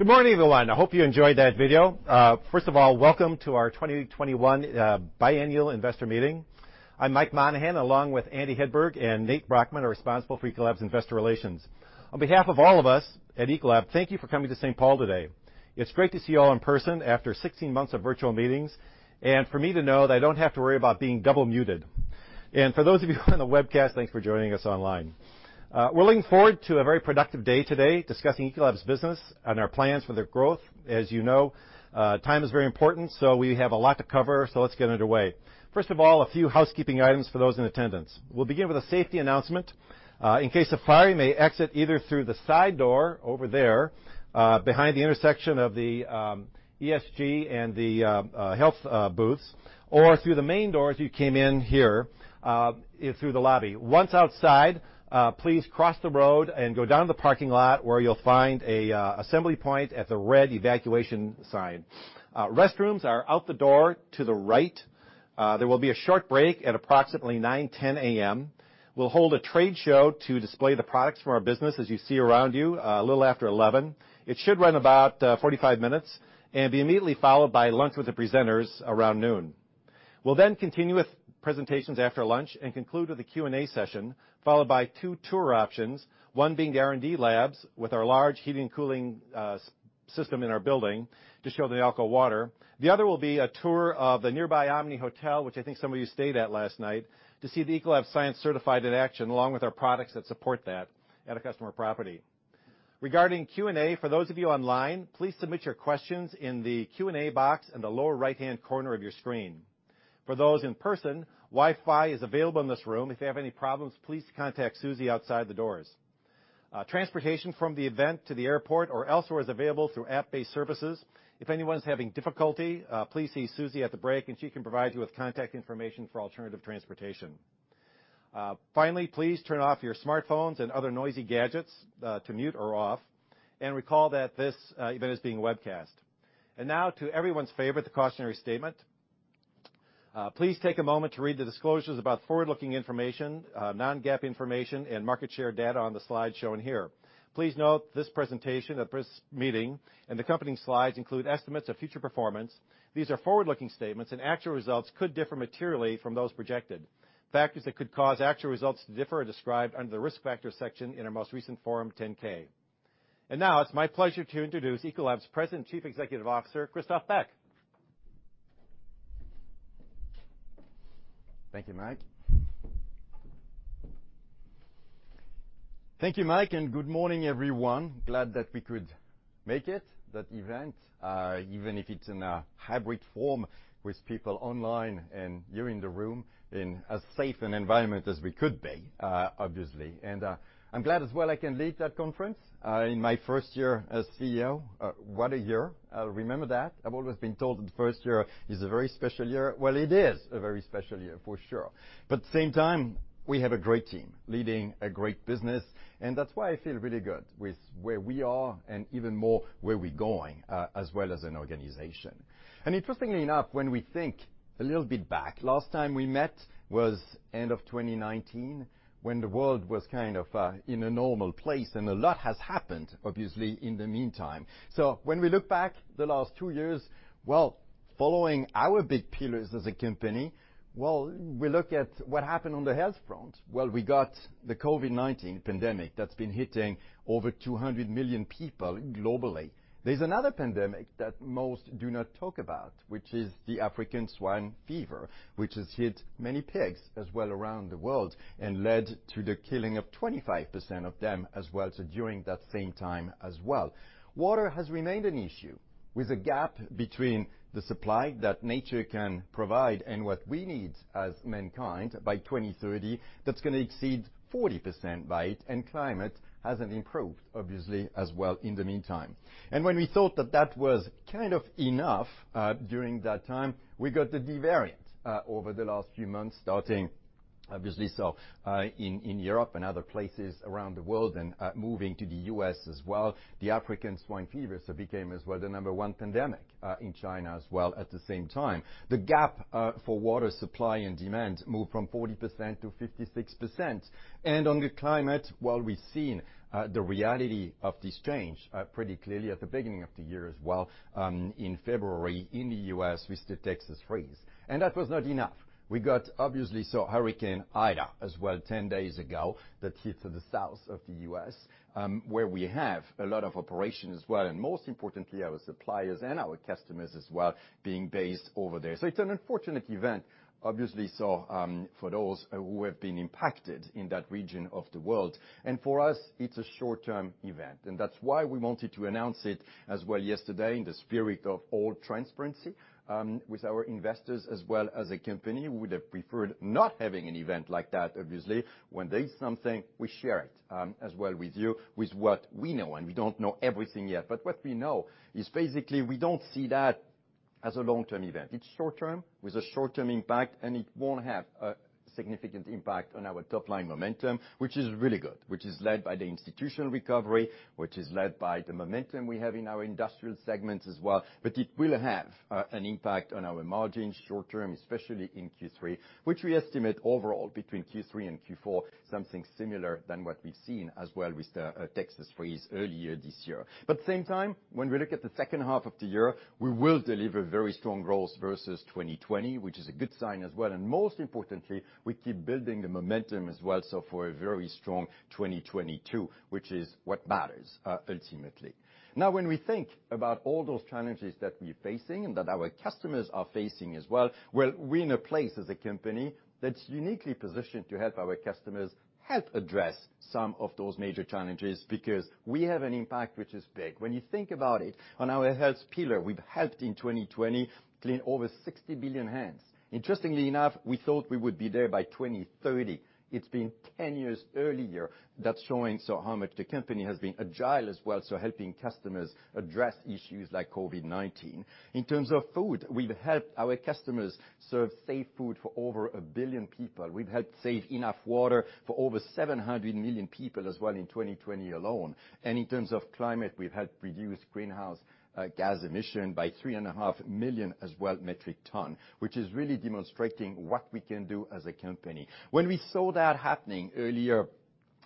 Good morning, everyone. I hope you enjoyed that video. First of all, welcome to our 2021 Biennial Investor Meeting. I'm Mike Monahan, along with Andy Hedberg and Nate Brochmann, are responsible for Ecolab's investor relations. On behalf of all of us at Ecolab, thank you for coming to St. Paul today. It's great to see you all in person after 16 months of virtual meetings, and for me to know that I don't have to worry about being double muted. For those of you on the webcast, thanks for joining us online. We're looking forward to a very productive day today discussing Ecolab's business and our plans for their growth. As you know, time is very important. We have a lot to cover. Let's get underway. First of all, a few housekeeping items for those in attendance. We'll begin with a safety announcement. In case of fire, you may exit either through the side door over there, behind the intersection of the ESG and the health booths, or through the main door as you came in here, in through the lobby. Once outside, please cross the road and go down to the parking lot where you'll find an assembly point at the red evacuation sign. Restrooms are out the door to the right. There will be a short break at approximately 9:10 A.M. We'll hold a trade show to display the products from our business, as you see around you, a little after 11:00 A.M. It should run about 45 minutes and be immediately followed by lunch with the presenters around noon. We'll continue with presentations after lunch and conclude with a Q&A session, followed by two tour options, one being the R&D labs with our large heating and cooling system in our building to show the Nalco Water. The other will be a tour of the nearby Omni Hotel, which I think some of you stayed at last night, to see the Ecolab Science Certified in action, along with our products that support that at a customer property. Regarding Q&A, for those of you online, please submit your questions in the Q&A box in the lower right-hand corner of your screen. For those in person, Wi-Fi is available in this room. If you have any problems, please contact Suzy outside the doors. Transportation from the event to the airport or elsewhere is available through app-based services. If anyone's having difficulty, please see Suzy at the break and she can provide you with contact information for alternative transportation. Finally, please turn off your smartphones and other noisy gadgets to mute or off, recall that this event is being webcast. Now to everyone's favorite, the cautionary statement. Please take a moment to read the disclosures about forward-looking information, non-GAAP information and market share data on the slide shown here. Please note this presentation at this meeting and the accompanying slides include estimates of future performance. These are forward-looking statements and actual results could differ materially from those projected. Factors that could cause actual results to differ are described under the Risk Factors section in our most recent Form 10-K. Now it's my pleasure to introduce Ecolab's President and Chief Executive Officer, Christophe Beck. Thank you, Mike. Thank you, Mike. Good morning, everyone. Glad that we could make it, that event, even if it's in a hybrid form with people online and you in the room in as safe an environment as we could be, obviously. I'm glad as well I can lead that conference, in my first year as CEO. What a year. I'll remember that. I've always been told that the first year is a very special year. Well, it is a very special year for sure. At the same time, we have a great team leading a great business, and that's why I feel really good with where we are and even more where we're going, as well as an organization. Interestingly enough, when we think a little bit back, last time we met was end of 2019 when the world was kind of in a normal place, and a lot has happened, obviously, in the meantime. When we look back the last two years, following our big pillars as a company, we look at what happened on the health front. We got the COVID-19 pandemic that's been hitting over 200 million people globally. There's another pandemic that most do not talk about, which is the African swine fever, which has hit many pigs as well around the world and led to the killing of 25% of them as well, during that same time as well. Water has remained an issue with a gap between the supply that nature can provide and what we need as mankind by 2030, that's going to exceed 40% by it. Climate hasn't improved, obviously, as well in the meantime. When we thought that that was kind of enough, during that time, we got the D variant over the last few months, starting obviously in Europe and other places around the world and moving to the U.S. as well. The African swine fever became as well the number one pandemic in China as well at the same time. The gap for water supply and demand moved from 40% to 56%. On the climate, while we've seen the reality of this change pretty clearly at the beginning of the year as well, in February in the U.S. with the Texas freeze. That was not enough. We got, obviously, Hurricane Ida as well 10 days ago that hit the South of the U.S., where we have a lot of operations as well, and most importantly, our suppliers and our customers as well being based over there. It's an unfortunate event, obviously, for those who have been impacted in that region of the world. For us, it's a short-term event, and that's why we wanted to announce it as well yesterday in the spirit of all transparency, with our investors as well as a company. We would have preferred not having an event like that, obviously. When there's something, we share it, as well with you, with what we know, and we don't know everything yet. What we know is basically we don't see that as a long-term event. It's short-term with a short-term impact. It won't have a significant impact on our top-line momentum, which is really good, which is led by the institutional recovery, which is led by the momentum we have in our industrial segments as well. It will have an impact on our margins short term, especially in Q3, which we estimate overall between Q3 and Q4, something similar than what we've seen as well with the Texas freeze earlier this year. At the same time, when we look at the second half of the year, we will deliver very strong growth versus 2020, which is a good sign as well. Most importantly, we keep building the momentum as well for a very strong 2022, which is what matters ultimately. When we think about all those challenges that we're facing and that our customers are facing as well, well, we're in a place as a company that's uniquely positioned to help our customers help address some of those major challenges because we have an impact which is big. When you think about it, on our health pillar, we've helped in 2020 clean over 60 billion hands. Interestingly enough, we thought we would be there by 2030. It's been 10 years earlier. That's showing how much the company has been agile as well, helping customers address issues like COVID-19. In terms of food, we've helped our customers serve safe food for over a billion people. We've helped save enough water for over 700 million people as well in 2020 alone. In terms of climate, we've helped reduce greenhouse gas emissions by three and a half million metric tons, which is really demonstrating what we can do as a company. When we saw that happening earlier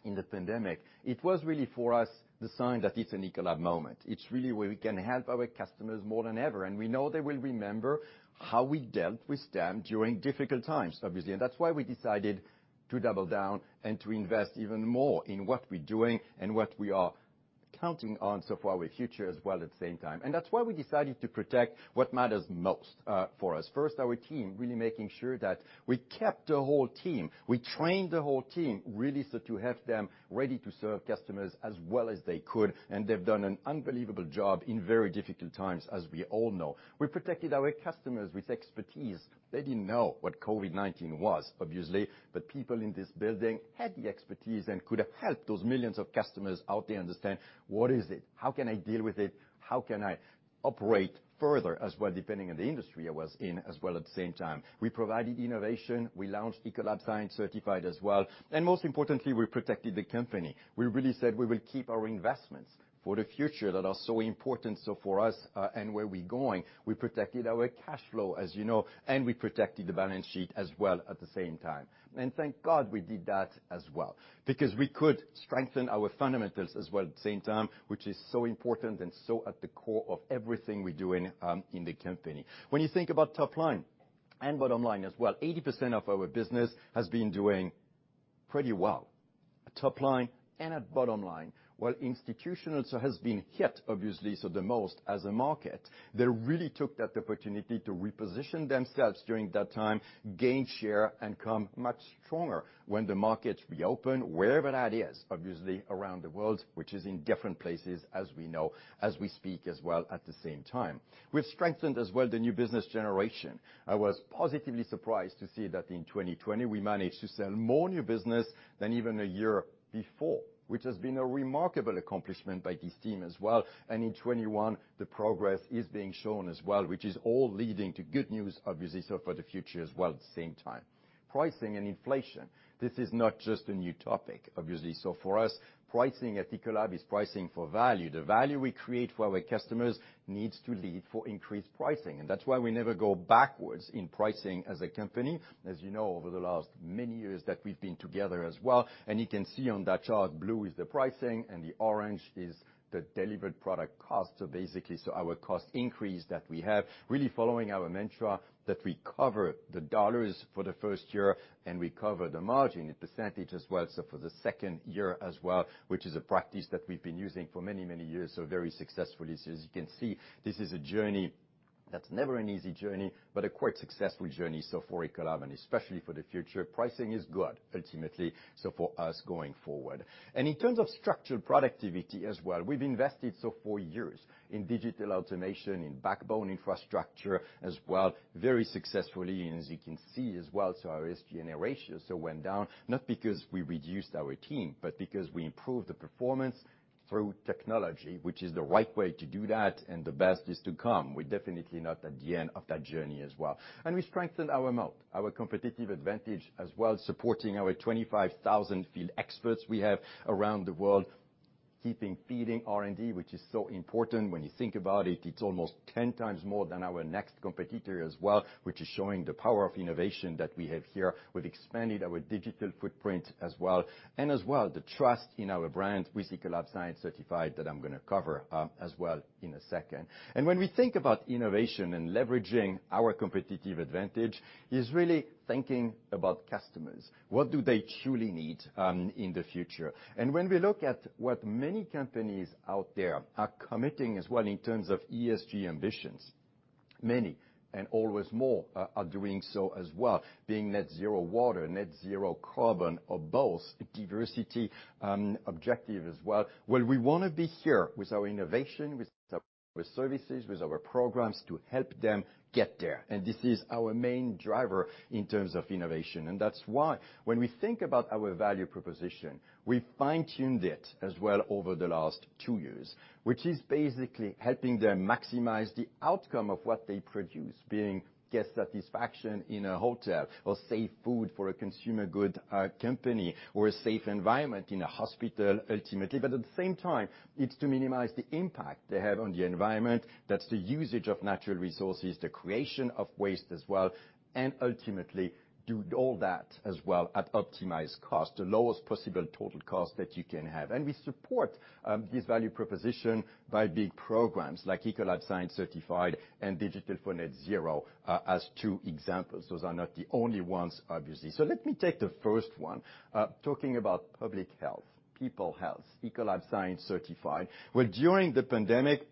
in the pandemic, it was really for us the sign that it's an Ecolab moment. It's really where we can help our customers more than ever, and we know they will remember how we dealt with them during difficult times, obviously. That's why we decided to double down and to invest even more in what we're doing and what we are counting on for our future as well at the same time. That's why we decided to protect what matters most for us. First, our team, really making sure that we kept the whole team. We trained the whole team, really so to have them ready to serve customers as well as they could. They've done an unbelievable job in very difficult times, as we all know. We protected our customers with expertise. They didn't know what COVID-19 was, obviously, but people in this building had the expertise and could help those millions of customers out there understand what is it, how can I deal with it, how can I operate further as well, depending on the industry I was in as well at the same time. We provided innovation. We launched Ecolab Science Certified as well. Most importantly, we protected the company. We really said we will keep our investments for the future that are so important for us and where we're going. We protected our cash flow, as you know, we protected the balance sheet as well at the same time. Thank God we did that as well because we could strengthen our fundamentals as well at the same time, which is so important and so at the core of everything we're doing in the company. When you think about top line and bottom line as well, 80% of our business has been doing pretty well at top line and at bottom line. While Institutional has been hit, obviously, the most as a market, they really took that opportunity to reposition themselves during that time, gain share, and come much stronger when the markets reopen, wherever that is, obviously around the world, which is in different places as we know as we speak as well at the same time. We've strengthened as well the new business generation. I was positively surprised to see that in 2020 we managed to sell more new business than even a year before, which has been a remarkable accomplishment by this team as well. In 2021, the progress is being shown as well, which is all leading to good news, obviously, for the future as well at the same time. Pricing and inflation. This is not just a new topic, obviously. For us, pricing at Ecolab is pricing for value. The value we create for our customers needs to lead for increased pricing, that's why we never go backwards in pricing as a company, as you know over the last many years that we've been together as well. You can see on that chart, blue is the pricing and the orange is the delivered product cost. Basically our cost increase that we have, really following our mantra that we cover the dollars for the first year and we cover the margin percentage as well for the second year as well, which is a practice that we've been using for many, many years very successfully. As you can see, this is a journey that's never an easy journey, but a quite successful journey for Ecolab and especially for the future. Pricing is good ultimately for us going forward. In terms of structured productivity as well, we've invested for years in digital automation, in backbone infrastructure as well very successfully. As you can see as well, our SG&A ratio went down, not because we reduced our team, but because we improved the performance through technology, which is the right way to do that and the best is to come. We're definitely not at the end of that journey as well. We strengthened our moat, our competitive advantage as well, supporting our 25,000 field experts we have around the world, keeping feeding R&D, which is so important when you think about it. It's almost 10 times more than our next competitor as well, which is showing the power of innovation that we have here. We've expanded our digital footprint as well, and as well the trust in our brand with Ecolab Science Certified that I'm going to cover as well in a second. When we think about innovation and leveraging our competitive advantage is really thinking about customers. What do they truly need in the future? When we look at what many companies out there are committing as well in terms of ESG ambitions. Many, and always more, are doing so as well, being net zero water, net zero carbon, or both. Diversity objective as well. Well, we want to be here with our innovation, with our services, with our programs to help them get there. This is our main driver in terms of innovation. That's why when we think about our value proposition, we fine-tuned it as well over the last two years, which is basically helping them maximize the outcome of what they produce, being guest satisfaction in a hotel or safe food for a consumer goods company or a safe environment in a hospital, ultimately. At the same time, it's to minimize the impact they have on the environment. That's the usage of natural resources, the creation of waste as well, and ultimately, do all that as well at optimized cost, the lowest possible total cost that you can have. We support this value proposition by big programs like Ecolab Science Certified and Digital for Net ZERO as two examples. Those are not the only ones, obviously. Let me take the first one, talking about public health, people health, Ecolab Science Certified. Well, during the pandemic,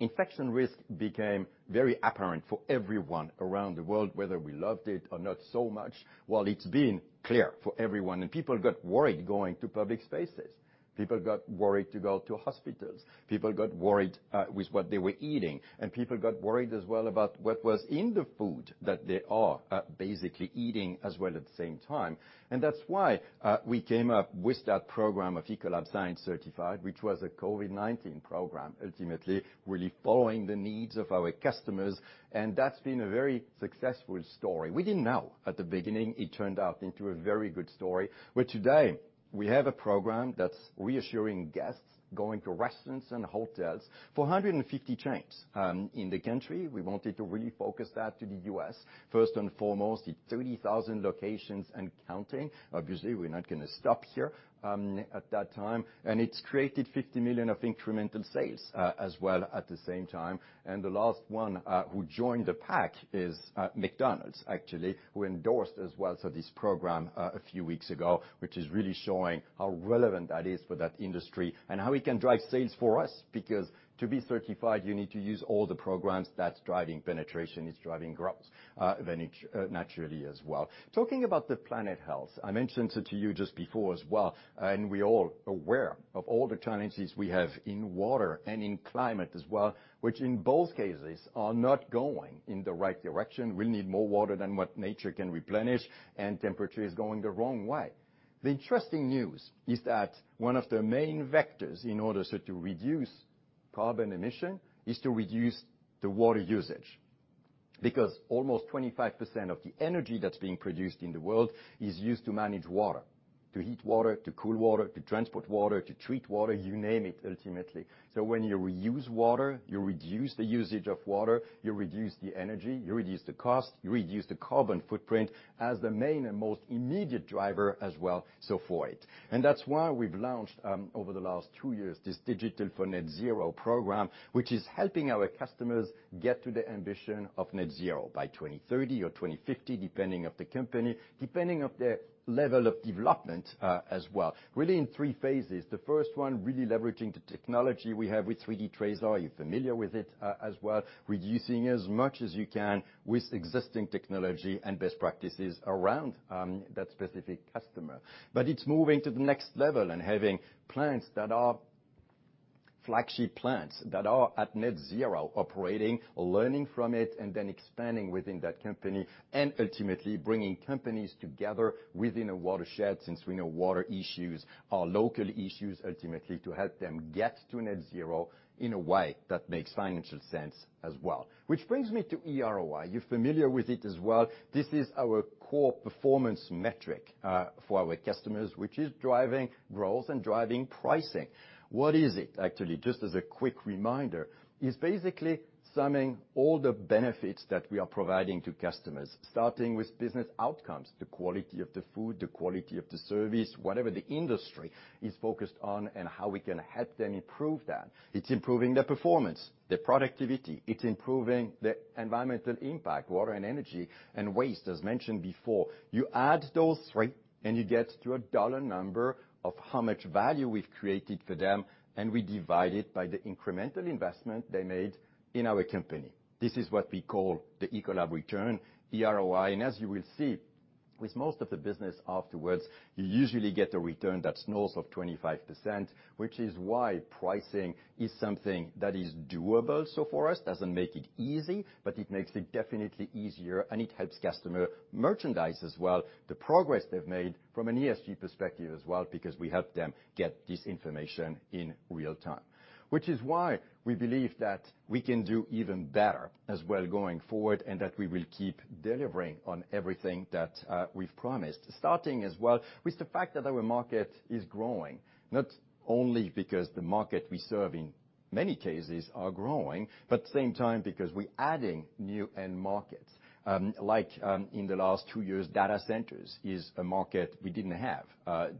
infection risk became very apparent for everyone around the world, whether we loved it or not so much. Well, it's been clear for everyone, and people got worried going to public spaces. People got worried to go to hospitals. People got worried with what they were eating, and people got worried as well about what was in the food that they are basically eating as well at the same time. That's why we came up with that program of Ecolab Science Certified, which was a COVID-19 program, ultimately, really following the needs of our customers. That's been a very successful story. We didn't know at the beginning, it turned out into a very good story. Today, we have a program that's reassuring guests going to restaurants and hotels, for 150 chains in the country. We wanted to really focus that to the U.S., first and foremost, in 30,000 locations and counting. Obviously, we're not going to stop here at that time. It's created $50 million of incremental sales as well at the same time. The last one who joined the pack is McDonald's, actually, who endorsed as well, so this program a few weeks ago, which is really showing how relevant that is for that industry and how it can drive sales for us, because to be certified, you need to use all the programs that's driving penetration, it's driving growth, then naturally as well. Talking about the planet health, I mentioned to you just before as well. We're all aware of all the challenges we have in water and in climate as well, which in both cases are not going in the right direction. We need more water than what nature can replenish. Temperature is going the wrong way. The interesting news is that one of the main vectors in order to reduce carbon emission is to reduce the water usage, because almost 25% of the energy that's being produced in the world is used to manage water, to heat water, to cool water, to transport water, to treat water, you name it, ultimately. When you reuse water, you reduce the usage of water, you reduce the energy, you reduce the cost, you reduce the carbon footprint as the main and most immediate driver as well, so for it. That's why we've launched, over the last two years, this Digital for Net ZERO program, which is helping our customers get to the ambition of net zero by 2030 or 2050, depending of the company, depending of their level of development as well, really in three phases. The first one, really leveraging the technology we have with 3D TRASAR. Are you familiar with it as well? Reducing as much as you can with existing technology and best practices around that specific customer. It's moving to the next level and having plants that are flagship plants that are at net zero operating or learning from it and then expanding within that company and ultimately bringing companies together within a watershed, since we know water issues are local issues, ultimately, to help them get to net zero in a way that makes financial sense as well. Which brings me to eROI. You're familiar with it as well. This is our core performance metric for our customers, which is driving growth and driving pricing. What is it? Actually, just as a quick reminder, it's basically summing all the benefits that we are providing to customers, starting with business outcomes, the quality of the food, the quality of the service, whatever the industry is focused on, and how we can help them improve that. It's improving their performance, their productivity. It's improving their environmental impact, water and energy, and waste, as mentioned before. You add those three, and you get to a dollar number of how much value we've created for them, and we divide it by the incremental investment they made in our company. This is what we call the Ecolab return, eROI. As you will see, with most of the business afterwards, you usually get a return that's north of 25%, which is why pricing is something that is doable so for us, doesn't make it easy, but it makes it definitely easier, and it helps customer merchandise as well, the progress they've made from an ESG perspective as well, because we help them get this information in real time. Which is why we believe that we can do even better as well going forward and that we will keep delivering on everything that we've promised. Starting as well with the fact that our market is growing, not only because the market we serve in many cases are growing, but at the same time, because we're adding new end markets, like in the last two years, data centers is a market we didn't have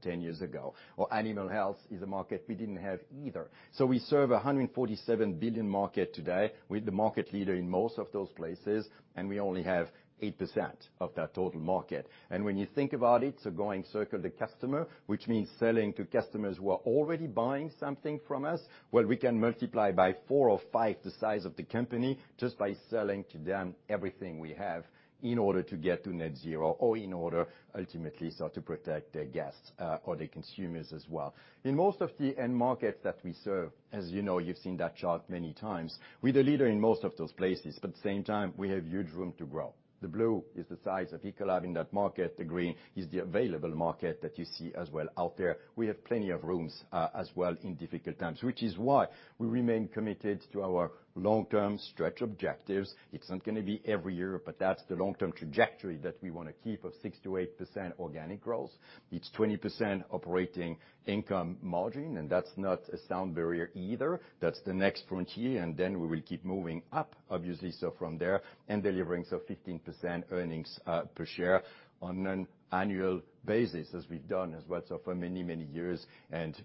10 years ago, or animal health is a market we didn't have either. We serve 147 billion market today. We're the market leader in most of those places, and we only have eight percent of that total market. When you think about it, going Circle the Customer, which means selling to customers who are already buying something from us, well, we can multiply by four or five the size of the company just by selling to them everything we have in order to get to net zero or in order ultimately, to protect their guests or their consumers as well. In most of the end markets that we serve, as you know, you've seen that chart many times, we're the leader in most of those places, but at the same time, we have huge room to grow. The blue is the size of Ecolab in that market. The green is the available market that you see as well out there. We have plenty of rooms, as well in difficult times, which is why we remain committed to our long-term stretch objectives. It's not going to be every year, but that's the long-term trajectory that we want to keep of six to eight percent organic growth. It's 20% operating income margin, and that's not a sound barrier either. That's the next frontier, and then we will keep moving up, obviously, so from there, and delivering so 15% earnings per share on an annual basis as we've done as well so for many years.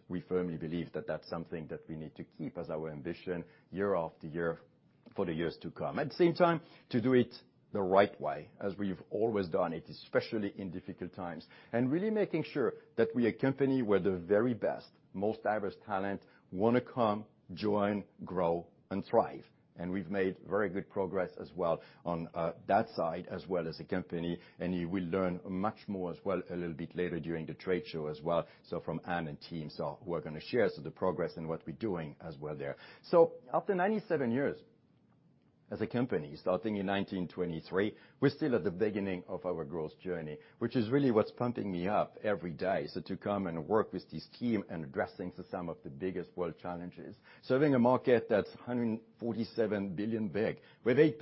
We firmly believe that that's something that we need to keep as our ambition year after year for the years to come. At the same time, to do it the right way, as we've always done it, especially in difficult times, and really making sure that we're a company where the very best, most diverse talent want to come, join, grow, and thrive. We've made very good progress as well on that side as well as a company, and you will learn much more as well a little bit later during the trade show as well, from Anne and team, who are going to share some of the progress and what we're doing as well there. After 97 years as a company, starting in 1923, we're still at the beginning of our growth journey, which is really what's pumping me up every day, to come and work with this team and addressing some of the biggest world challenges. Serving a market that's $147 billion big with eight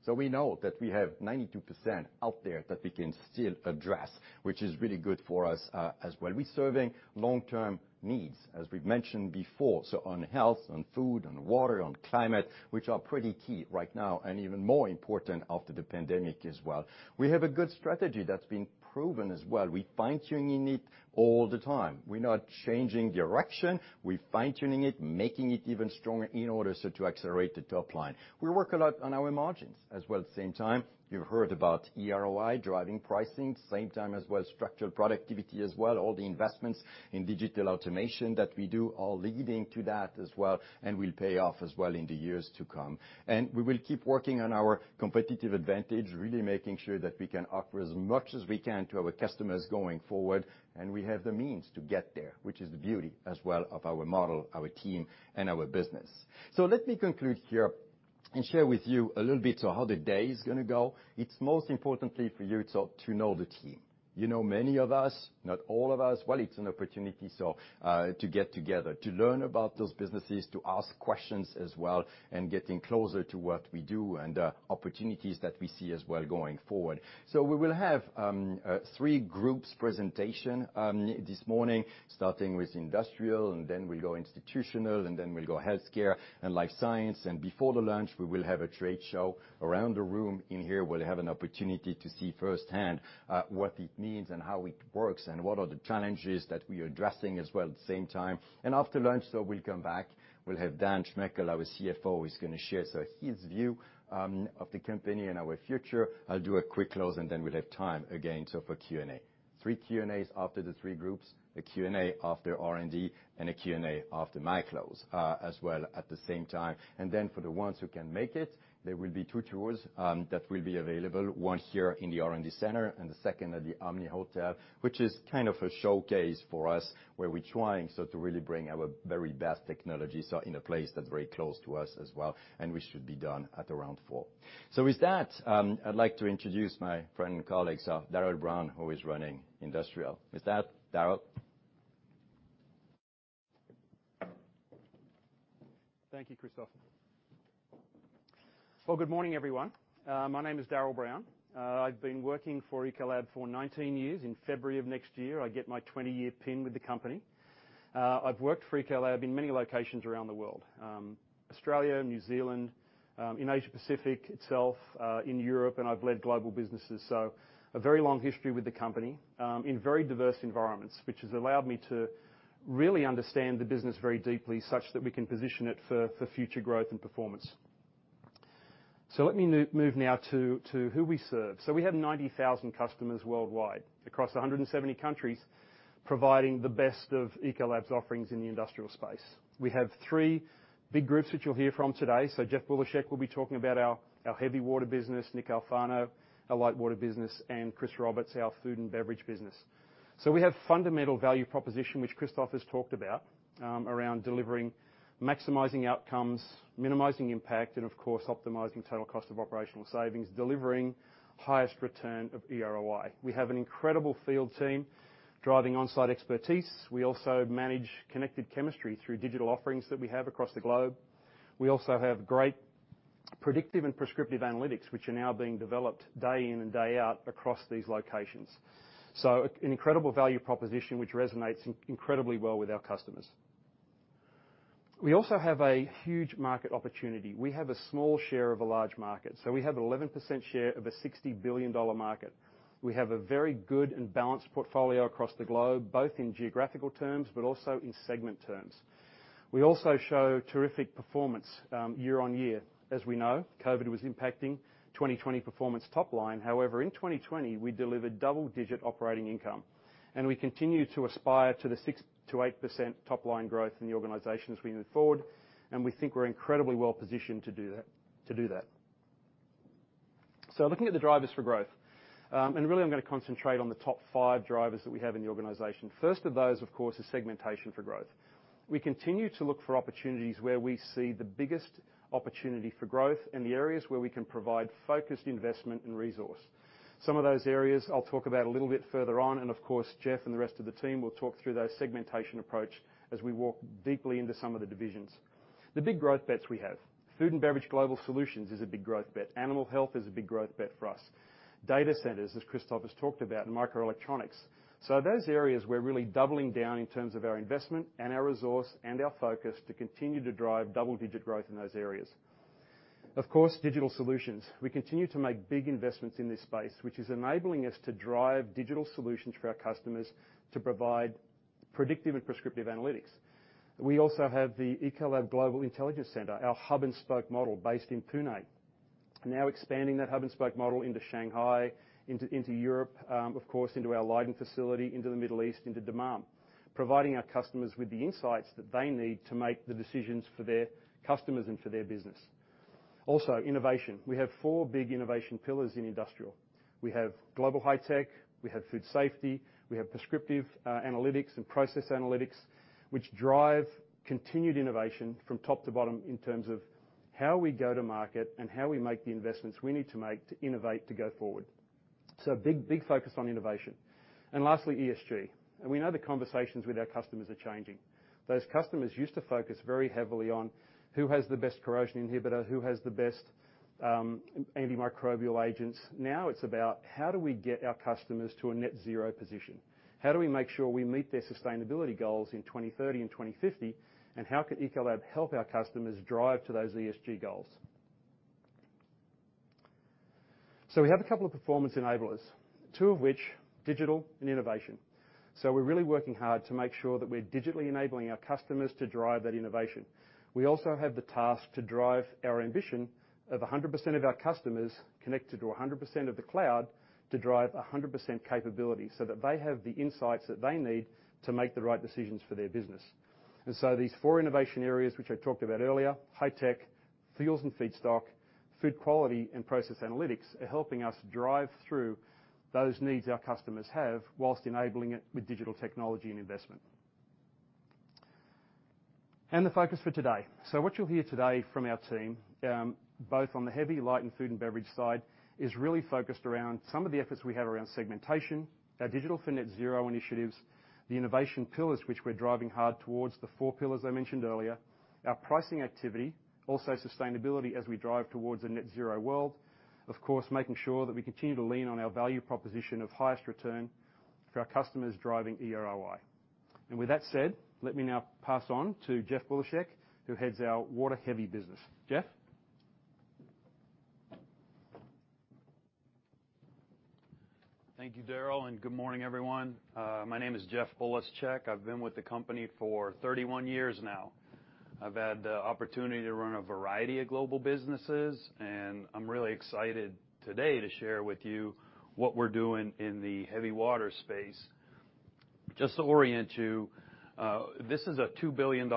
percent, we know that we have 92% out there that we can still address, which is really good for us as well. We're serving long-term needs, as we've mentioned before, on health, on food, on water, on climate, which are pretty key right now, and even more important after the pandemic as well. We have a good strategy that's been proven as well. We're fine-tuning it all the time. We're not changing direction. We're fine-tuning it, making it even stronger in order so to accelerate the top line. We work a lot on our margins as well. At the same time, you've heard about eROI, driving pricing, same time as well, structural productivity as well, all the investments in digital automation that we do, all leading to that as well, and will pay off as well in the years to come. We will keep working on our competitive advantage, really making sure that we can offer as much as we can to our customers going forward, and we have the means to get there, which is the beauty as well of our model, our team, and our business. Let me conclude here and share with you a little bit how the day is going to go. It is most importantly for you to know the team. You know many of us, not all of us. It is an opportunity to get together, to learn about those businesses, to ask questions as well, and getting closer to what we do and opportunities that we see as well going forward. We will have three groups presentation this morning, starting with Industrial, and then we will go Institutional, and then we will go Healthcare and Life Sciences. Before the lunch, we will have a trade show around the room in here. We'll have an opportunity to see firsthand what it means and how it works and what are the challenges that we are addressing as well at the same time. After lunch, we'll come back. We'll have Daniel Schmechel, our CFO, who's going to share his view of the company and our future. I'll do a quick close, and then we'll have time again for Q&A. Three Q&As after the three groups, a Q&A after R&D, and a Q&A after my close as well at the same time. For the ones who can make it, there will be two tours that will be available, one here in the R&D center, and the second at the Omni Hotel, which is kind of a showcase for us, where we're trying to really bring our very best technology in a place that's very close to us as well, and we should be done at around 4:00. With that, I'd like to introduce my friend and colleague, Darrell Brown, who is running industrial. With that, Darrell. Thank you, Christophe. Well, good morning, everyone. My name is Darrell Brown. I've been working for Ecolab for 19 years. In February of next year, I get my 20-year pin with the company. I've worked for Ecolab in many locations around the world. Australia, New Zealand, in Asia Pacific itself, in Europe, and I've led global businesses, so a very long history with the company in very diverse environments, which has allowed me to really understand the business very deeply such that we can position it for future growth and performance. Let me move now to who we serve. We have 90,000 customers worldwide across 170 countries providing the best of Ecolab's offerings in the industrial space. We have three big groups that you'll hear from today. Jeff Bulischeck will be talking about our Heavy Water business, Nick Alfano, our light water business, and Chris Roberts, our Food & Beverage business. We have fundamental value proposition, which Christophe has talked about, around delivering maximizing outcomes, minimizing impact, and of course, optimizing total cost of operational savings, delivering highest return of eROI. We have an incredible field team driving on-site expertise. We also manage connected chemistry through digital offerings that we have across the globe. We also have great predictive and prescriptive analytics, which are now being developed day in and day out across these locations. An incredible value proposition, which resonates incredibly well with our customers. We also have a huge market opportunity. We have a small share of a large market. We have an 11% share of a $60 billion market. We have a very good and balanced portfolio across the globe, both in geographical terms, but also in segment terms. We also show terrific performance year-over-year. As we know, COVID-19 was impacting 2020 performance top-line. However, in 2020, we delivered double-digit operating income, and we continue to aspire to the six to eight percent top-line growth in the organization as we move forward, and we think we're incredibly well-positioned to do that. Looking at the drivers for growth, and really, I'm going to concentrate on the top five drivers that we have in the organization. First of those, of course, is segmentation for growth. We continue to look for opportunities where we see the biggest opportunity for growth and the areas where we can provide focused investment and resource. Some of those areas I'll talk about a little bit further on, and of course, Jeff and the rest of the team will talk through that segmentation approach as we walk deeply into some of the divisions. The big growth bets we have. Food & Beverage Global Solutions is a big growth bet. Animal health is a big growth bet for us. Data centers, as Christophe has talked about, and microelectronics. Those areas we're really doubling down in terms of our investment and our resource and our focus to continue to drive double-digit growth in those areas. Of course, digital solutions. We continue to make big investments in this space, which is enabling us to drive digital solutions for our customers to provide predictive and prescriptive analytics. We also have the Ecolab Global Intelligence Center, our hub-and-spoke model based in Pune. Expanding that hub-and-spoke model into Shanghai, into Europe, of course, into our Leiden facility, into the Middle East, into Dammam. Providing our customers with the insights that they need to make the decisions for their customers and for their business. Innovation. We have four big innovation pillars in Industrial. We have Global High Tech. We have Food Safety. We have Prescriptive Analytics and Process Analytics, which drive continued innovation from top to bottom in terms of how we go to market and how we make the investments we need to make to innovate to go forward. Big focus on innovation. Lastly, ESG. We know the conversations with our customers are changing. Those customers used to focus very heavily on who has the best corrosion inhibitor, who has the best antimicrobial agents. It's about how do we get our customers to a net zero position. How do we make sure we meet their sustainability goals in 2030 and 2050, and how can Ecolab help our customers drive to those ESG goals? We have a couple of performance enablers, two of which, digital and innovation. We're really working hard to make sure that we're digitally enabling our customers to drive that innovation. We also have the task to drive our ambition of 100% of our customers connected to 100% of the cloud to drive 100% capability, so that they have the insights that they need to make the right decisions for their business. These four innovation areas, which I talked about earlier, high tech, fuels and feedstock, food quality, and process analytics, are helping us drive through those needs our customers have whilst enabling it with digital technology and investment. The focus for today. What you'll hear today from our team, both on the heavy, light, and Food & Beverage side, is really focused around some of the efforts we have around segmentation, our Digital for Net ZERO initiatives, the innovation pillars, which we're driving hard towards the four pillars I mentioned earlier, our pricing activity, also sustainability as we drive towards a net zero world. Of course, making sure that we continue to lean on our value proposition of highest return for our customers driving eROI. With that said, let me now pass on to Jeff Bulischeck, who heads our water heavy business. Jeff? Thank you, Darrell. Good morning, everyone. My name is Jeff Bulischeck. I've been with the company for 31 years now. I've had the opportunity to run a variety of global businesses, and I'm really excited today to share with you what we're doing in the Heavy Water space. Just to orient you, this is a $2 billion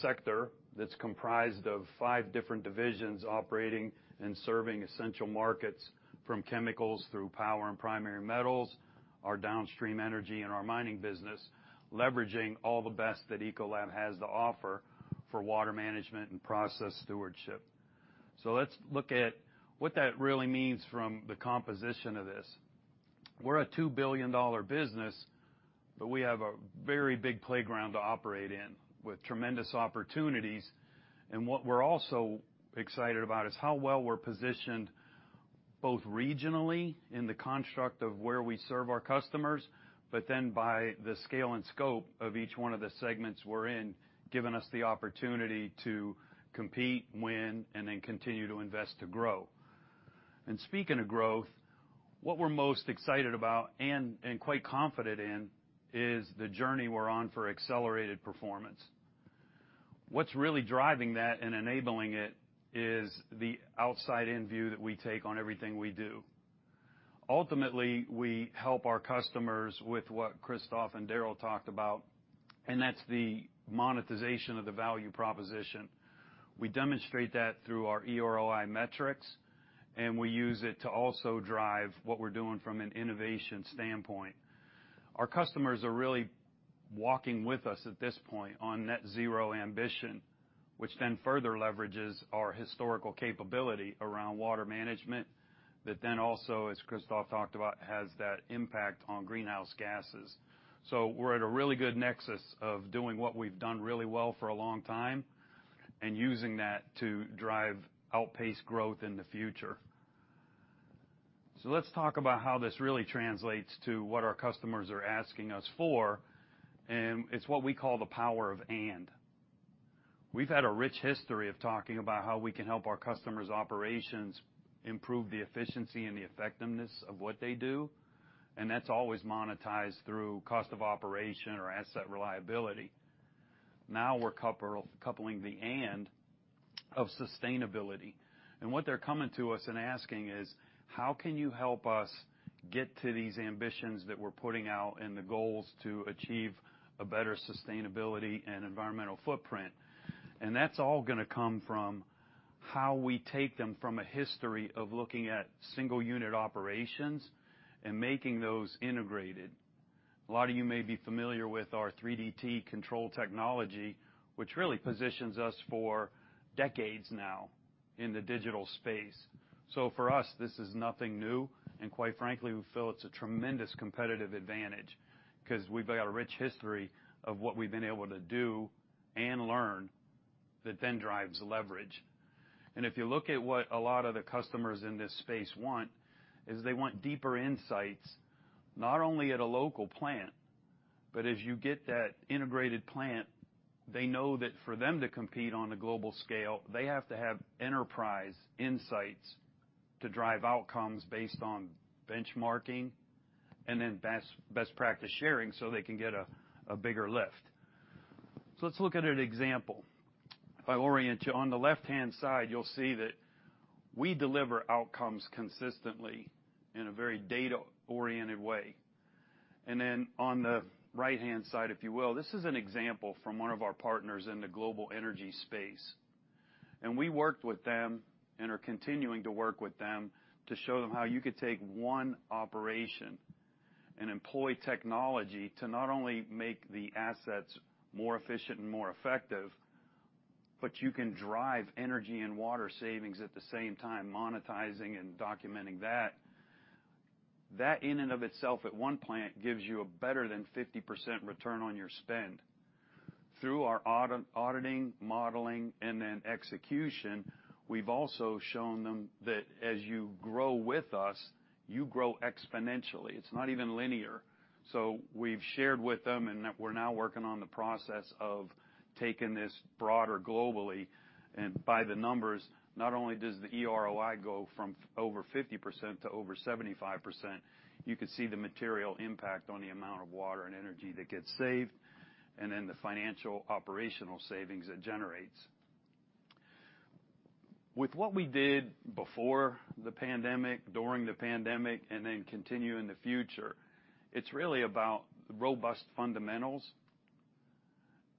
sector that's comprised of five different divisions operating and serving essential markets from chemicals through power and primary metals, our downstream energy and our mining business, leveraging all the best that Ecolab has to offer for water management and process stewardship. Let's look at what that really means from the composition of this. We're a $2 billion business, but we have a very big playground to operate in with tremendous opportunities. What we're also excited about is how well we're positioned, both regionally in the construct of where we serve our customers, but then by the scale and scope of each one of the segments we're in, giving us the opportunity to compete, win, and then continue to invest to grow. Speaking of growth, what we're most excited about and quite confident in is the journey we're on for accelerated performance. What's really driving that and enabling it is the outside-in view that we take on everything we do. Ultimately, we help our customers with what Christophe and Darrell talked about, and that's the monetization of the value proposition. We demonstrate that through our eROI metrics, and we use it to also drive what we're doing from an innovation standpoint. Our customers are really walking with us at this point on net zero ambition, which then further leverages our historical capability around water management. That also, as Christophe talked about, has that impact on greenhouse gases. We're at a really good nexus of doing what we've done really well for a long time and using that to drive outpaced growth in the future. Let's talk about how this really translates to what our customers are asking us for, and it's what we call the power of and. We've had a rich history of talking about how we can help our customers' operations improve the efficiency and the effectiveness of what they do, and that's always monetized through cost of operation or asset reliability. Now we're coupling sustainability, and what they're coming to us and asking is how can you help us get to these ambitions that we're putting out and the goals to achieve a better sustainability and environmental footprint? That's all going to come from how we take them from a history of looking at single unit operations and making those integrated. A lot of you may be familiar with our 3D TRASAR control technology, which really positions us for decades now in the digital space. For us, this is nothing new, and quite frankly, we feel it's a tremendous competitive advantage because we've got a rich history of what we've been able to do and learn that then drives leverage. If you look at what a lot of the customers in this space want, is they want deeper insights, not only at a local plant, but as you get that integrated plant, they know that for them to compete on a global scale, they have to have enterprise insights to drive outcomes based on benchmarking and then best practice sharing so they can get a bigger lift. Let's look at an example. If I orient you, on the left-hand side, you'll see that we deliver outcomes consistently in a very data-oriented way. Then on the right-hand side, if you will, this is an example from one of our partners in the global energy space. We worked with them and are continuing to work with them to show them how you could take one operation and employ technology to not only make the assets more efficient and more effective, but you can drive energy and water savings at the same time, monetizing and documenting that. That in and of itself at one plant gives you a better than 50% return on your spend. Through our auditing, modeling, and then execution, we've also shown them that as you grow with us, you grow exponentially. It's not even linear. We've shared with them, and we're now working on the process of taking this broader globally. By the numbers, not only does the eROI go from over 50% to over 75%, you could see the material impact on the amount of water and energy that gets saved, and then the financial operational savings it generates. With what we did before the pandemic, during the pandemic, and then continue in the future, it's really about robust fundamentals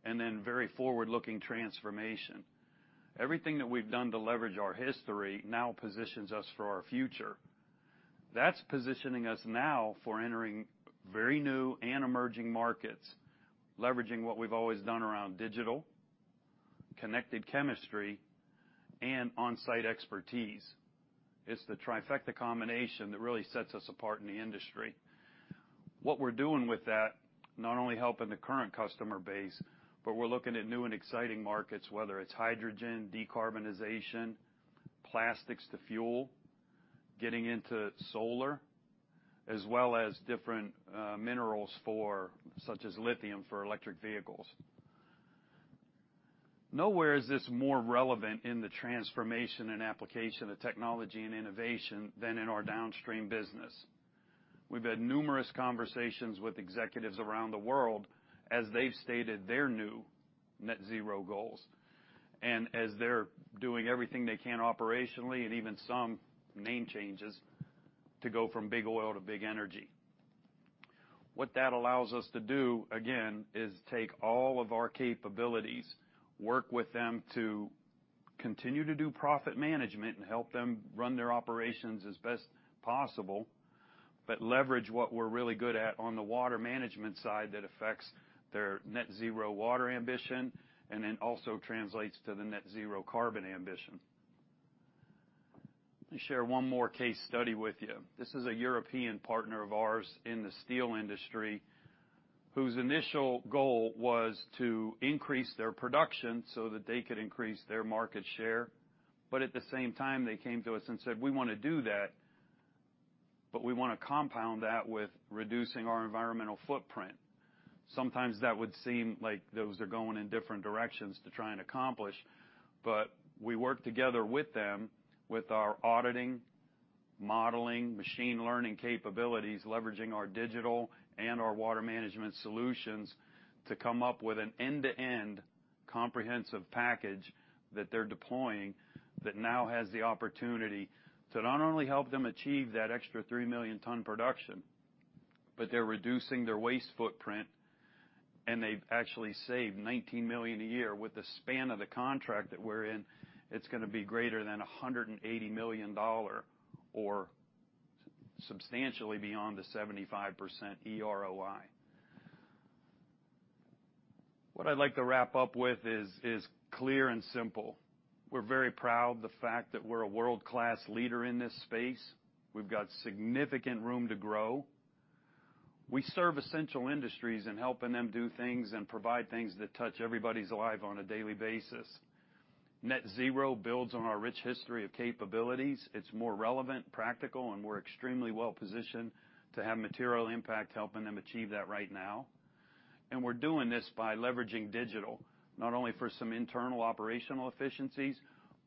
and then very forward-looking transformation. Everything that we've done to leverage our history now positions us for our future. That's positioning us now for entering very new and emerging markets, leveraging what we've always done around digital, connected chemistry, and on-site expertise. It's the trifecta combination that really sets us apart in the industry. What we're doing with that, not only helping the current customer base, but we're looking at new and exciting markets, whether it's hydrogen, decarbonization, plastics to fuel, getting into solar, as well as different minerals, such as lithium for electric vehicles. Nowhere is this more relevant in the transformation and application of technology and innovation than in our downstream business. We've had numerous conversations with executives around the world as they've stated their new net zero goals, and as they're doing everything they can operationally, and even some name changes to go from big oil to big energy. What that allows us to do, again, is take all of our capabilities, work with them to continue to do profit management and help them run their operations as best possible, but leverage what we're really good at on the water management side that affects their net zero water ambition, and then also translates to the net zero carbon ambition. Let me share one more case study with you. This is a European partner of ours in the steel industry whose initial goal was to increase their production so that they could increase their market share. At the same time, they came to us and said, "We want to do that, but we want to compound that with reducing our environmental footprint." Sometimes that would seem like those are going in different directions to try and accomplish. We worked together with them with our auditing, modeling, machine learning capabilities, leveraging our digital and our water management solutions to come up with an end-to-end comprehensive package that they're deploying that now has the opportunity to not only help them achieve that extra three million ton production, but they're reducing their waste footprint, and they've actually saved $19 million a year. With the span of the contract that we're in, it's going to be greater than $180 million or substantially beyond the 75% eROI. What I'd like to wrap up with is clear and simple. We're very proud of the fact that we're a world-class leader in this space. We've got significant room to grow. We serve essential industries in helping them do things and provide things that touch everybody's life on a daily basis. Net zero builds on our rich history of capabilities. It's more relevant, practical, and we're extremely well-positioned to have material impact, helping them achieve that right now. We're doing this by leveraging digital, not only for some internal operational efficiencies,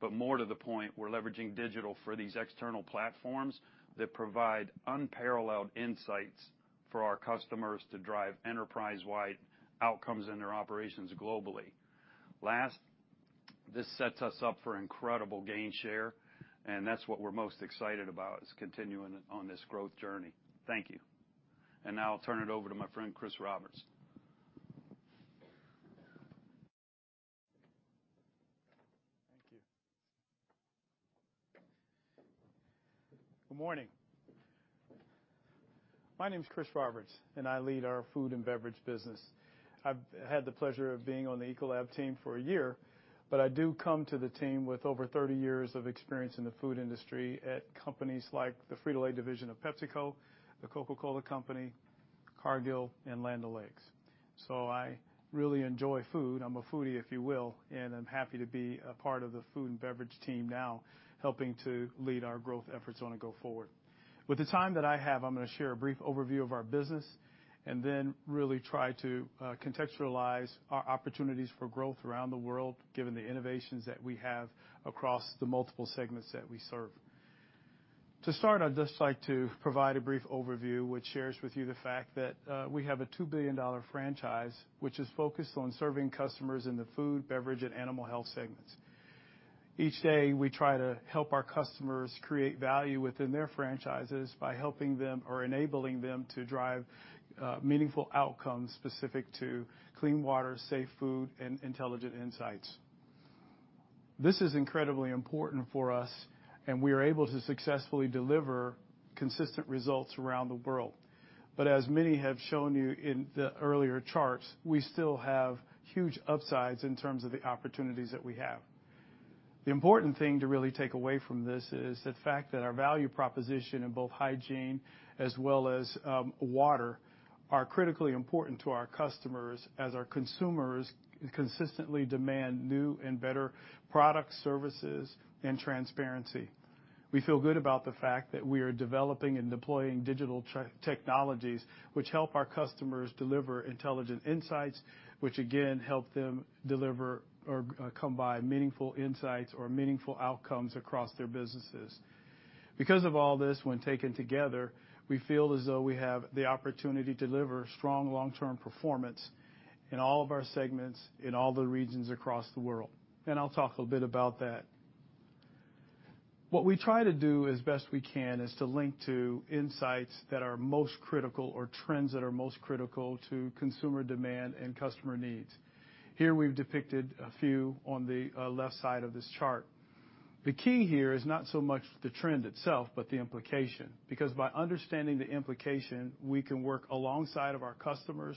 but more to the point, we're leveraging digital for these external platforms that provide unparalleled insights for our customers to drive enterprise-wide outcomes in their operations globally. Last, this sets us up for incredible gain share, and that's what we're most excited about, is continuing on this growth journey. Thank you. Now I'll turn it over to my friend, Chris Roberts. Thank you. Good morning. My name is Chris Roberts, and I lead our Food & Beverage business. I've had the pleasure of being on the Ecolab team for a year, but I do come to the team with over 30 years of experience in the food industry at companies like the Frito-Lay division of PepsiCo, The Coca-Cola Company, Cargill, and Land O'Lakes. I really enjoy food. I'm a foodie, if you will, and I'm happy to be a part of the Food & Beverage team now, helping to lead our growth efforts on a go forward. With the time that I have, I'm going to share a brief overview of our business and then really try to contextualize our opportunities for growth around the world, given the innovations that we have across the multiple segments that we serve. To start, I'd just like to provide a brief overview, which shares with you the fact that we have a $2 billion franchise, which is focused on serving customers in the food, beverage, and animal health segments. Each day, we try to help our customers create value within their franchises by helping them or enabling them to drive meaningful outcomes specific to clean water, safe food, and intelligent insights. This is incredibly important for us, and we are able to successfully deliver consistent results around the world. As many have shown you in the earlier charts, we still have huge upsides in terms of the opportunities that we have. The important thing to really take away from this is the fact that our value proposition in both hygiene as well as water are critically important to our customers as our consumers consistently demand new and better products, services, and transparency. We feel good about the fact that we are developing and deploying digital technologies, which help our customers deliver intelligent insights, which again, help them deliver or come by meaningful insights or meaningful outcomes across their businesses. Of all this, when taken together, we feel as though we have the opportunity to deliver strong long-term performance in all of our segments in all the regions across the world. I'll talk a little bit about that. What we try to do as best we can is to link to insights that are most critical or trends that are most critical to consumer demand and customer needs. Here, we've depicted a few on the left side of this chart. The key here is not so much the trend itself, but the implication, because by understanding the implication, we can work alongside of our customers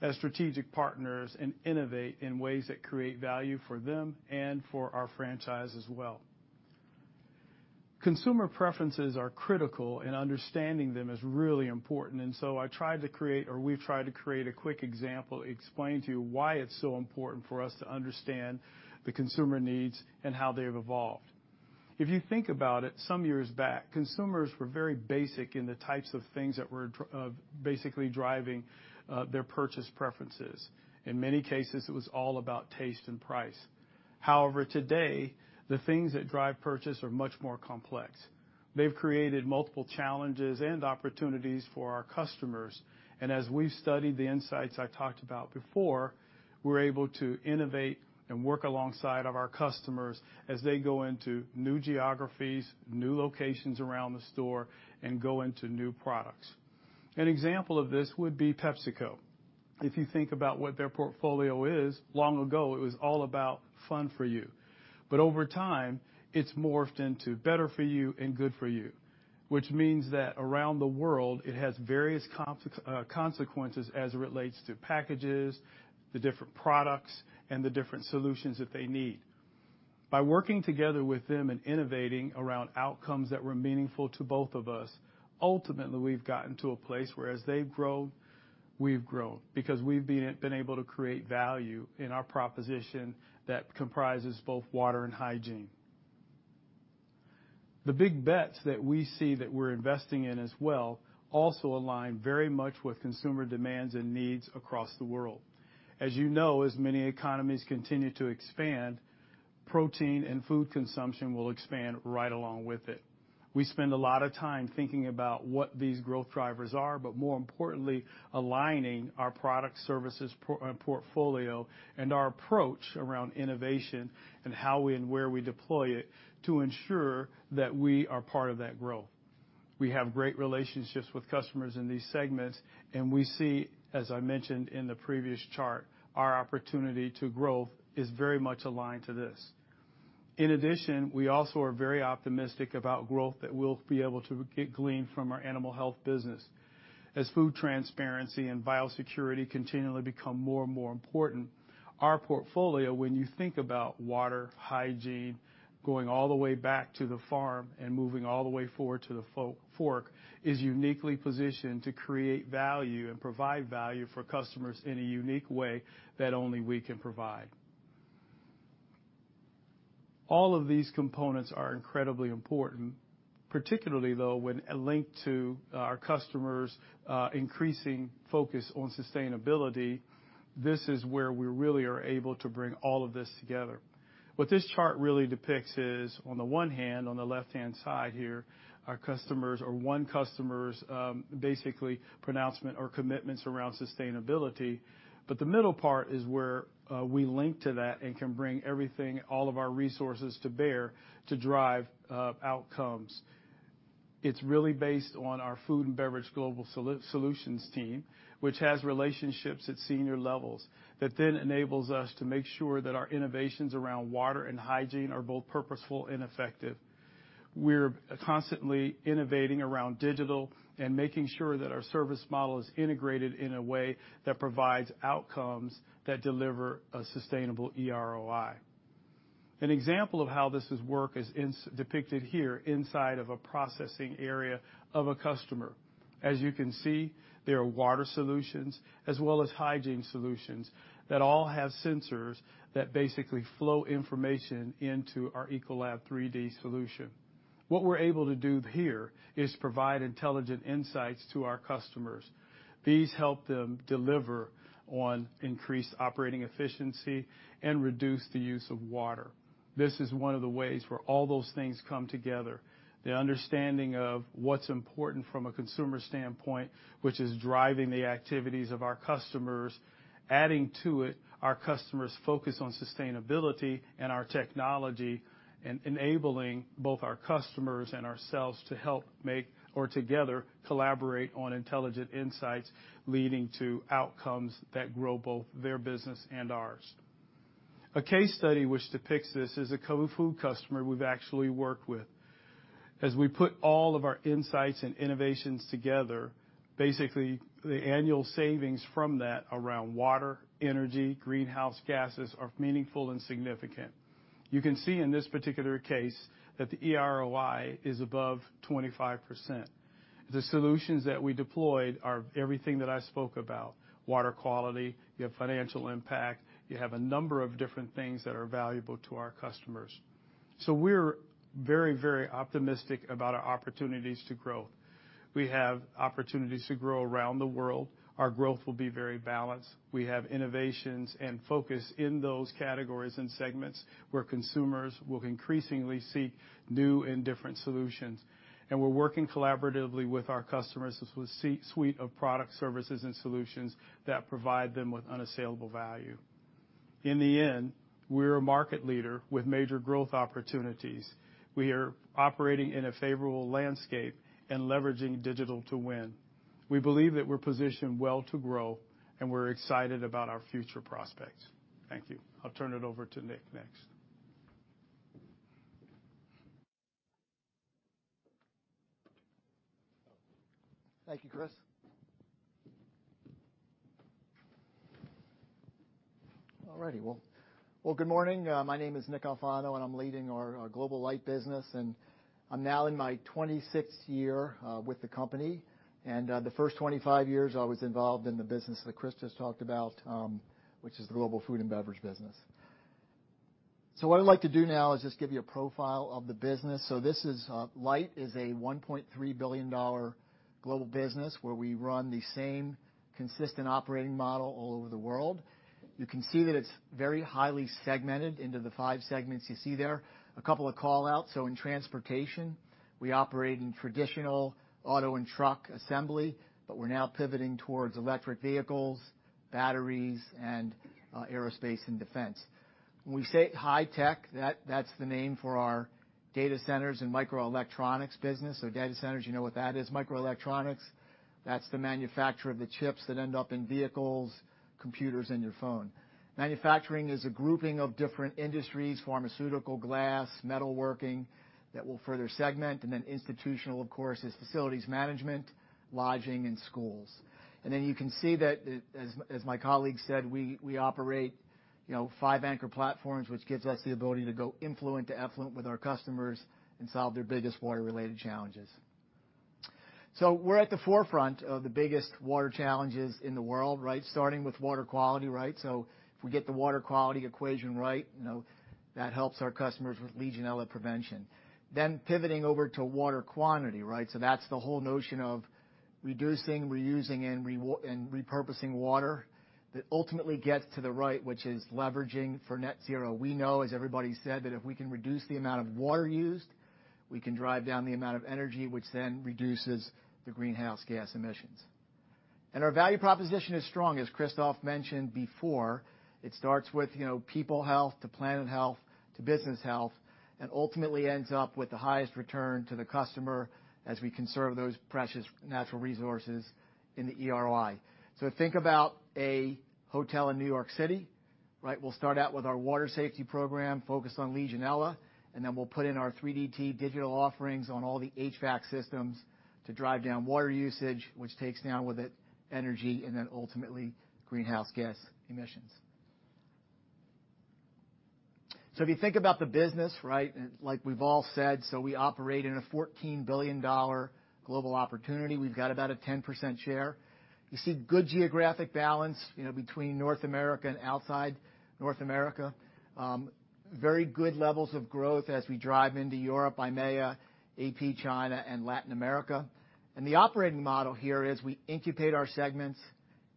as strategic partners and innovate in ways that create value for them and for our franchise as well. Consumer preferences are critical and understanding them is really important. We've tried to create a quick example, explain to you why it's so important for us to understand the consumer needs and how they've evolved. If you think about it, some years back, consumers were very basic in the types of things that were basically driving their purchase preferences. In many cases, it was all about taste and price. However, today, the things that drive purchase are much more complex. They've created multiple challenges and opportunities for our customers. As we've studied the insights I talked about before, we're able to innovate and work alongside of our customers as they go into new geographies, new locations around the store, and go into new products. An example of this would be PepsiCo. If you think about what their portfolio is, long ago, it was all about fun for you. Over time, it's morphed into better for you and good for you, which means that around the world, it has various consequences as it relates to packages, the different products, and the different solutions that they need. By working together with them and innovating around outcomes that were meaningful to both of us, ultimately, we've gotten to a place where as they've grown, we've grown, because we've been able to create value in our proposition that comprises both water and hygiene. The big bets that we see that we're investing in as well also align very much with consumer demands and needs across the world. As you know, as many economies continue to expand, protein and food consumption will expand right along with it. We spend a lot of time thinking about what these growth drivers are, but more importantly, aligning our product services portfolio and our approach around innovation and how and where we deploy it to ensure that we are part of that growth. We have great relationships with customers in these segments, and we see, as I mentioned in the previous chart, our opportunity to grow is very much aligned to this. In addition, we also are very optimistic about growth that we'll be able to glean from our animal health business. As food transparency and biosecurity continually become more and more important, our portfolio, when you think about water, hygiene, going all the way back to the farm and moving all the way forward to the fork, is uniquely positioned to create value and provide value for customers in a unique way that only we can provide. All of these components are incredibly important, particularly, though, when linked to our customers' increasing focus on sustainability. This is where we really are able to bring all of this together. What this chart really depicts is, on the one hand, on the left-hand side here, our customers, or one customer's, basically, pronouncement or commitments around sustainability. The middle part is where we link to that and can bring everything, all of our resources to bear, to drive outcomes. It's really based on our Food & Beverage global solutions team, which has relationships at senior levels that then enables us to make sure that our innovations around water and hygiene are both purposeful and effective. We're constantly innovating around digital and making sure that our service model is integrated in a way that provides outcomes that deliver a sustainable eROI. An example of how this has worked is depicted here inside of a processing area of a customer. As you can see, there are water solutions as well as hygiene solutions that all have sensors that basically flow information into our ECOLAB3D solution. What we're able to do here is provide intelligent insights to our customers. These help them deliver on increased operating efficiency and reduce the use of water. This is one of the ways where all those things come together. The understanding of what's important from a consumer standpoint, which is driving the activities of our customers, adding to it our customers' focus on sustainability and our technology, and enabling both our customers and ourselves to help make or together collaborate on intelligent insights, leading to outcomes that grow both their business and ours. A case study which depicts this is a food customer we've actually worked with. As we put all of our insights and innovations together, basically, the annual savings from that around water, energy, greenhouse gases, are meaningful and significant. You can see in this particular case that the eROI is above 25%. The solutions that we deployed are everything that I spoke about, water quality, you have financial impact, you have a number of different things that are valuable to our customers. We're very optimistic about our opportunities to grow. We have opportunities to grow around the world. Our growth will be very balanced. We have innovations and focus in those categories and segments where consumers will increasingly seek new and different solutions. We're working collaboratively with our customers with a suite of product services and solutions that provide them with unassailable value. In the end, we're a market leader with major growth opportunities. We are operating in a favorable landscape and leveraging digital to win. We believe that we're positioned well to grow, and we're excited about our future prospects. Thank you. I'll turn it over to Nick next. Thank you, Chris. All righty. Well, good morning. My name is Nick Alfano, leading our Global Light business, and I'm now in my 26th year with the company. The first 25 years, I was involved in the business that Chris just talked about, which is the Global Food & Beverage business. What I'd like to do now is just give you a profile of the business. Light is a $1.3 billion global business where we run the same consistent operating model all over the world. You can see that it's very highly segmented into the five segments you see there. A couple of call-outs. In transportation, we operate in traditional auto and truck assembly, but we're now pivoting towards electric vehicles, batteries, and aerospace and defense. When we say high tech, that's the name for our data centers and microelectronics business. Data centers, you know what that is. Microelectronics, that's the manufacture of the chips that end up in vehicles, computers, and your phone. Manufacturing is a grouping of different industries, pharmaceutical, glass, metalworking, that we'll further segment, and Institutional, of course, is facilities management, lodging, and schools. You can see that, as my colleague said, we operate five anchor platforms, which gives us the ability to go influent to effluent with our customers and solve their biggest water-related challenges. We're at the forefront of the biggest water challenges in the world, starting with water quality. If we get the water quality equation right, that helps our customers with Legionella prevention. Pivoting over to water quantity. That's the whole notion of reducing, reusing, and repurposing water that ultimately gets to the right, which is leveraging for net zero. We know, as everybody has said, that if we can reduce the amount of water used, we can drive down the amount of energy, which then reduces the greenhouse gas emissions. Our value proposition is strong, as Christophe mentioned before. It starts with people health to planet health to business health, and ultimately ends up with the highest return to the customer as we conserve those precious natural resources in the eROI. Think about a hotel in New York City. We'll start out with our water safety program focused on Legionella, and then we'll put in our 3D TRASAR digital offerings on all the HVAC systems to drive down water usage, which takes down with it energy and then ultimately greenhouse gas emissions. If you think about the business, like we've all said, so we operate in a $14 billion global opportunity. We've got about a 10% share. You see good geographic balance between North America and outside North America. Very good levels of growth as we drive into Europe, EMEA, AP China, and Latin America. The operating model here is we incubate our segments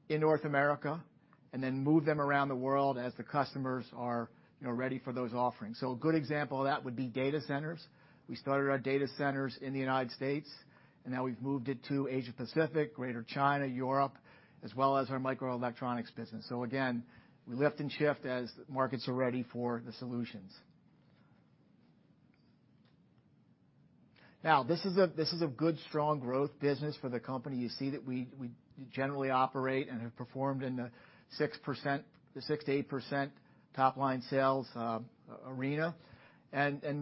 in North America and then move them around the world as the customers are ready for those offerings. A good example of that would be data centers. We started our data centers in the U.S., and now we've moved it to Asia Pacific, Greater China, Europe, as well as our microelectronics business. Again, we lift and shift as markets are ready for the solutions. This is a good, strong growth business for the company. You see that we generally operate and have performed in the six to eight percent top-line sales arena.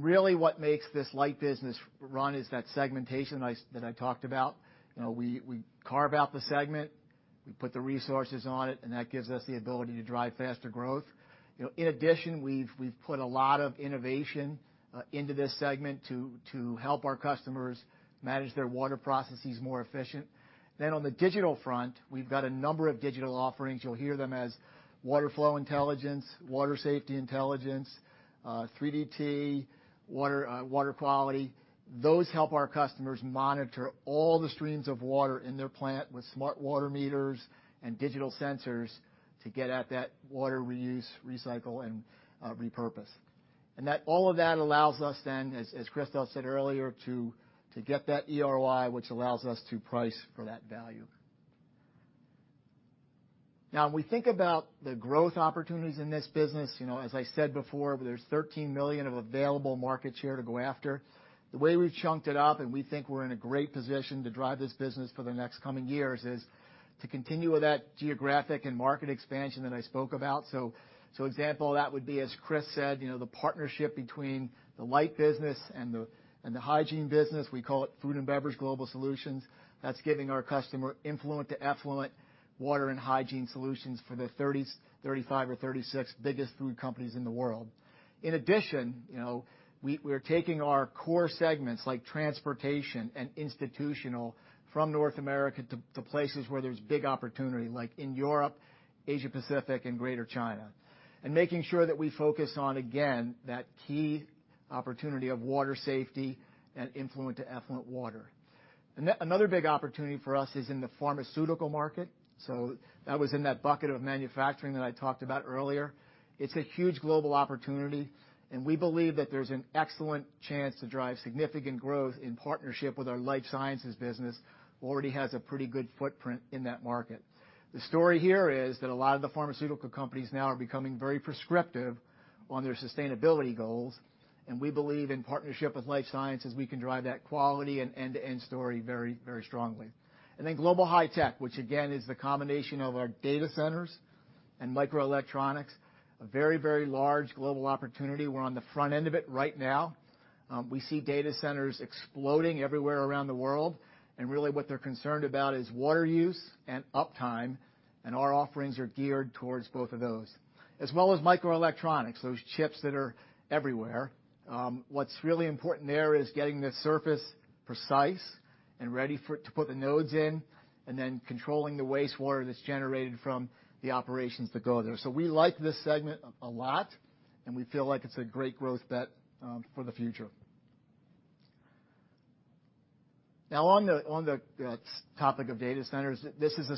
Really what makes this Light business run is that segmentation that I talked about. We carve out the segment, we put the resources on it, That gives us the ability to drive faster growth. In addition, we've put a lot of innovation into this segment to help our customers manage their water processes more efficient. On the digital front, we've got a number of digital offerings. You'll hear them as Water Flow Intelligence, Water Safety Intelligence, 3DT, water quality. Those help our customers monitor all the streams of water in their plant with smart water meters and digital sensors to get at that water reuse, recycle, and repurpose. All of that allows us then, as Christophe Beck said earlier, to get that ROI, which allows us to price for that value. When we think about the growth opportunities in this business, as I said before, there's $13 million of available market share to go after. The way we've chunked it up, we think we're in a great position to drive this business for the next coming years, is to continue with that geographic and market expansion that I spoke about. Example of that would be, as Chris said, the partnership between the Light business and the hygiene business. We call it Food & Beverage Global Solutions. That's giving our customer influent to effluent water and hygiene solutions for the 35 or 36 biggest food companies in the world. In addition, we are taking our core segments like transportation and institutional from North America to places where there's big opportunity, like in Europe, Asia-Pacific, and Greater China, making sure that we focus on, again, that key opportunity of water safety and influent to effluent water. Another big opportunity for us is in the pharmaceutical market. That was in that bucket of manufacturing that I talked about earlier. It's a huge global opportunity, and we believe that there's an excellent chance to drive significant growth in partnership with our life sciences business. Already has a pretty good footprint in that market. The story here is that a lot of the pharmaceutical companies now are becoming very prescriptive on their sustainability goals, and we believe in partnership with life sciences, we can drive that quality and end-to-end story very strongly. Global high tech, which again, is the combination of our data centers and microelectronics, a very large global opportunity. We're on the front end of it right now. We see data centers exploding everywhere around the world, and really what they're concerned about is water use and uptime, and our offerings are geared towards both of those, as well as microelectronics, those chips that are everywhere. What's really important there is getting the surface precise and ready to put the nodes in, and then controlling the wastewater that's generated from the operations that go there. We like this segment a lot, and we feel like it's a great growth bet for the future. Now, on the topic of data centers, this is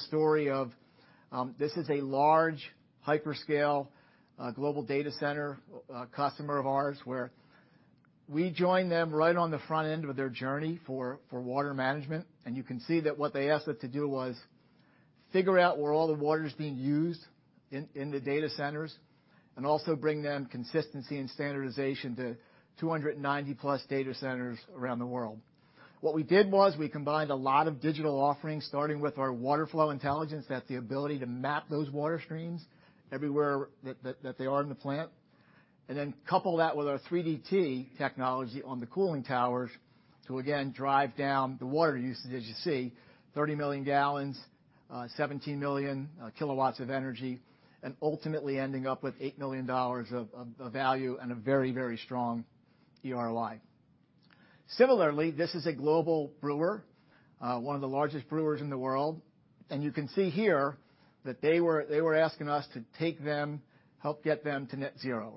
a large hyperscale global data center customer of ours where we joined them right on the front end of their journey for water management. You can see that what they asked us to do was figure out where all the water is being used in the data centers and also bring them consistency and standardization to 290+ data centers around the world. What we did was we combined a lot of digital offerings, starting with our Water Flow Intelligence, that's the ability to map those water streams everywhere that they are in the plant. Then couple that with our 3DT technology on the cooling towers to again, drive down the water usage, as you see, 30 million gallons, 17 million kilowatts of energy, and ultimately ending up with $8 million of value and a very strong ROI. Similarly, this is a global brewer, one of the largest brewers in the world. You can see here that they were asking us to take them, help get them to net zero.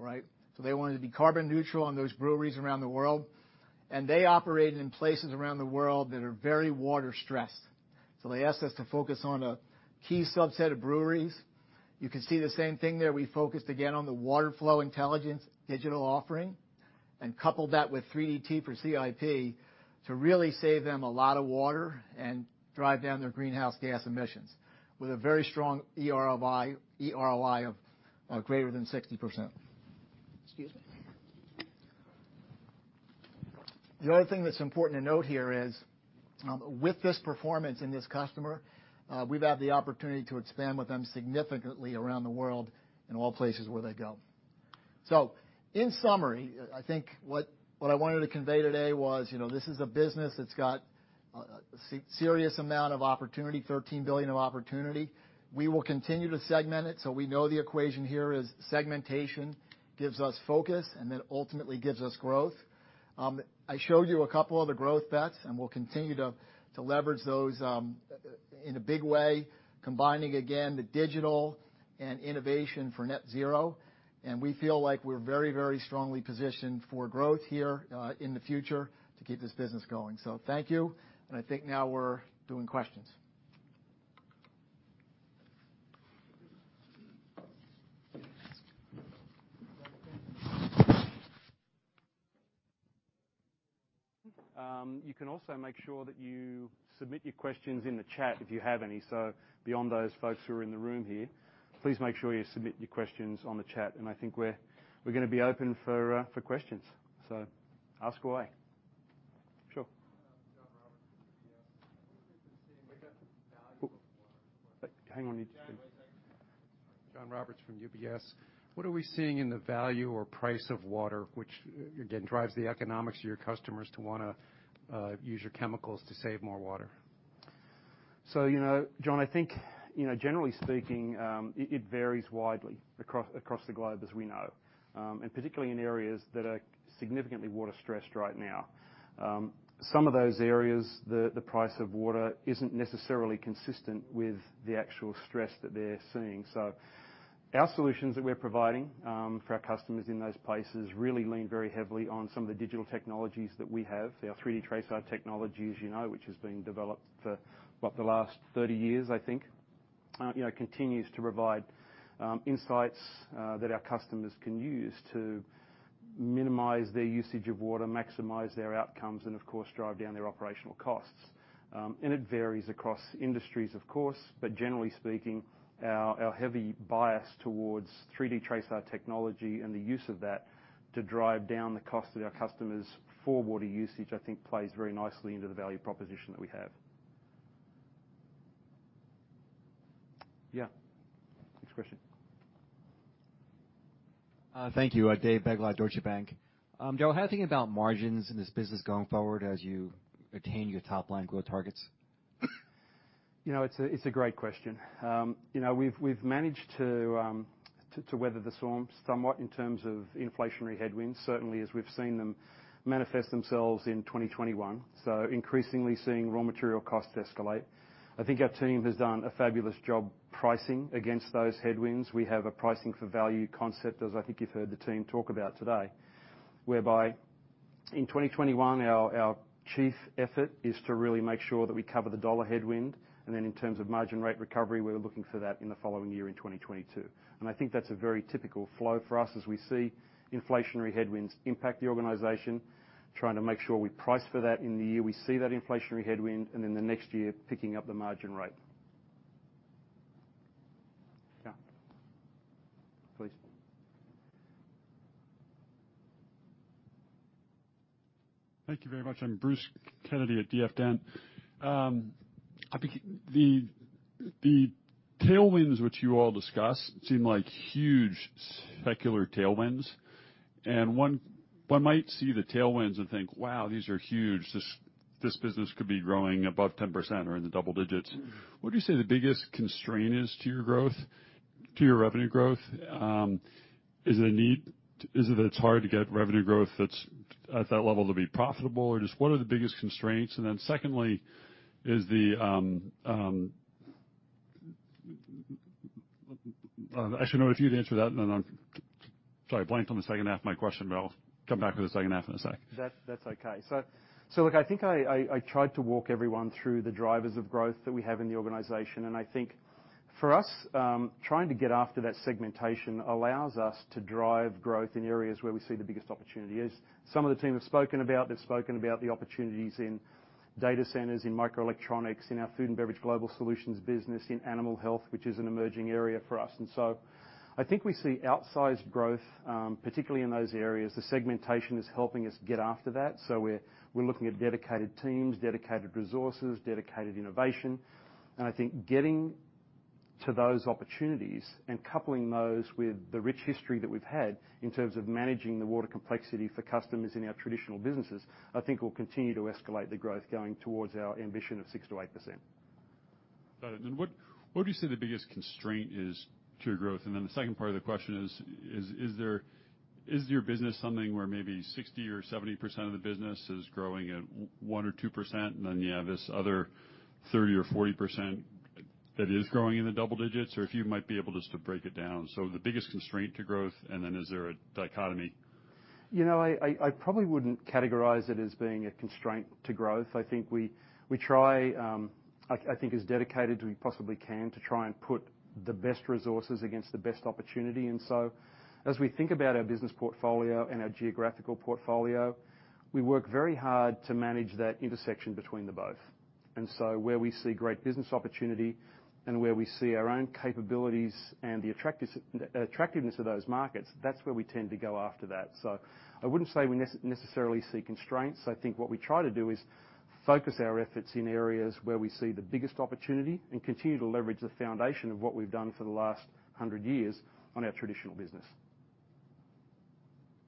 They wanted to be carbon neutral on those breweries around the world. They operate in places around the world that are very water stressed. They asked us to focus on a key subset of breweries. You can see the same thing there. We focused again on the Water Flow Intelligence digital offering and coupled that with 3D TRASAR for CIP to really save them a lot of water and drive down their greenhouse gas emissions with a very strong ROI of greater than 60%. Excuse me. The other thing that's important to note here is, with this performance and this customer, we've had the opportunity to expand with them significantly around the world in all places where they go. In summary, I think what I wanted to convey today was, this is a business that's got a serious amount of opportunity, $13 billion of opportunity. We will continue to segment it. We know the equation here is segmentation gives us focus and then ultimately gives us growth. I showed you a couple other growth bets, and we'll continue to leverage those in a big way, combining, again, the digital and innovation for net zero. We feel like we're very strongly positioned for growth here in the future to keep this business going. Thank you. I think now we're doing questions. You can also make sure that you submit your questions in the chat if you have any. Beyond those folks who are in the room here, please make sure you submit your questions on the chat, and I think we're going to be open for questions. Ask away. Sure. John Roberts from UBS. Hang on. John Roberts from UBS. What are we seeing in the value or price of water, which, again, drives the economics of your customers to want to use your chemicals to save more water? John, I think, generally speaking, it varies widely across the globe as we know. Particularly in areas that are significantly water stressed right now. Some of those areas, the price of water isn't necessarily consistent with the actual stress that they're seeing. Our solutions that we're providing for our customers in those places really lean very heavily on some of the digital technologies that we have. Our 3D TRASAR technology, as you know, which has been developed for, what, the last 30 years, I think, continues to provide insights that our customers can use to minimize their usage of water, maximize their outcomes, and of course, drive down their operational costs. It varies across industries, of course, but generally speaking, our heavy bias towards 3D TRASAR technology and the use of that to drive down the cost of our customers for water usage, I think plays very nicely into the value proposition that we have. Yeah. Next question. Thank you. David Begleiter, Deutsche Bank. Darrell, how do you think about margins in this business going forward as you attain your top line growth targets? It's a great question. We've managed to weather the storm somewhat in terms of inflationary headwinds, certainly as we've seen them manifest themselves in 2021. Increasingly seeing raw material costs escalate. I think our team has done a fabulous job pricing against those headwinds. We have a pricing for value concept, as I think you've heard the team talk about today, whereby in 2021, our chief effort is to really make sure that we cover the dollar headwind. In terms of margin rate recovery, we're looking for that in the following year in 2022. I think that's a very typical flow for us as we see inflationary headwinds impact the organization, trying to make sure we price for that in the year we see that inflationary headwind, and then the next year, picking up the margin rate. Yeah. Please. Thank you very much. I'm Bruce Kennedy at DF Dent. The tailwinds which you all discuss seem like huge secular tailwinds, and one might see the tailwinds and think, "Wow, these are huge. This business could be growing above 10% or in the double digits." What would you say the biggest constraint is to your revenue growth? Is it that it's hard to get revenue growth that's at that level to be profitable? Just what are the biggest constraints? Secondly, sorry, blanked on the second half of my question, but I'll come back with the second half in a sec. That's okay. Look, I think I tried to walk everyone through the drivers of growth that we have in the organization, and I think for us, trying to get after that segmentation allows us to drive growth in areas where we see the biggest opportunity is. Some of the team have spoken about the opportunities in data centers, in microelectronics, in our Food & Beverage global solutions business, in animal health, which is an emerging area for us. I think we see outsized growth, particularly in those areas. The segmentation is helping us get after that. We're looking at dedicated teams, dedicated resources, dedicated innovation. I think getting to those opportunities and coupling those with the rich history that we've had in terms of managing the water complexity for customers in our traditional businesses, I think will continue to escalate the growth going towards our ambition of six to eight percent. Got it. What would you say the biggest constraint is to your growth? The second part of the question is your business something where maybe 60% or 70% of the business is growing at one or two percent, and then you have this other 30% or 40% that is growing in the double digits? If you might be able just to break it down. The biggest constraint to growth, is there a dichotomy? I probably wouldn't categorize it as being a constraint to growth. I think we try as dedicated as we possibly can to try and put the best resources against the best opportunity. As we think about our business portfolio and our geographical portfolio, we work very hard to manage that intersection between the both. Where we see great business opportunity and where we see our own capabilities and the attractiveness of those markets, that's where we tend to go after that. I wouldn't say we necessarily see constraints. I think what we try to do is focus our efforts in areas where we see the biggest opportunity and continue to leverage the foundation of what we've done for the last 100 years on our traditional business.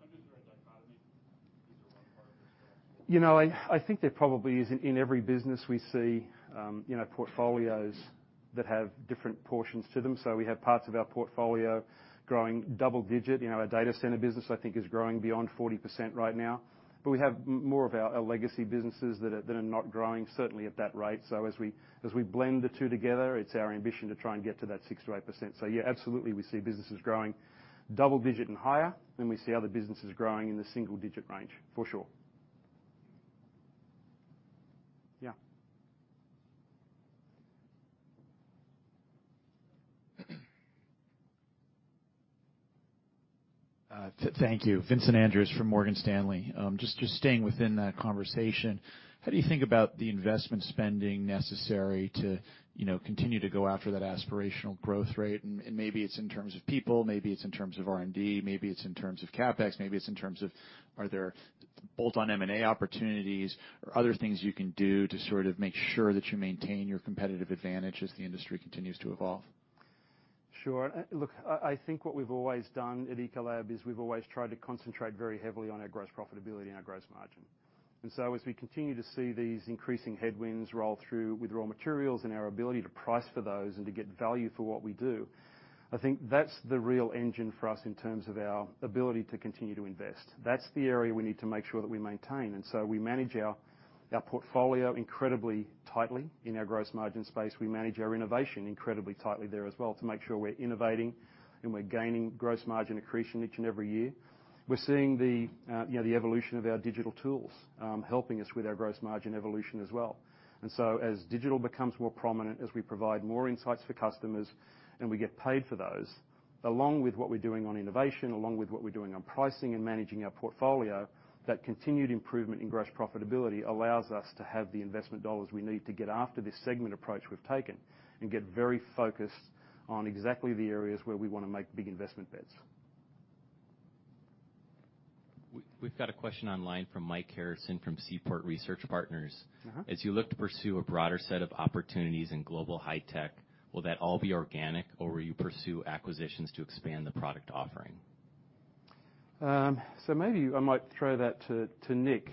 I think there probably is. In every business we see portfolios that have different portions to them. We have parts of our portfolio growing double digit. Our data center business, I think, is growing beyond 40% right now. We have more of our legacy businesses that are not growing, certainly, at that rate. As we blend the two together, it's our ambition to try and get to that six to eight percent. Yeah, absolutely, we see businesses growing double digit and higher, and we see other businesses growing in the single-digit range, for sure. Yeah. Thank you. Vincent Andrews from Morgan Stanley. Just staying within that conversation, how do you think about the investment spending necessary to continue to go after that aspirational growth rate? Maybe it's in terms of people, maybe it's in terms of R&D, maybe it's in terms of CapEx, maybe it's in terms of are there bolt-on M&A opportunities or other things you can do to sort of make sure that you maintain your competitive advantage as the industry continues to evolve? Sure. Look, I think what we've always done at Ecolab is we've always tried to concentrate very heavily on our gross profitability and our gross margin. As we continue to see these increasing headwinds roll through with raw materials and our ability to price for those and to get value for what we do, I think that's the real engine for us in terms of our ability to continue to invest. That's the area we need to make sure that we maintain. We manage our portfolio incredibly tightly in our gross margin space. We manage our innovation incredibly tightly there as well to make sure we're innovating and we're gaining gross margin accretion each and every year. We're seeing the evolution of our digital tools, helping us with our gross margin evolution as well. As digital becomes more prominent, as we provide more insights for customers and we get paid for those, along with what we're doing on innovation, along with what we're doing on pricing and managing our portfolio, that continued improvement in gross profitability allows us to have the investment dollars we need to get after this segment approach we've taken and get very focused on exactly the areas where we want to make big investment bets. We've got a question online from Mike Harrison from Seaport Research Partners. As you look to pursue a broader set of opportunities in global high tech, will that all be organic or will you pursue acquisitions to expand the product offering? Maybe I might throw that to Nick,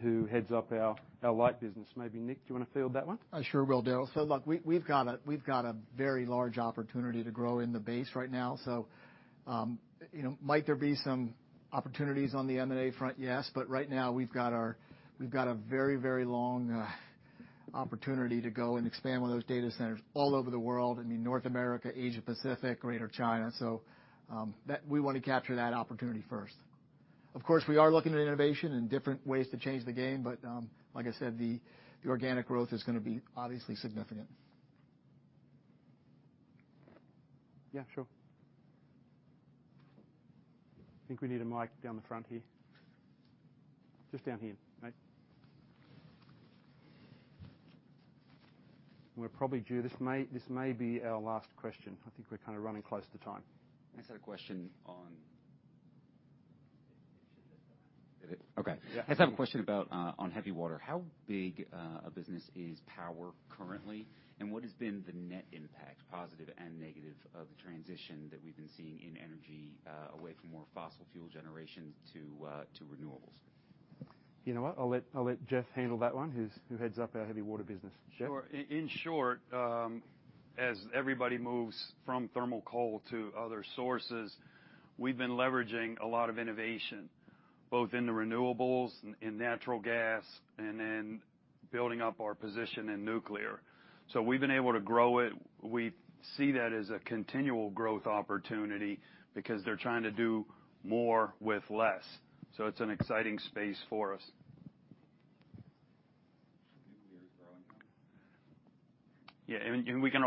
who heads up our Pest Elimination business. Maybe Nick, do you want to field that one? I sure will, Darrell. Look, we've got a very large opportunity to grow in the base right now. Might there be some opportunities on the M&A front? Yes. Right now we've got a very long opportunity to go and expand one of those data centers all over the world, in North America, Asia Pacific, Greater China. We want to capture that opportunity first. Of course, we are looking at innovation and different ways to change the game, but like I said, the organic growth is going to be obviously significant. Yeah, sure. I think we need a mic down the front here. Just down here, mate. This may be our last question. I think we're kind of running close to time. I just have a question on Heavy Water. How big a business is power currently, and what has been the net impact, positive and negative, of the transition that we've been seeing in energy, away from more fossil fuel generation to renewables? You know what? I'll let Jeff handle that one, who heads up our Heavy Water business. Jeff? Sure. In short, as everybody moves from thermal coal to other sources, we've been leveraging a lot of innovation, both in the renewables, in natural gas, and in building up our position in nuclear. We've been able to grow it. We see that as a continual growth opportunity because they're trying to do more with less. It's an exciting space for us. Yeah.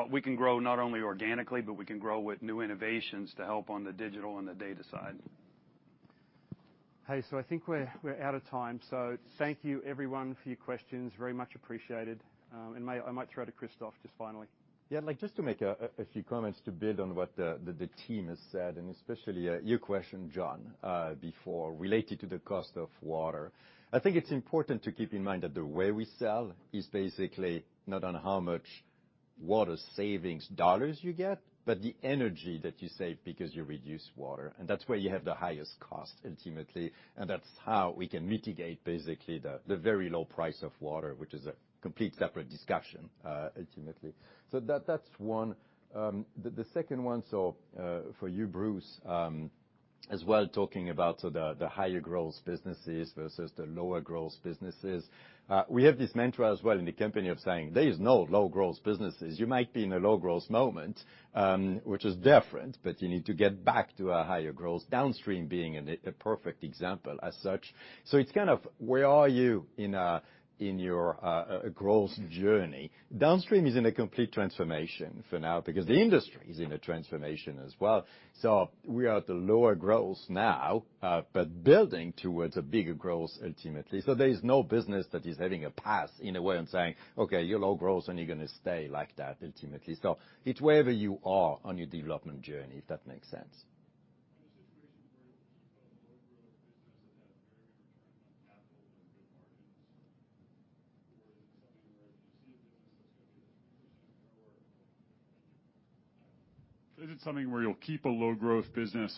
We can grow not only organically, but we can grow with new innovations to help on the digital and the data side. Hey, I think we're out of time. Thank you everyone for your questions. Very much appreciated. I might throw to Christophe just finally. Yeah, just to make a few comments to build on what the team has said, and especially your question, John, before, related to the cost of water. I think it's important to keep in mind that the way we sell is basically not on how much water savings dollars you get, but the energy that you save because you reduce water, and that's where you have the highest cost, ultimately, and that's how we can mitigate basically the very low price of water, which is a complete separate discussion ultimately. That's one. The second one, for you, Bruce, as well, talking about the higher gross businesses versus the lower gross businesses. We have this mantra as well in the company of saying there is no low gross businesses. You might be in a low growth moment, which is different, but you need to get back to a higher growth, downstream being a perfect example as such. It's kind of where are you in your growth journey. Downstream is in a complete transformation for now because the industry is in a transformation as well. We are at a lower growth now, but building towards a bigger growth ultimately. There is no business that is having a pass in a way and saying, "Okay, you're low growth and you're going to stay like that ultimately." It's wherever you are on your development journey, if that makes sense. Is it something where you'll keep a low growth business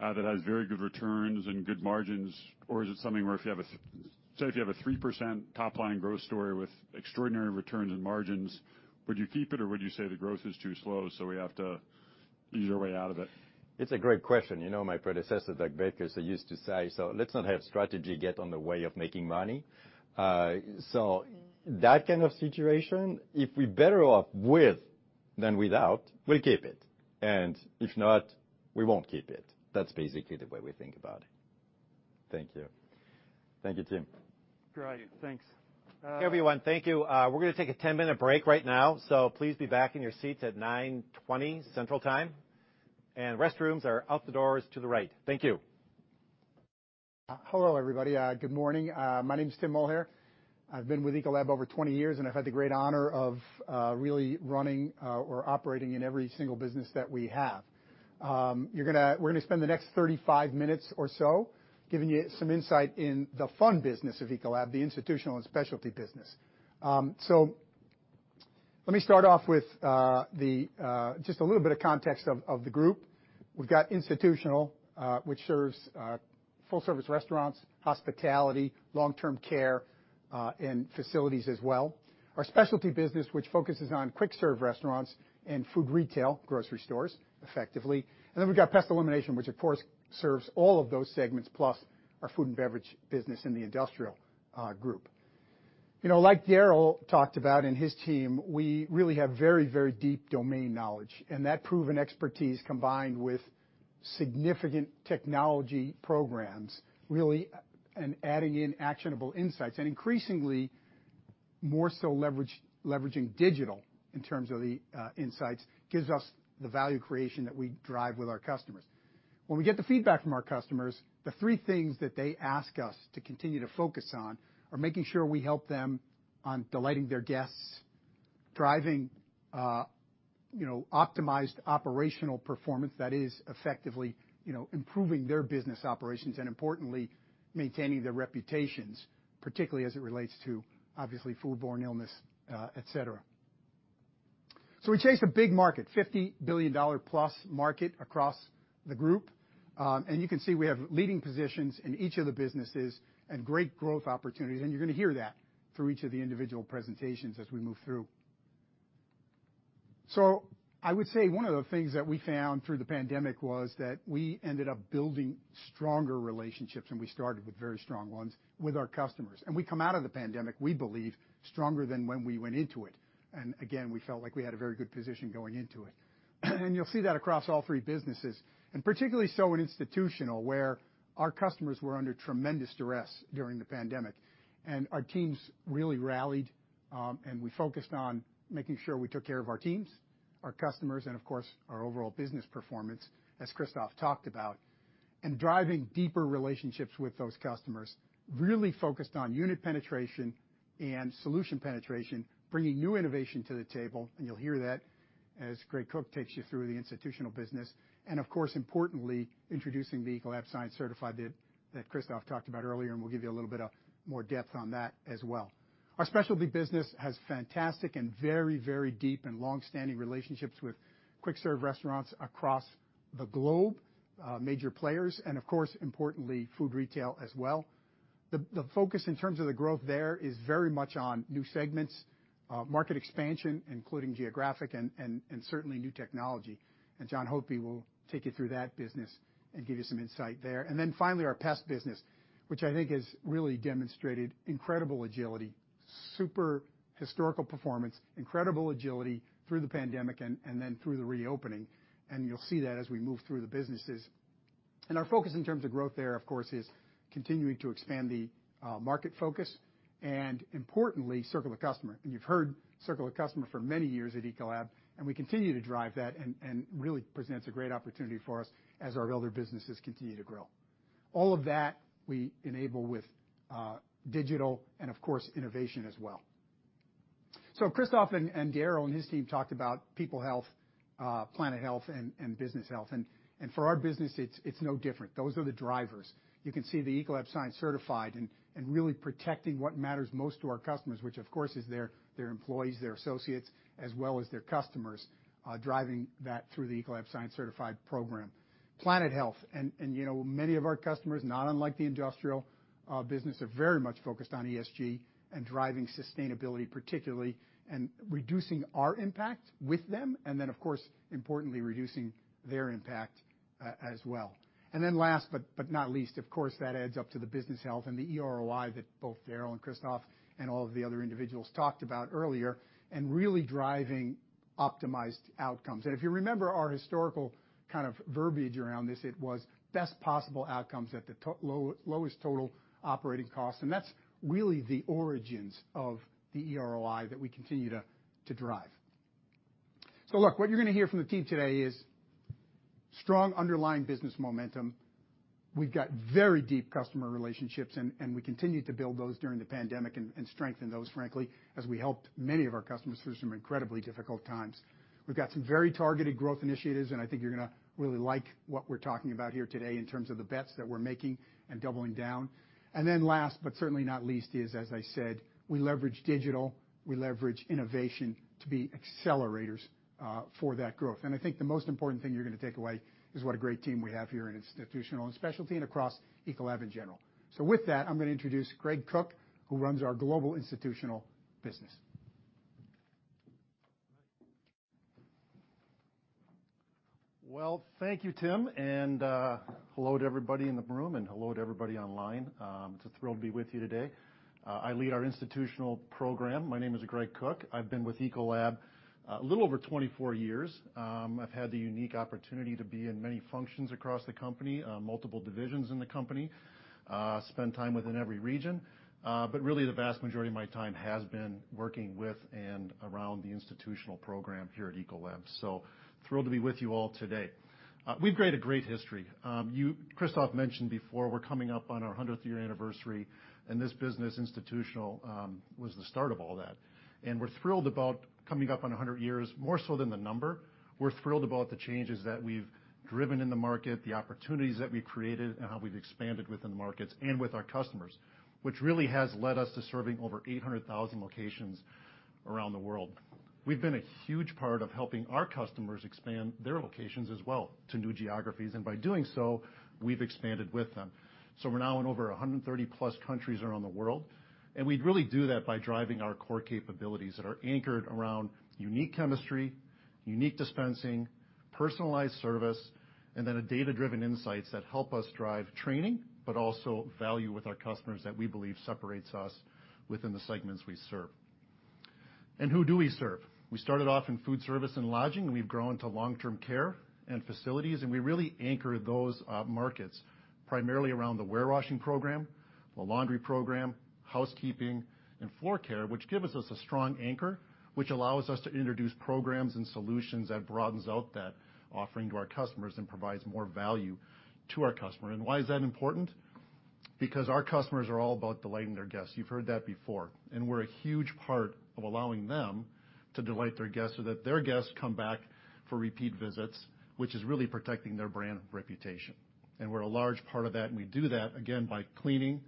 that has very good returns and good margins, or is it something where if you have a three percent top-line growth story with extraordinary returns and margins, would you keep it or would you say the growth is too slow, so we have to ease our way out of it? It's a great question. You know, my predecessor, Doug Baker, used to say, "Let's not have strategy get in the way of making money." That kind of situation, if we're better off with than without, we'll keep it. If not, we won't keep it. That's basically the way we think about it. Thank you. Thank you, Tim. Great. Thanks. Everyone. Thank you. We're going to take a 10-minute break right now. Please be back in your seats at 9:20 A.M. central time. Restrooms are out the doors to the right. Thank you. Hello, everybody. Good morning. My name's Tim Mulhere. I've been with Ecolab over 20 years, I've had the great honor of really running, or operating in every single business that we have. We're going to spend the next 35 minutes or so giving you some insight in the fun business of Ecolab, the Institutional and Specialty business. Let me start off with just a little bit of context of the group. We've got Institutional, which serves full service restaurants, hospitality, long-term care, and facilities as well. Our Specialty business, which focuses on quick-serve restaurants and food retail, grocery stores, effectively. We've got Pest Elimination, which, of course, serves all of those segments, plus our Food & Beverage business in the Industrial Group. Like Darrell talked about and his team, we really have very deep domain knowledge. That proven expertise, combined with significant technology programs, really, and adding in actionable insights, and increasingly more so leveraging digital in terms of the insights, gives us the value creation that we drive with our customers. When we get the feedback from our customers, the three things that they ask us to continue to focus on are making sure we help them on delighting their guests, driving optimized operational performance that is effectively improving their business operations, and importantly, maintaining their reputations, particularly as it relates to, obviously, foodborne illness, et cetera. We chase a big market, $50 billion plus market across the group. You can see we have leading positions in each of the businesses and great growth opportunities. You're going to hear that through each of the individual presentations as we move through. I would say one of the things that we found through the pandemic was that we ended up building stronger relationships, and we started with very strong ones with our customers. We come out of the pandemic, we believe, stronger than when we went into it. Again, we felt like we had a very good position going into it. You'll see that across all three businesses, and particularly so in Institutional, where our customers were under tremendous duress during the pandemic. Our teams really rallied, and we focused on making sure we took care of our teams, our customers, and of course, our overall business performance, as Christophe talked about, and driving deeper relationships with those customers, really focused on unit penetration and solution penetration, bringing new innovation to the table, and you'll hear that as Greg Cook takes you through the institutional business. Of course, importantly, introducing the Ecolab Science Certified that Christophe talked about earlier, and we'll give you a little bit more depth on that as well. Our specialty business has fantastic and very deep and longstanding relationships with quick-serve restaurants across the globe, major players, and of course, importantly, food retail as well. The focus in terms of the growth there is very much on new segments, market expansion, including geographic and certainly new technology. Jon Hopi will take you through that business and give you some insight there. Finally, our pest business, which I think has really demonstrated incredible agility, super historical performance, incredible agility through the pandemic and then through the reopening, and you'll see that as we move through the businesses. Our focus in terms of growth there, of course, is continuing to expand the market focus and importantly, Circle of Customer. You've heard Circle of Customer for many years at Ecolab, and we continue to drive that and really presents a great opportunity for us as our other businesses continue to grow. All of that we enable with digital and, of course, innovation as well. Christophe and Darryl and his team talked about people health, planet health, and business health. For our business, it's no different. Those are the drivers. You can see the Ecolab Science Certified and really protecting what matters most to our customers, which of course is their employees, their associates, as well as their customers, driving that through the Ecolab Science Certified program. Planet health. Many of our customers, not unlike the Industrial business, are very much focused on ESG and driving sustainability particularly, and reducing our impact with them, and then, of course, importantly, reducing their impact as well. Last but not least, of course, that adds up to the business health and the eROI that both Darryl and Christophe and all of the other individuals talked about earlier, and really driving optimized outcomes. If you remember our historical kind of verbiage around this, it was best possible outcomes at the lowest total operating cost, and that's really the origins of the eROI that we continue to drive. Look, what you're going to hear from the team today is strong underlying business momentum. We've got very deep customer relationships, and we continued to build those during the pandemic and strengthen those, frankly, as we helped many of our customers through some incredibly difficult times. We've got some very targeted growth initiatives, and I think you're going to really like what we're talking about here today in terms of the bets that we're making and doubling down. Last but certainly not least is, as I said, we leverage digital, we leverage innovation to be accelerators for that growth. I think the most important thing you're going to take away is what a great team we have here in Institutional and Specialty and across Ecolab in general. With that, I'm going to introduce Greg Cook, who runs our global institutional business. Well, thank you, Tim. Hello to everybody in the room and hello to everybody online. It's a thrill to be with you today. I lead our Institutional program. My name is Greg Cook. I've been with Ecolab a little over 24 years. I've had the unique opportunity to be in many functions across the company, multiple divisions in the company, spend time within every region. Really the vast majority of my time has been working with and around the Institutional program here at Ecolab. Thrilled to be with you all today. We've created great history. Christophe mentioned before, we're coming up on our 100th year anniversary, and this business, Institutional, was the start of all that. We're thrilled about coming up on 100 years, more so than the number. We're thrilled about the changes that we've driven in the market, the opportunities that we've created, and how we've expanded within the markets and with our customers, which really has led us to serving over 800,000 locations around the world. We've been a huge part of helping our customers expand their locations as well to new geographies, and by doing so, we've expanded with them. We're now in over 130-plus countries around the world, and we really do that by driving our core capabilities that are anchored around unique chemistry, unique dispensing, personalized service, and then data-driven insights that help us drive training, but also value with our customers that we believe separates us within the segments we serve. Who do we serve? We started off in food service and lodging, and we've grown to long-term care and facilities, and we really anchor those markets primarily around the warewashing program, the laundry program, housekeeping, and floor care, which gives us a strong anchor, which allows us to introduce programs and solutions that broadens out that offering to our customers and provides more value to our customer. Why is that important? Because our customers are all about delighting their guests. You've heard that before. We're a huge part of allowing them to delight their guests so that their guests come back for repeat visits, which is really protecting their brand reputation. We're a large part of that, and we do that, again, by cleaning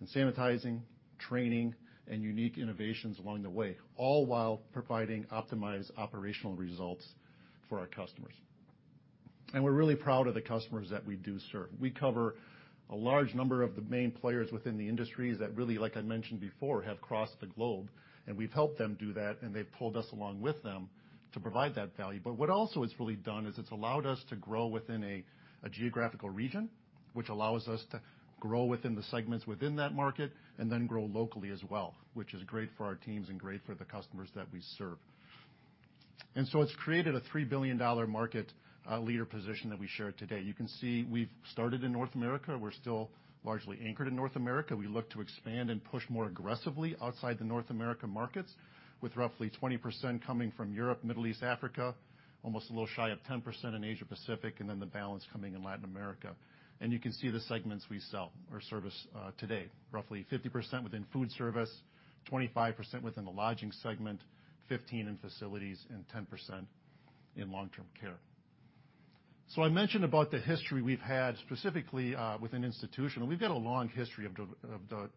and sanitizing, training, and unique innovations along the way, all while providing optimized operational results for our customers. We're really proud of the customers that we do serve. We cover a large number of the main players within the industries that really, like I mentioned before, have crossed the globe, and we've helped them do that, and they've pulled us along with them to provide that value. What also it's really done is it's allowed us to grow within a geographical region, which allows us to grow within the segments within that market, then grow locally as well, which is great for our teams and great for the customers that we serve. It's created a $3 billion market leader position that we share today. You can see we've started in North America. We're still largely anchored in North America. We look to expand and push more aggressively outside the North America markets with roughly 20% coming from Europe, Middle East, Africa, almost a little shy of 10% in Asia Pacific. The balance coming in Latin America. You can see the segments we sell or service today. Roughly 50% within food service, 25% within the lodging segment, 15% in facilities, and 10% in long-term care. I mentioned about the history we've had specifically within Institutional. We've got a long history of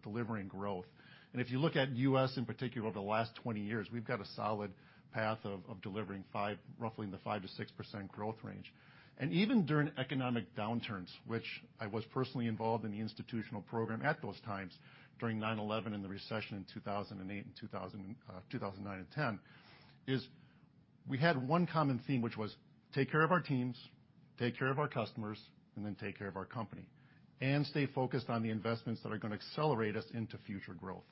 delivering growth. If you look at U.S. in particular over the last 20 years, we've got a solid path of delivering roughly in the 5%-6% growth range. Even during economic downturns, which I was personally involved in the Institutional program at those times during 9/11 and the recession in 2008 and 2009 and 2010, is we had one common theme, which was take care of our teams, take care of our customers, and then take care of our company, and stay focused on the investments that are going to accelerate us into future growth.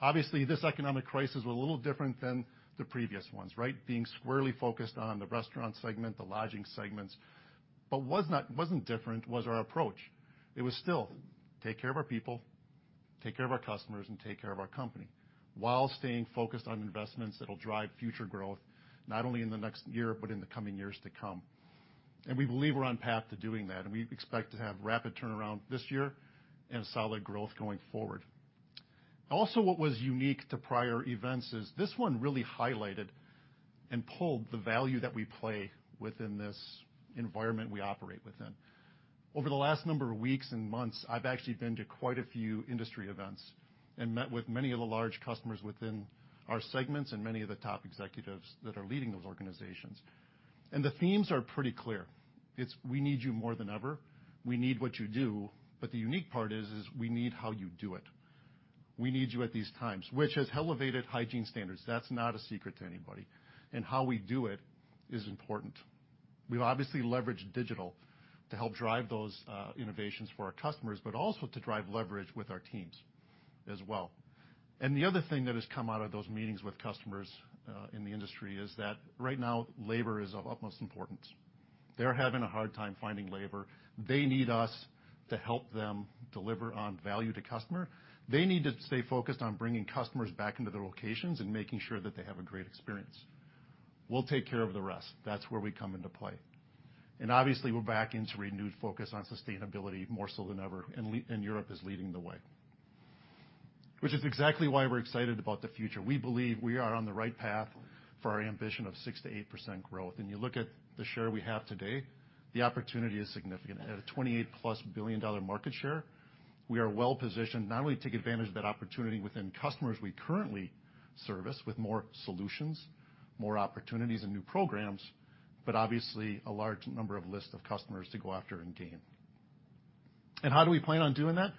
Obviously, this economic crisis was a little different than the previous ones, right? Being squarely focused on the restaurant segment, the lodging segments. What wasn't different was our approach. It was still take care of our people, take care of our customers, and take care of our company while staying focused on investments that'll drive future growth, not only in the next year, but in the coming years to come. We believe we're on path to doing that, and we expect to have rapid turnaround this year and solid growth going forward. Also, what was unique to prior events is this one really highlighted and pulled the value that we play within this environment we operate within. Over the last number of weeks and months, I've actually been to quite a few industry events and met with many of the large customers within our segments and many of the top executives that are leading those organizations. The themes are pretty clear. It's we need you more than ever. We need what you do. The unique part is we need how you do it. We need you at these times, which has elevated hygiene standards. That's not a secret to anybody. How we do it is important. We've obviously leveraged digital to help drive those innovations for our customers, but also to drive leverage with our teams as well. The other thing that has come out of those meetings with customers in the industry is that right now, labor is of utmost importance. They're having a hard time finding labor. They need us to help them deliver on value to customer. They need to stay focused on bringing customers back into their locations and making sure that they have a great experience. We'll take care of the rest. That's where we come into play. Obviously, we're back into renewed focus on sustainability more so than ever, and Europe is leading the way, which is exactly why we're excited about the future. We believe we are on the right path for our ambition of six to eight percent growth. When you look at the share we have today, the opportunity is significant. At a $28+ billion market share, we are well positioned not only to take advantage of that opportunity within customers we currently service with more solutions, more opportunities and new programs, but obviously a large number of list of customers to go after and gain. How do we plan on doing that?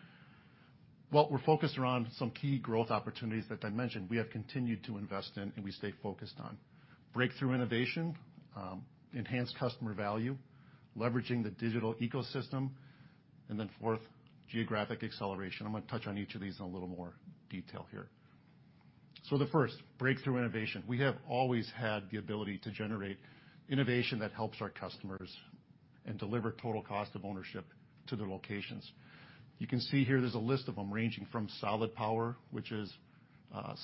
We're focused around some key growth opportunities that I mentioned we have continued to invest in and we stay focused on. Breakthrough innovation, enhanced customer value, leveraging the digital ecosystem, fourth, geographic acceleration. I'm going to touch on each of these in a little more detail here. The first, breakthrough innovation. We have always had the ability to generate innovation that helps our customers and deliver total cost of ownership to their locations. You can see here there's a list of them ranging from Solid Power, which is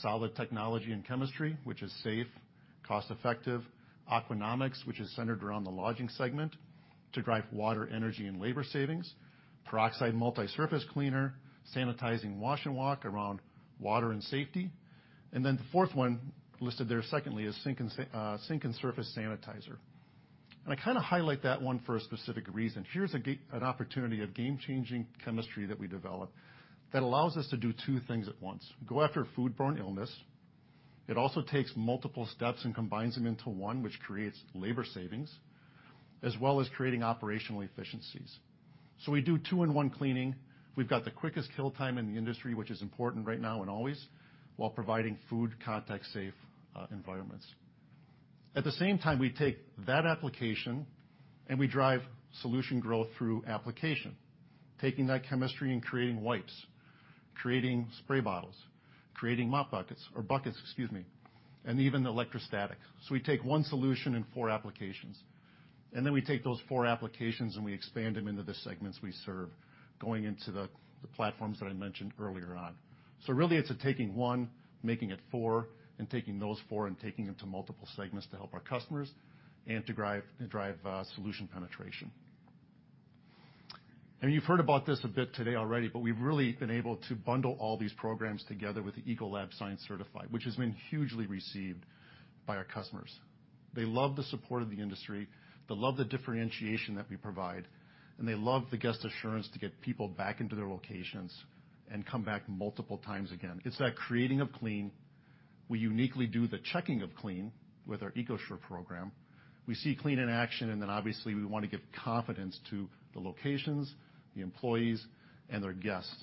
solid technology and chemistry, which is safe, cost-effective. Aquanomic, which is centered around the lodging segment to drive water, energy, and labor savings. Peroxide Multi Surface Cleaner, sanitizing wash and walk around water and safety, the fourth one listed there secondly, is Sink and Surface Sanitizer. I kind of highlight that one for a specific reason. Here's an opportunity of game-changing chemistry that we developed that allows us to do two things at once. Go after foodborne illness. It also takes multiple steps and combines them into one, which creates labor savings as well as creating operational efficiencies. We do 2-in-1 cleaning. We've got the quickest kill time in the industry, which is important right now and always, while providing food contact safe environments. At the same time, we take that application and we drive solution growth through application. Taking that chemistry and creating wipes, creating spray bottles, creating mop buckets or buckets, excuse me, and even the electrostatic. We take one solution in four applications. We take those four applications and we expand them into the segments we serve, going into the platforms that I mentioned earlier on. Really it's a taking one, making it four, and taking those four and taking them to multiple segments to help our customers and to drive solution penetration. You've heard about this a bit today already. We've really been able to bundle all these programs together with the Ecolab Science Certified, which has been hugely received by our customers. They love the support of the industry, they love the differentiation that we provide, and they love the guest assurance to get people back into their locations and come back multiple times again. It's that creating of clean. We uniquely do the checking of clean with our EcoSure program. We see clean in action, and then obviously we want to give confidence to the locations, the employees, and their guests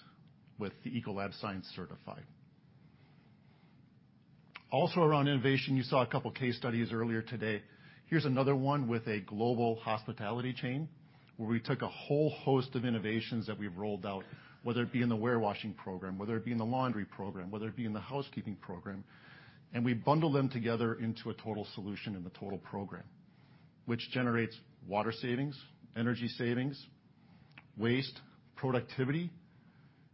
with the Ecolab Science Certified. Also around innovation, you saw two case studies earlier today. Here's another one with a global hospitality chain where we took a whole host of innovations that we've rolled out, whether it be in the warewashing program, whether it be in the laundry program, whether it be in the housekeeping program, and we bundle them together into a total solution and the total program, which generates water savings, energy savings, waste, productivity,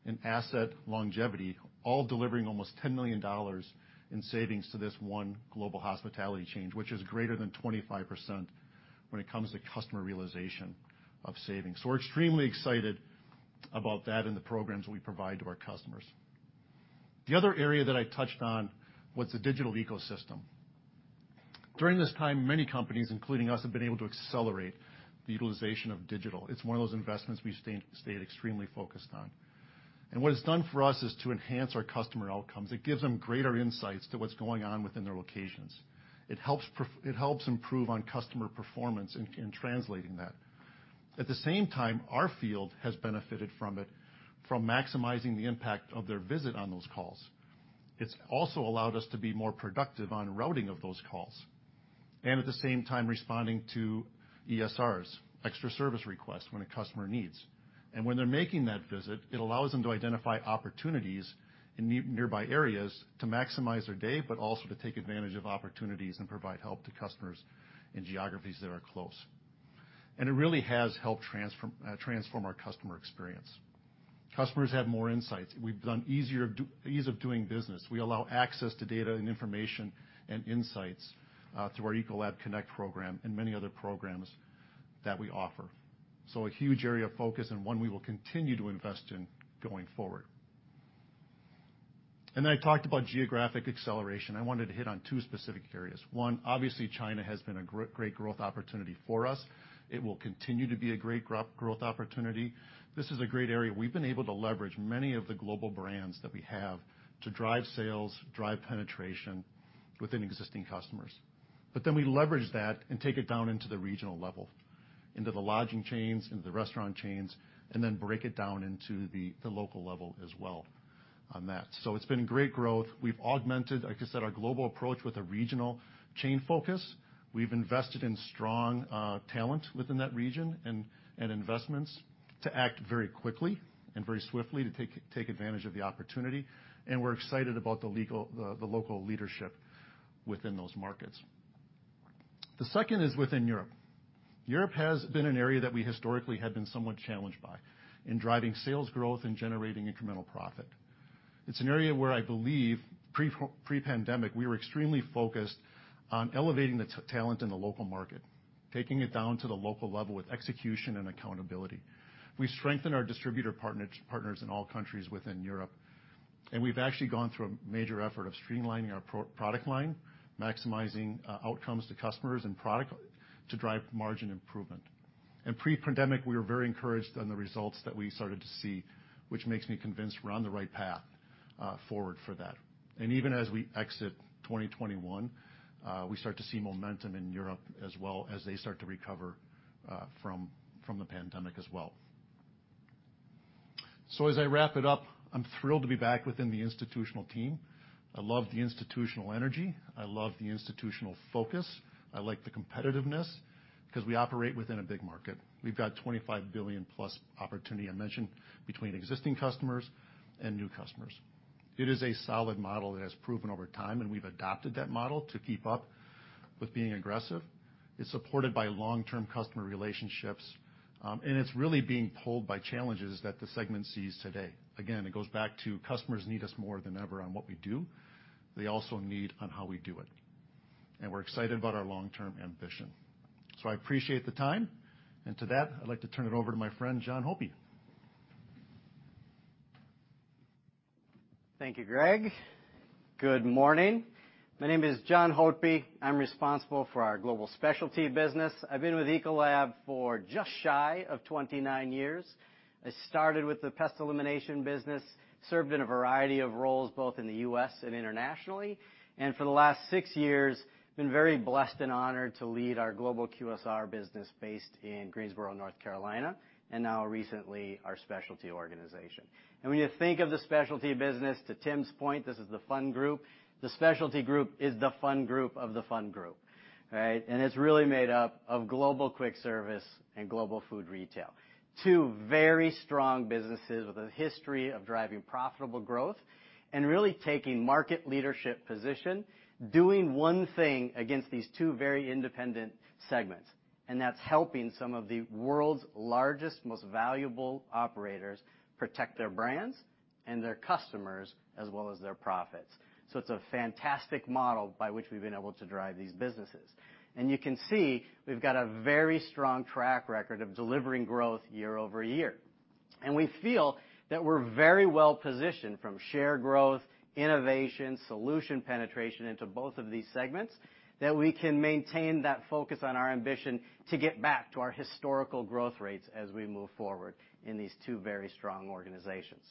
and asset longevity, all delivering almost $10 million in savings to this one global hospitality chain, which is greater than 25% when it comes to customer realization of savings. We're extremely excited about that and the programs we provide to our customers. The other area that I touched on was the digital ecosystem. During this time, many companies, including us, have been able to accelerate the utilization of digital. It's one of those investments we stayed extremely focused on. What it's done for us is to enhance our customer outcomes. It gives them greater insights to what's going on within their locations. It helps improve on customer performance in translating that. At the same time, our field has benefited from it, from maximizing the impact of their visit on those calls. It's also allowed us to be more productive on routing of those calls, and at the same time, responding to ESRs, extra service requests when a customer needs. When they're making that visit, it allows them to identify opportunities in nearby areas to maximize their day, but also to take advantage of opportunities and provide help to customers in geographies that are close. It really has helped transform our customer experience. Customers have more insights. We've done ease of doing business. We allow access to data and information and insights through our Ecolab Connect program and many other programs that we offer. A huge area of focus and one we will continue to invest in going forward. I talked about geographic acceleration. I wanted to hit on two specific areas. One, obviously China has been a great growth opportunity for us. It will continue to be a great growth opportunity. This is a great area. We've been able to leverage many of the global brands that we have to drive sales, drive penetration within existing customers. We leverage that and take it down into the regional level, into the lodging chains, into the restaurant chains, break it down into the local level as well on that. It's been great growth. We've augmented, like I said, our global approach with a regional chain focus. We've invested in strong talent within that region and investments to act very quickly and very swiftly to take advantage of the opportunity, and we're excited about the local leadership within those markets. The second is within Europe. Europe has been an area that we historically had been somewhat challenged by in driving sales growth and generating incremental profit. It's an area where I believe pre-pandemic, we were extremely focused on elevating the talent in the local market, taking it down to the local level with execution and accountability. We strengthened our distributor partners in all countries within Europe, and we've actually gone through a major effort of streamlining our product line, maximizing outcomes to customers and product to drive margin improvement. Pre-pandemic, we were very encouraged on the results that we started to see, which makes me convinced we're on the right path forward for that. Even as we exit 2021, we start to see momentum in Europe as well as they start to recover from the pandemic as well. As I wrap it up, I'm thrilled to be back within the Institutional team. I love the Institutional energy. I love the Institutional focus. I like the competitiveness because we operate within a big market. We've got $25 billion-plus opportunity, I mentioned, between existing customers and new customers. It is a solid model that has proven over time, and we've adopted that model to keep up with being aggressive. It's supported by long-term customer relationships, and it's really being pulled by challenges that the segment sees today. Again, it goes back to customers need us more than ever on what we do. They also need on how we do it. We're excited about our long-term ambition. I appreciate the time. To that, I'd like to turn it over to my friend, Jon Hotepp. Thank you, Greg. Good morning. My name is Jon Hotepp. I'm responsible for our global specialty business. I've been with Ecolab for just shy of 29 years. I started with the pest elimination business, served in a variety of roles, both in the U.S. and internationally, and for the last six years, been very blessed and honored to lead our global QSR business based in Greensboro, North Carolina, and now recently, our specialty organization. When you think of the specialty business, to Tim's point, this is the fun group. The specialty group is the fun group of the fun group, right? It's really made up of global quick service and global food retail. Two very strong businesses with a history of driving profitable growth and really taking market leadership position, doing one thing against these two very independent segments, and that's helping some of the world's largest, most valuable operators protect their brands and their customers, as well as their profits. It's a fantastic model by which we've been able to drive these businesses. You can see we've got a very strong track record of delivering growth year-over-year. We feel that we're very well-positioned from share growth, innovation, solution penetration into both of these segments, that we can maintain that focus on our ambition to get back to our historical growth rates as we move forward in these two very strong organizations.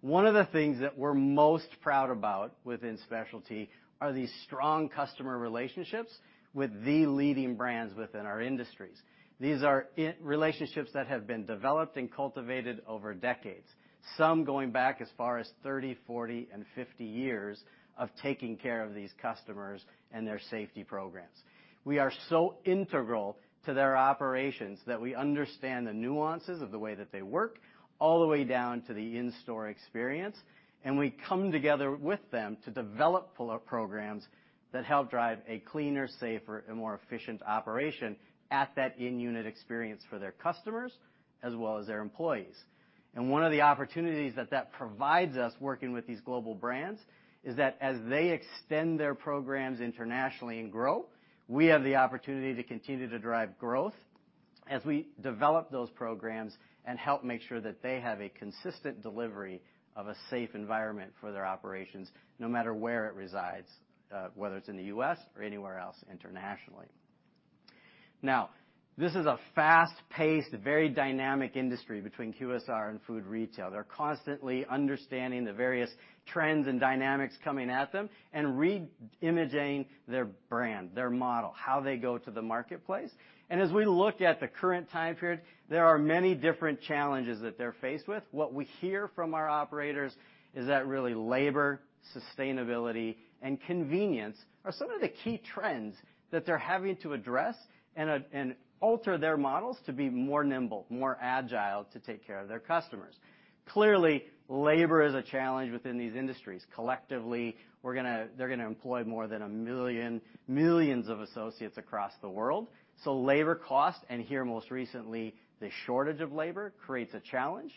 One of the things that we're most proud about within Specialty are the strong customer relationships with the leading brands within our industries. These are relationships that have been developed and cultivated over decades, some going back as far as 30, 40, and 50 years of taking care of these customers and their safety programs. We are so integral to their operations that we understand the nuances of the way that they work, all the way down to the in-store experience, and we come together with them to develop programs that help drive a cleaner, safer, and more efficient operation at that in-unit experience for their customers, as well as their employees. One of the opportunities that provides us working with these global brands is that as they extend their programs internationally and grow, we have the opportunity to continue to drive growth as we develop those programs and help make sure that they have a consistent delivery of a safe environment for their operations, no matter where it resides, whether it's in the U.S. or anywhere else internationally. Now, this is a fast-paced, very dynamic industry between QSR and food retail. They're constantly understanding the various trends and dynamics coming at them and re-imaging their brand, their model, how they go to the marketplace. As we look at the current time period, there are many different challenges that they're faced with. What we hear from our operators is that really labor, sustainability, and convenience are some of the key trends that they're having to address and alter their models to be more nimble, more agile to take care of their customers. Clearly, labor is a challenge within these industries. Collectively, they're gonna employ more than millions of associates across the world. Labor cost, and here, most recently, the shortage of labor, creates a challenge.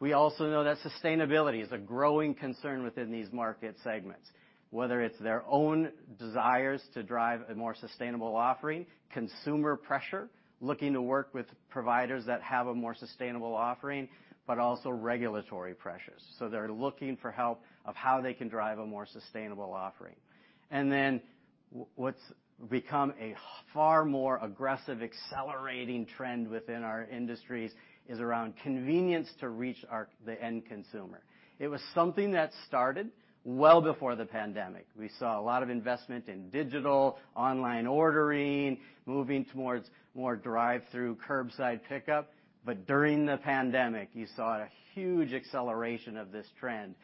We also know that sustainability is a growing concern within these market segments, whether it's their own desires to drive a more sustainable offering, consumer pressure, looking to work with providers that have a more sustainable offering, but also regulatory pressures. They're looking for help of how they can drive a more sustainable offering. What's become a far more aggressive, accelerating trend within our industries is around convenience to reach the end consumer. It was something that started well before the pandemic. We saw a lot of investment in digital, online ordering, moving towards more drive-through, curbside pickup. During the pandemic, you saw a huge acceleration of this trend,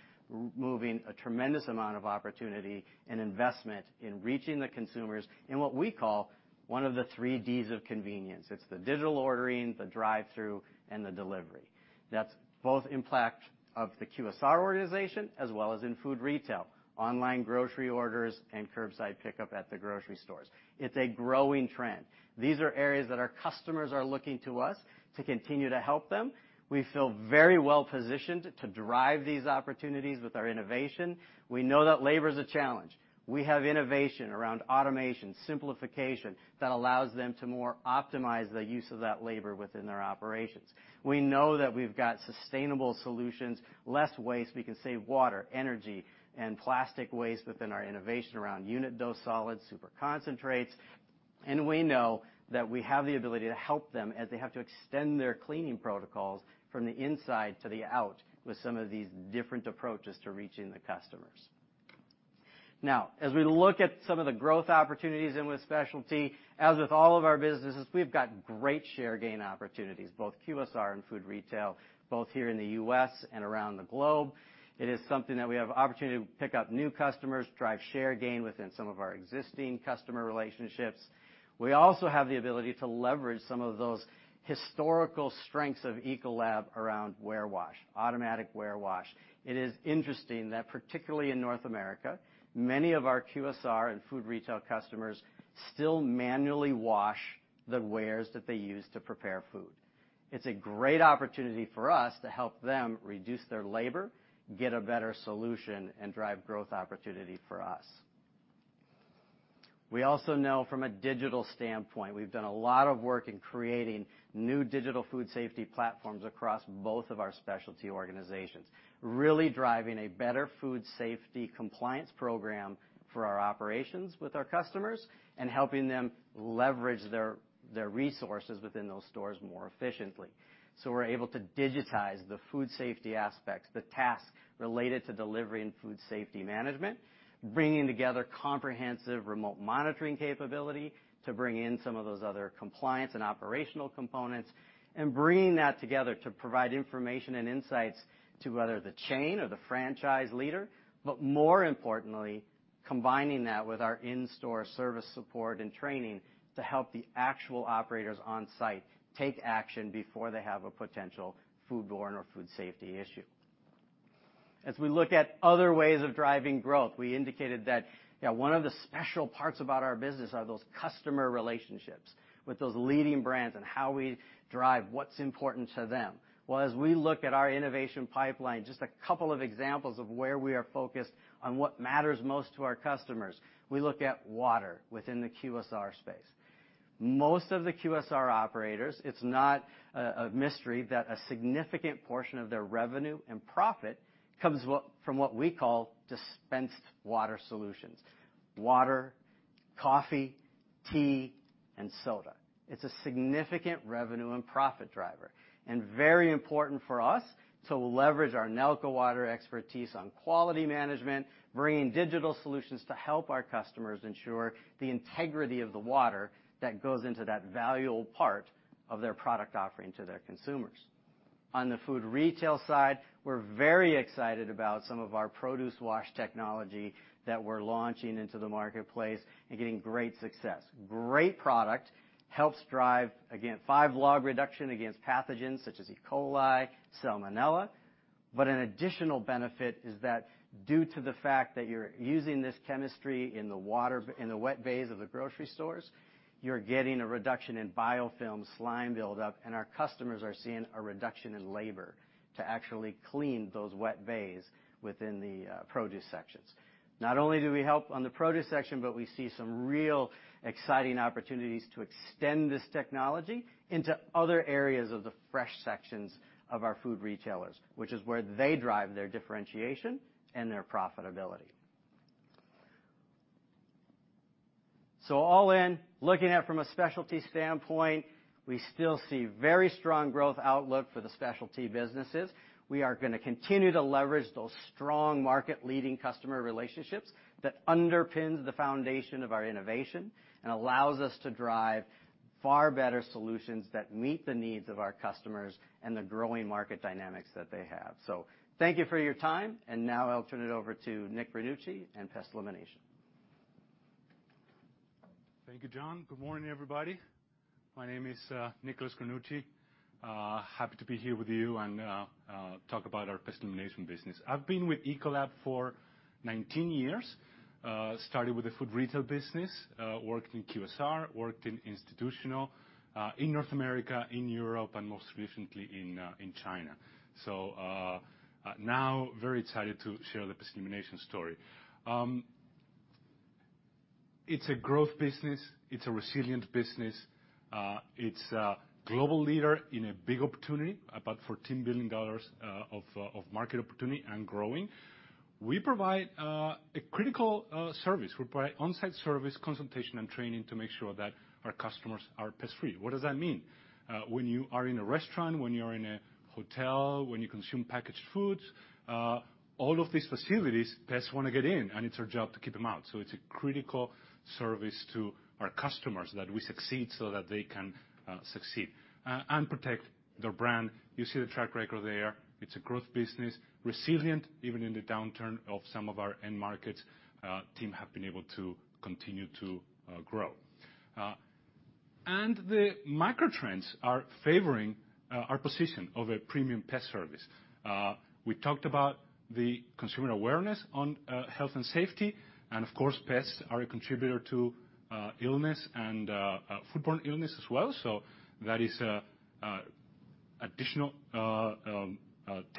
moving a tremendous amount of opportunity and investment in reaching the consumers in what we call one of the three Ds of convenience. It's the digital ordering, the drive-through, and the delivery. That's both impact of the QSR organization, as well as in food retail, online grocery orders, and curbside pickup at the grocery stores. It's a growing trend. These are areas that our customers are looking to us to continue to help them. We feel very well-positioned to drive these opportunities with our innovation. We know that labor is a challenge. We have innovation around automation, simplification that allows them to more optimize the use of that labor within their operations. We know that we've got sustainable solutions, less waste. We can save water, energy, and plastic waste within our innovation around unit dose solids, super concentrates. We know that we have the ability to help them as they have to extend their cleaning protocols from the inside to the out with some of these different approaches to reaching the customers. As we look at some of the growth opportunities in with specialty, as with all of our businesses, we've got great share gain opportunities, both QSR and food retail, both here in the U.S. and around the globe. It is something that we have opportunity to pick up new customers, drive share gain within some of our existing customer relationships. We also have the ability to leverage some of those historical strengths of Ecolab around warewash, automatic warewash. It is interesting that particularly in North America, many of our QSR and food retail customers still manually wash the wares that they use to prepare food. It's a great opportunity for us to help them reduce their labor, get a better solution, and drive growth opportunity for us. We also know from a digital standpoint, we've done a lot of work in creating new digital food safety platforms across both of our specialty organizations, really driving a better food safety compliance program for our operations with our customers and helping them leverage their resources within those stores more efficiently. We're able to digitize the food safety aspects, the task related to delivering food safety management, bringing together comprehensive remote monitoring capability to bring in some of those other compliance and operational components, and bringing that together to provide information and insights to either the chain or the franchise leader. More importantly, combining that with our in-store service support and training to help the actual operators on site take action before they have a potential foodborne or food safety issue. As we look at other ways of driving growth, we indicated that one of the special parts about our business are those customer relationships with those leading brands and how we drive what's important to them. Well, as we look at our innovation pipeline, just a couple of examples of where we are focused on what matters most to our customers. We look at water within the QSR space. Most of the QSR operators, it's not a mystery that a significant portion of their revenue and profit comes from what we call dispensed water solutions, water, coffee, tea, and soda. It's a significant revenue and profit driver, very important for us to leverage our Nalco Water expertise on quality management, bringing digital solutions to help our customers ensure the integrity of the water that goes into that valuable part of their product offering to their consumers. On the food retail side, we're very excited about some of our produce wash technology that we're launching into the marketplace and getting great success. Great product, helps drive, again, five log reduction against pathogens such as E. coli, Salmonella. An additional benefit is that due to the fact that you're using this chemistry in the wet bays of the grocery stores, you're getting a reduction in biofilm slime buildup, and our customers are seeing a reduction in labor to actually clean those wet bays within the produce sections. Not only do we help on the produce section, but we see some real exciting opportunities to extend this technology into other areas of the fresh sections of our food retailers, which is where they drive their differentiation and their profitability. All in, looking at from a specialty standpoint, we still see very strong growth outlook for the specialty businesses. We are going to continue to leverage those strong market-leading customer relationships that underpins the foundation of our innovation and allows us to drive far better solutions that meet the needs of our customers and the growing market dynamics that they have. Thank you for your time, and now I'll turn it over to Nick Granucci of Pest Elimination. Thank you, John. Good morning, everybody. My name is Nicolas Granucci. Happy to be here with you and talk about our pest elimination business. I've been with Ecolab for 19 years. Started with the food retail business, worked in QSR, worked in institutional, in North America, in Europe, and most recently in China. Now very excited to share the pest elimination story. It's a growth business. It's a resilient business. It's a global leader in a big opportunity, about $14 billion of market opportunity and growing. We provide a critical service. We provide on-site service, consultation, and training to make sure that our customers are pest-free. What does that mean? When you are in a restaurant, when you're in a hotel, when you consume packaged foods, all of these facilities, pests want to get in, and it's our job to keep them out. It's a critical service to our customers that we succeed so that they can succeed and protect their brand. You see the track record there. It's a growth business, resilient, even in the downturn of some of our end markets. Team have been able to continue to grow. The macro trends are favoring our position of a premium pest service. We talked about the consumer awareness on health and safety, and of course, pests are a contributor to illness and foodborne illness as well. That is additional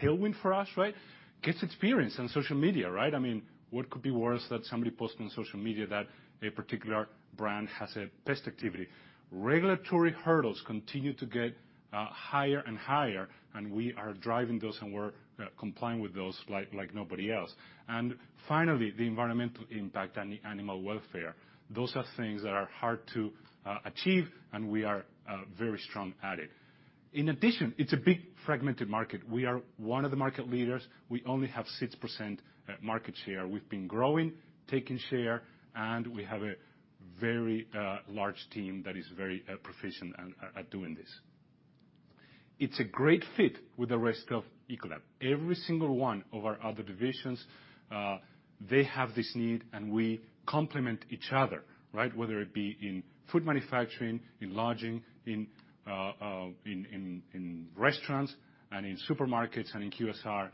tailwind for us, right? Guest experience on social media, right? I mean, what could be worse that somebody posts on social media that a particular brand has a pest activity? Regulatory hurdles continue to get higher and higher, and we are driving those and we're complying with those like nobody else. Finally, the environmental impact on the animal welfare. Those are things that are hard to achieve, and we are very strong at it. In addition, it's a big fragmented market. We are one of the market leaders. We only have six percent market share. We've been growing, taking share, and we have a very large team that is very proficient at doing this. It's a great fit with the rest of Ecolab. Every single one of our other divisions, they have this need, and we complement each other, right? Whether it be in food manufacturing, in lodging, in restaurants, and in supermarkets, and in QSR.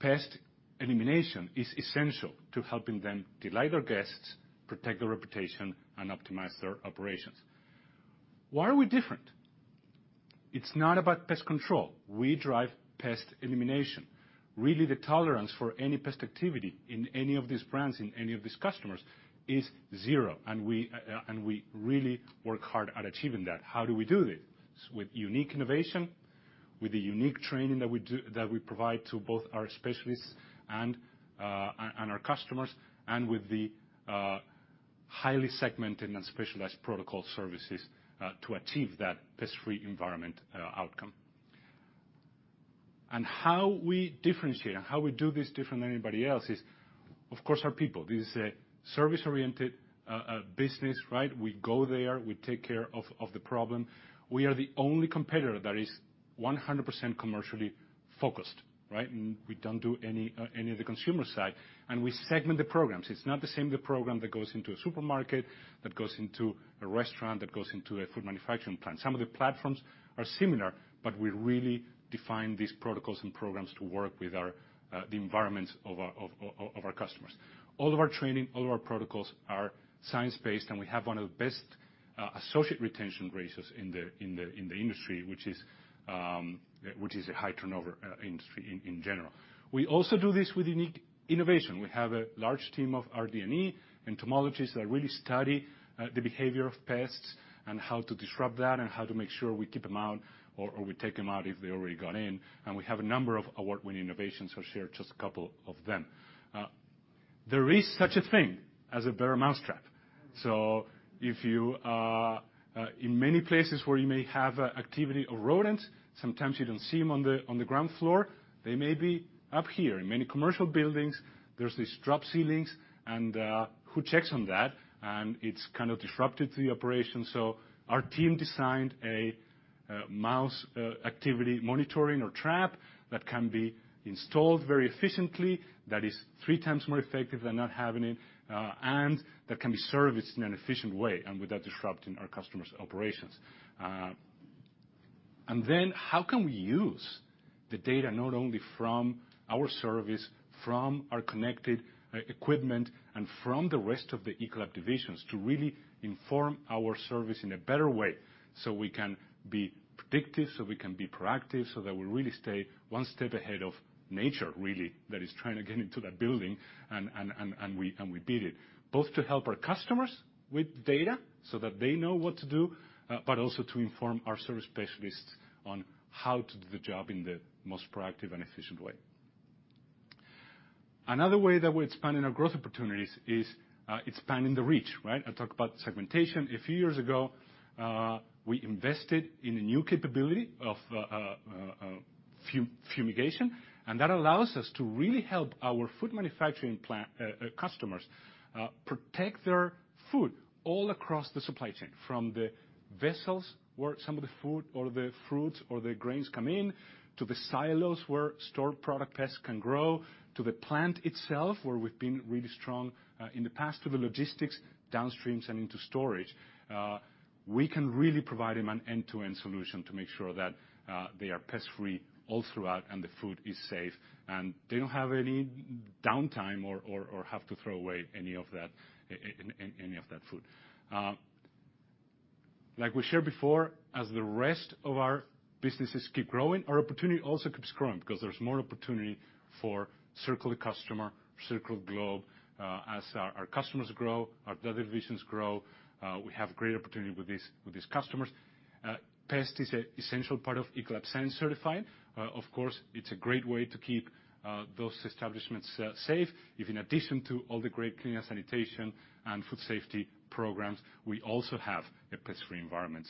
Pest elimination is essential to helping them delight our guests, protect their reputation, and optimize their operations. Why are we different? It's not about pest control. We drive Pest elimination. Really, the tolerance for any pest activity in any of these brands, in any of these customers is zero. We really work hard at achieving that. How do we do it? With unique innovation, with the unique training that we provide to both our specialists and our customers and with the highly segmented and specialized protocol services to achieve that pest-free environment outcome. How we differentiate and how we do this different than anybody else is, of course, our people. This is a service-oriented business, right? We go there, we take care of the problem. We are the only competitor that is 100% commercially focused, right? We don't do any of the consumer side. We segment the programs. It's not the same program that goes into a supermarket, that goes into a restaurant, that goes into a food manufacturing plant. Some of the platforms are similar, but we really define these protocols and programs to work with the environments of our customers. All of our training, all of our protocols are science-based, and we have one of the best associate retention rates in the industry, which is a high turnover industry in general. We also do this with unique innovation. We have a large team of RD&E entomologists that really study the behavior of pests and how to disrupt that and how to make sure we keep them out or we take them out if they already got in. We have a number of award-winning innovations. I'll share just a couple of them. There is such a thing as a better mousetrap. In many places where you may have activity of rodents, sometimes you don't see them on the ground floor, they may be up here. In many commercial buildings, there's these drop ceilings, and who checks on that? It's kind of disrupted the operation. Our team designed a mouse activity monitoring or trap that can be installed very efficiently, that is three times more effective than not having it, and that can be serviced in an efficient way and without disrupting our customers' operations. How can we use the data not only from our service, from our connected equipment, and from the rest of the Ecolab divisions to really inform our service in a better way so we can be predictive, so we can be proactive, so that we really stay one step ahead of nature, really, that is trying to get into that building, and we beat it. Both to help our customers with data so that they know what to do, but also to inform our service specialists on how to do the job in the most proactive and efficient way. Another way that we're expanding our growth opportunities is expanding the reach, right? I talked about segmentation. A few years ago, we invested in a new capability of fumigation, and that allows us to really help our food manufacturing plant customers protect their food all across the supply chain, from the vessels where some of the food or the fruits or the grains come in, to the silos where stored product pests can grow, to the plant itself, where we've been really strong in the past, to the logistics downstream, sending to storage. We can really provide them an end-to-end solution to make sure that they are pest-free all throughout and the food is safe, and they don't have any downtime or have to throw away any of that food. Like we shared before, as the rest of our businesses keep growing, our opportunity also keeps growing because there's more opportunity for circle the customer, circle the globe. As our customers grow, our other divisions grow, we have great opportunity with these customers. Pest is an essential part of Ecolab Science Certified. Of course, it's a great way to keep those establishments safe if in addition to all the great cleaning and sanitation and food safety programs, we also have a pest-free environment.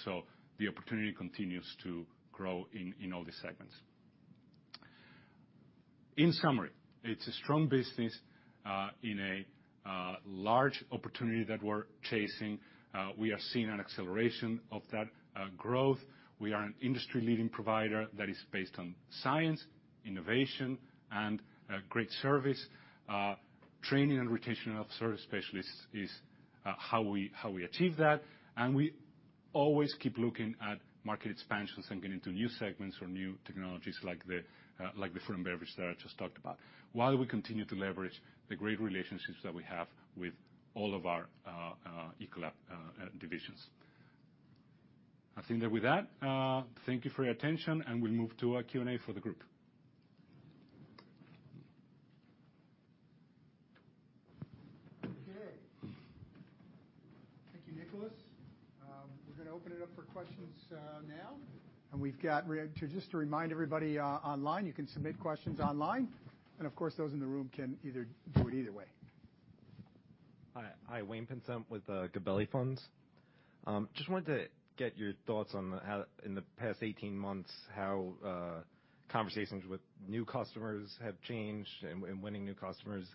The opportunity continues to grow in all the segments. In summary, it's a strong business in a large opportunity that we're chasing. We are seeing an acceleration of that growth. We are an industry-leading provider that is based on science, innovation, and great service. Training and rotational service specialists is how we achieve that. We always keep looking at market expansions and getting into new segments or new technologies like the Food & Beverage that I just talked about while we continue to leverage the great relationships that we have with all of our Ecolab divisions. I think that with that, thank you for your attention, and we'll move to a Q&A for the group. Okay. Thank you, Nicolas. We're going to open it up for questions now. Just to remind everybody online, you can submit questions online and of course, those in the room can do it either way. Hi, Wayne Pinsent with Gabelli Funds. Just wanted to get your thoughts on how in the past 18 months, how conversations with new customers have changed and winning new customers,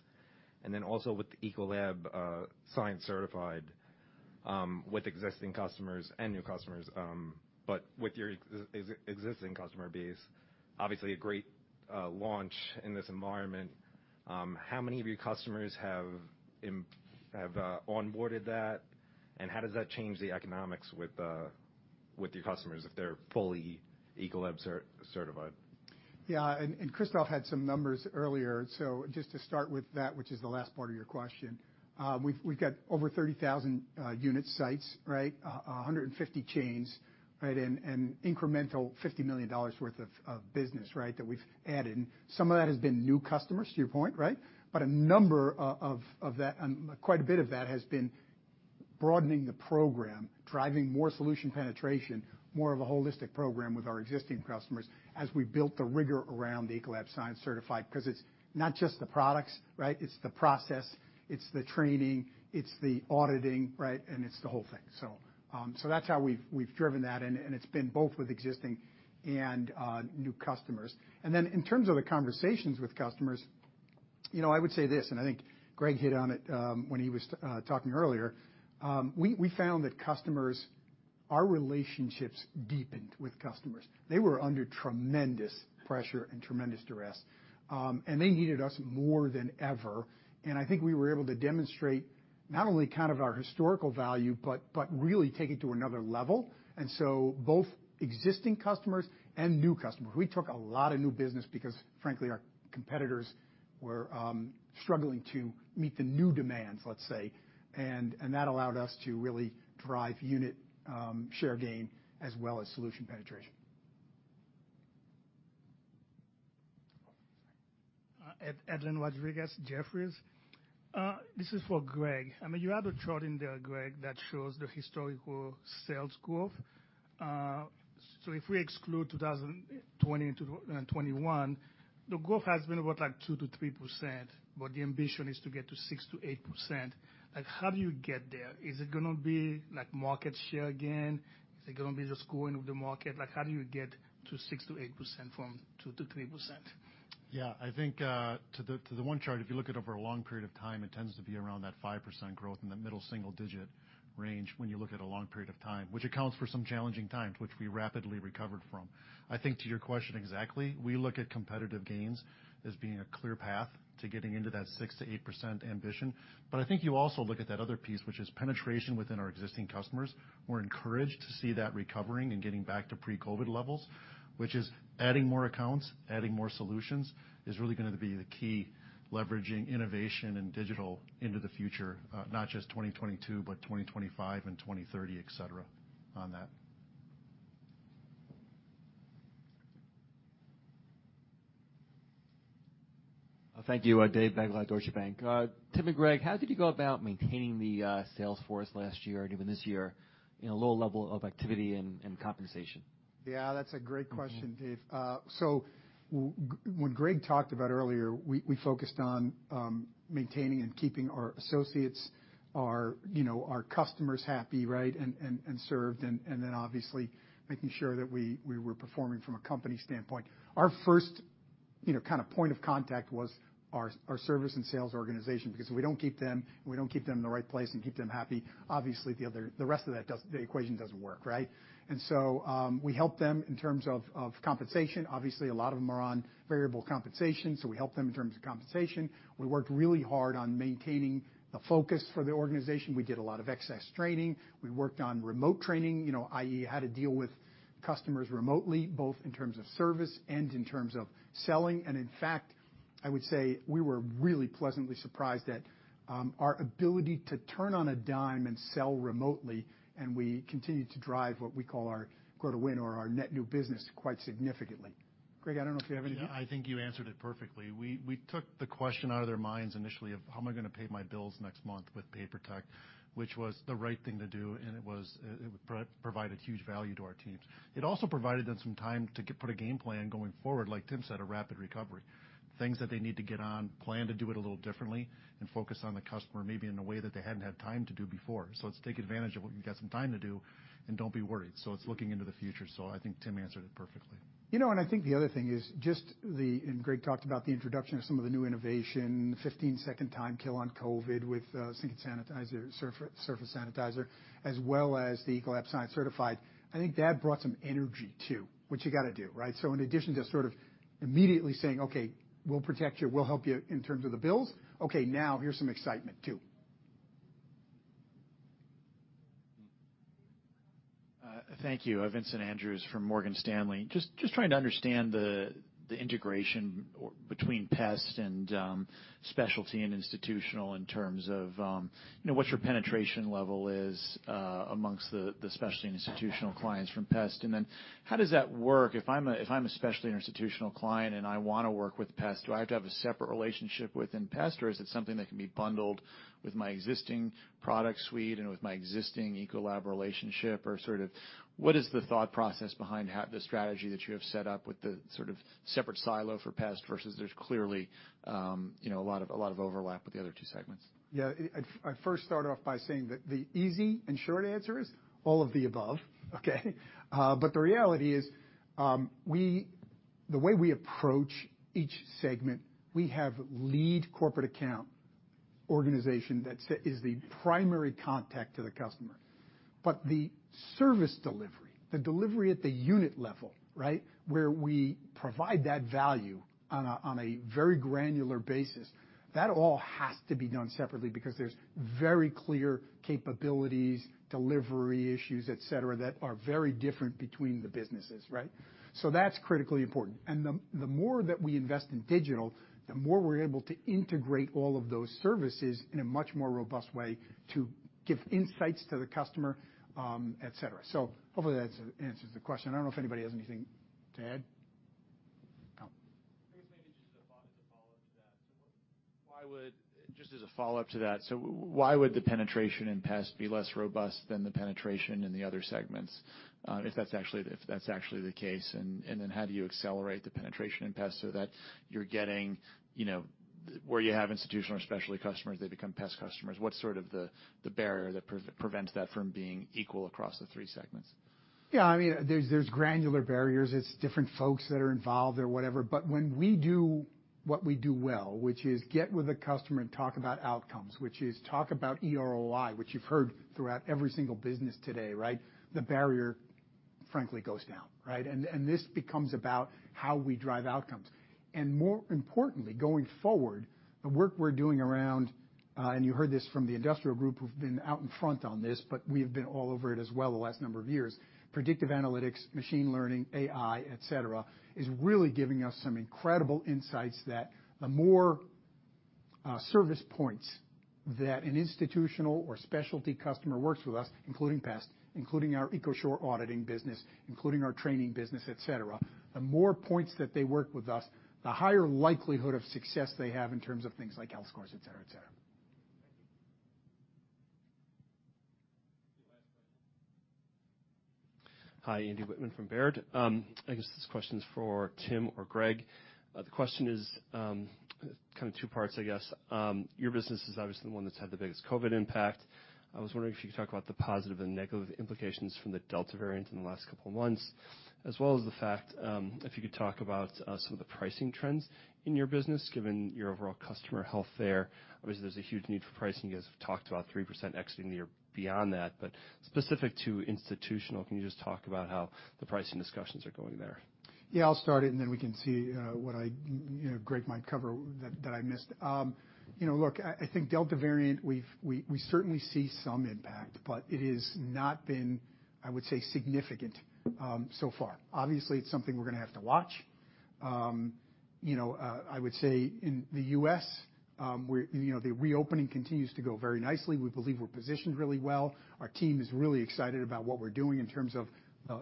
and then also with Ecolab Science Certified, with existing customers and new customers, but with your existing customer base. Obviously a great launch in this environment. How many of your customers have onboarded that, and how does that change the economics with your customers if they're fully Ecolab certified? Yeah. Christophe had some numbers earlier. Just to start with that, which is the last part of your question. We've got over 30,000 unit sites, right? 150 chains, and incremental $50 million worth of business that we've added. Some of that has been new customers, to your point, right? A number of that, and quite a bit of that has been broadening the program, driving more solution penetration, more of a holistic program with our existing customers as we built the rigor around the Ecolab Science Certified because it's not just the products, right? It's the process, it's the training, it's the auditing, and it's the whole thing. That's how we've driven that, and it's been both with existing and new customers. In terms of the conversations with customers, I would say this, and I think Greg hit on it when he was talking earlier. We found that our relationships deepened with customers. They were under tremendous pressure and tremendous duress. They needed us more than ever. I think we were able to demonstrate not only kind of our historical value, but really take it to another level. Both existing customers and new customers. We took a lot of new business because, frankly, our competitors were struggling to meet the new demands, let's say. That allowed us to really drive unit share gain as well as solution penetration. Edlain Rodriguez, Jefferies. This is for Greg. You have a chart in there, Greg, that shows the historical sales growth. If we exclude 2020 and 2021, the growth has been about two to three percent, but the ambition is to get to six to eight percent. How do you get there? Is it going to be market share again? Is it going to be just growing with the market? How do you get to six to eight percent from two to three percent? I think, to the one chart, if you look at it over a long period of time, it tends to be around that five percent growth in the middle single-digit range when you look at a long period of time, which accounts for some challenging times, which we rapidly recovered from. I think to your question exactly, we look at competitive gains as being a clear path to getting into that six to eight percent ambition. I think you also look at that other piece, which is penetration within our existing customers. We're encouraged to see that recovering and getting back to pre-COVID levels, which is adding more accounts, adding more solutions, is really going to be the key, leveraging innovation and digital into the future. Not just 2022, but 2025 and 2030, et cetera, on that. Thank you. David Begleiter, Deutsche Bank. Tim and Greg, how did you go about maintaining the sales force last year and even this year in a lower level of activity and compensation? Yeah, that's a great question, Dave. When Greg talked about earlier, we focused on maintaining and keeping our associates, our customers happy, and served, and then obviously making sure that we were performing from a company standpoint. Our first kind of point of contact was our service and sales organization, because if we don't keep them in the right place and keep them happy, obviously the rest of the equation doesn't work, right? We help them in terms of compensation. Obviously, a lot of them are on variable compensation, so we help them in terms of compensation. We worked really hard on maintaining the focus for the organization. We did a lot of excess training. We worked on remote training, i.e., how to deal with customers remotely, both in terms of service and in terms of selling. In fact, I would say we were really pleasantly surprised at our ability to turn on a dime and sell remotely. We continued to drive what we call our quarter win or our net new business quite significantly. Greg, I don't know if you have anything to add. I think you answered it perfectly. We took the question out of their minds initially of, "How am I going to pay my bills next month with Papertec?" Which was the right thing to do, and it provided huge value to our teams. It also provided them some time to put a game plan going forward, like Tim said, a rapid recovery. Things that they need to get on plan to do it a little differently and focus on the customer maybe in a way that they hadn't had time to do before. Let's take advantage of what we've got some time to do and don't be worried. It's looking into the future. I think Tim answered it perfectly. I think the other thing is just the, and Greg talked about the introduction of some of the new innovation, the 15-second time kill on COVID with Sink & Surface Cleaner Sanitizer, as well as the Ecolab Science Certified. I think that brought some energy, too, which you got to do, right? In addition to sort of immediately saying, "Okay, we'll protect you, we'll help you in terms of the bills. Okay, now here's some excitement, too. Thank you. Vincent Andrews from Morgan Stanley. Trying to understand the integration between Pest and Specialty and Institutional in terms of what your penetration level is amongst the Specialty Institutional clients from Pest. How does that work? If I'm a Specialty Institutional client and I want to work with Pest, do I have to have a separate relationship within Pest, or is it something that can be bundled with my existing product suite and with my existing Ecolab relationship? What is the thought process behind the strategy that you have set up with the separate silo for Pest versus there's clearly a lot of overlap with the other two segments? Yeah. I'd first start off by saying that the easy and short answer is all of the above. Okay. The reality is, the way we approach each segment, we have lead corporate account organization that is the primary contact to the customer. The service delivery, the delivery at the unit level where we provide that value on a very granular basis, that all has to be done separately because there are very clear capabilities, delivery issues, et cetera, that are very different between the businesses, right? That's critically important. The more that we invest in digital, the more we're able to integrate all of those services in a much more robust way to give insights to the customer, et cetera. Hopefully that answers the question. I don't know if anybody has anything to add. No. I guess maybe just as a follow-up to that, why would the penetration in Pest be less robust than the penetration in the other segments, if that's actually the case? How do you accelerate the penetration in Pest so that you're getting, where you have institutional or specialty customers, they become Pest customers? What's sort of the barrier that prevents that from being equal across the three segments? Yeah, there's granular barriers. It's different folks that are involved or whatever, but when we do what we do well, which is get with a customer and talk about outcomes, which is talk about eROI, which you've heard throughout every single business today, the barrier frankly goes down. This becomes about how we drive outcomes. More importantly, going forward, the work we're doing around, and you heard this from the Industrial Group who've been out in front on this, but we've been all over it as well the last number of years, predictive analytics, machine learning, AI, et cetera, is really giving us some incredible insights that the more service points that an institutional or specialty customer works with us, including pest, including our EcoSure auditing business, including our training business, et cetera, the more points that they work with us, the higher likelihood of success they have in terms of things like health scores, et cetera. Thank you. The last question. Hi, Andy Wittmann from Baird. I guess this question's for Tim or Greg. The question is kind of two parts, I guess. Your business is obviously the one that's had the biggest COVID-19 impact. I was wondering if you could talk about the positive and negative implications from the Delta variant in the last couple of months, as well as the fact, if you could talk about some of the pricing trends in your business, given your overall customer health there. Obviously, there's a huge need for pricing. You guys have talked about three percent exiting the year beyond that. Specific to Institutional, can you just talk about how the pricing discussions are going there? Yeah, I'll start it, and then we can see what Gregg might cover that I missed. Look, I think Delta variant, we certainly see some impact, but it has not been, I would say, significant so far. Obviously, it's something we're going to have to watch. I would say in the U.S., the reopening continues to go very nicely. We believe we're positioned really well. Our team is really excited about what we're doing in terms of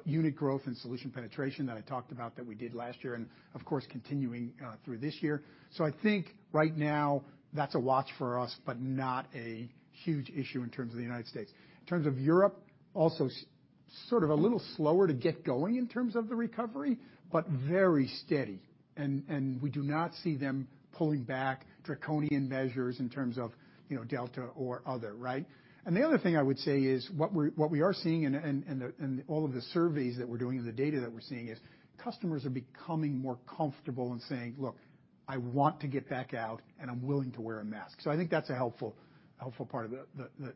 unit growth and solution penetration that I talked about that we did last year and, of course, continuing through this year. I think right now that's a watch for us, but not a huge issue in terms of the United States. In terms of Europe, also sort of a little slower to get going in terms of the recovery, but very steady. We do not see them pulling back draconian measures in terms of Delta or other. The other thing I would say is what we're seeing in all of the surveys that we're doing and the data that we're seeing is customers are becoming more comfortable and saying, "Look, I want to get back out, and I'm willing to wear a mask." I think that's a helpful part of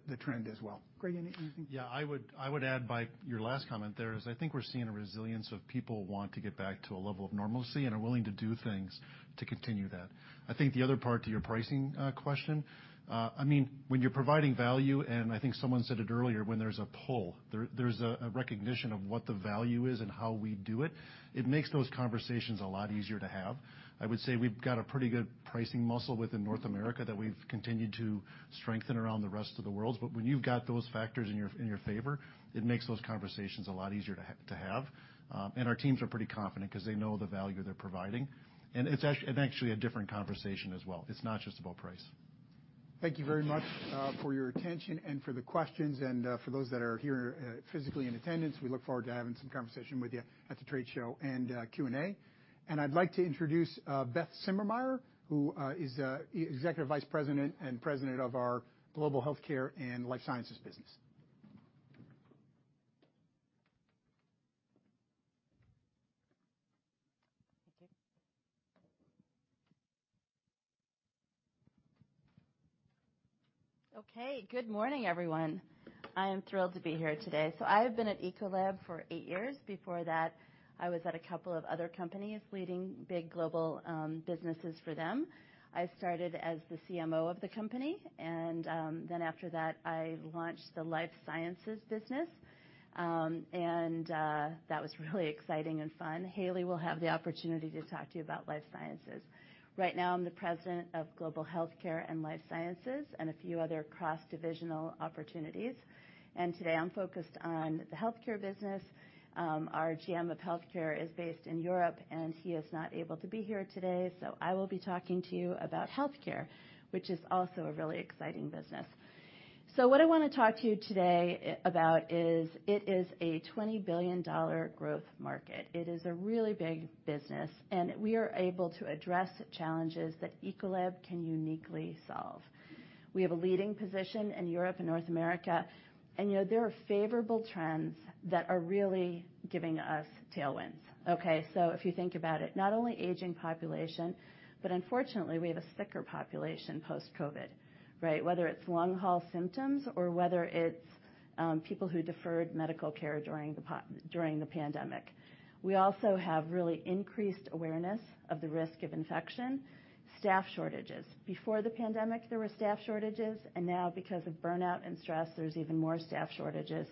the trend as well. Greg, anything? Yeah, I would add by your last comment there is I think we're seeing a resilience of people want to get back to a level of normalcy and are willing to do things to continue that. I think the other part to your pricing question, when you're providing value, and I think someone said it earlier, when there's a pull, there's a recognition of what the value is and how we do it. It makes those conversations a lot easier to have. I would say we've got a pretty good pricing muscle within North America that we've continued to strengthen around the rest of the world. When you've got those factors in your favor, it makes those conversations a lot easier to have. Our teams are pretty confident because they know the value they're providing. It's actually a different conversation as well. It's not just about price. Thank you very much for your attention and for the questions and for those that are here physically in attendance. We look forward to having some conversation with you at the trade show and Q&A. I'd like to introduce Elizabeth Simermeyer, who is Executive Vice President and President of our Global Healthcare and Life Sciences business. Good morning, everyone. I am thrilled to be here today. I have been at Ecolab for eight years. Before that, I was at a couple of other companies leading big global businesses for them. I started as the CMO of the company, and then after that, I launched the life sciences business, and that was really exciting and fun. Hayley Crowe will have the opportunity to talk to you about life sciences. Right now, I'm the President of Global Healthcare and Life Sciences and a few other cross-divisional opportunities. Today I'm focused on the healthcare business. Our GM of healthcare is based in Europe, and he is not able to be here today. I will be talking to you about healthcare, which is also a really exciting business. What I want to talk to you today about is it is a $20 billion growth market. It is a really big business, and we are able to address challenges that Ecolab can uniquely solve. We have a leading position in Europe and North America, and there are favorable trends that are really giving us tailwinds. Okay, if you think about it, not only aging population, but unfortunately, we have a sicker population post-COVID, right? Whether it's long-haul symptoms or whether it's people who deferred medical care during the pandemic. We also have really increased awareness of the risk of infection. Staff shortages. Before the pandemic, there were staff shortages, and now because of burnout and stress, there's even more staff shortages.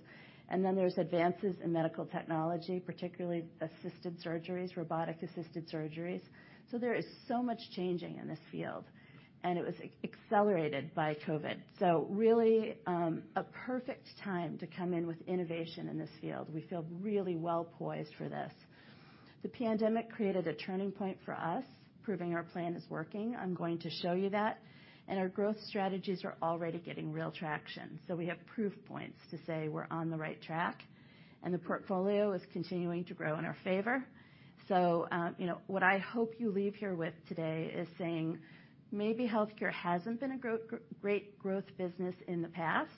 Then there's advances in medical technology, particularly assisted surgeries, robotic-assisted surgeries. There is so much changing in this field, and it was accelerated by COVID. Really, a perfect time to come in with innovation in this field. We feel really well poised for this. The pandemic created a turning point for us, proving our plan is working. I'm going to show you that. Our growth strategies are already getting real traction, so we have proof points to say we're on the right track, and the portfolio is continuing to grow in our favor. What I hope you leave here with today is saying, maybe healthcare hasn't been a great growth business in the past,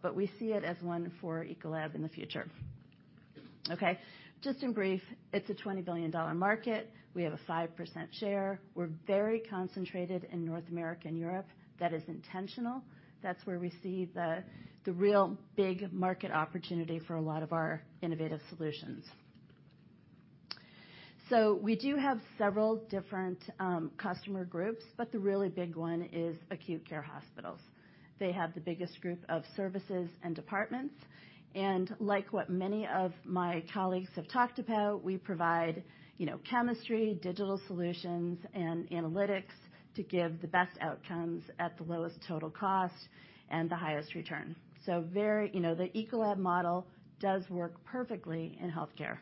but we see it as one for Ecolab in the future. Okay. Just in brief, it's a $20 billion market. We have a 5% share. We're very concentrated in North America and Europe. That is intentional. That's where we see the real big market opportunity for a lot of our innovative solutions. We do have several different customer groups, but the really big one is acute care hospitals. They have the biggest group of services and departments, and like what many of my colleagues have talked about, we provide chemistry, digital solutions, and analytics to give the best outcomes at the lowest total cost and the highest return. The Ecolab model does work perfectly in healthcare.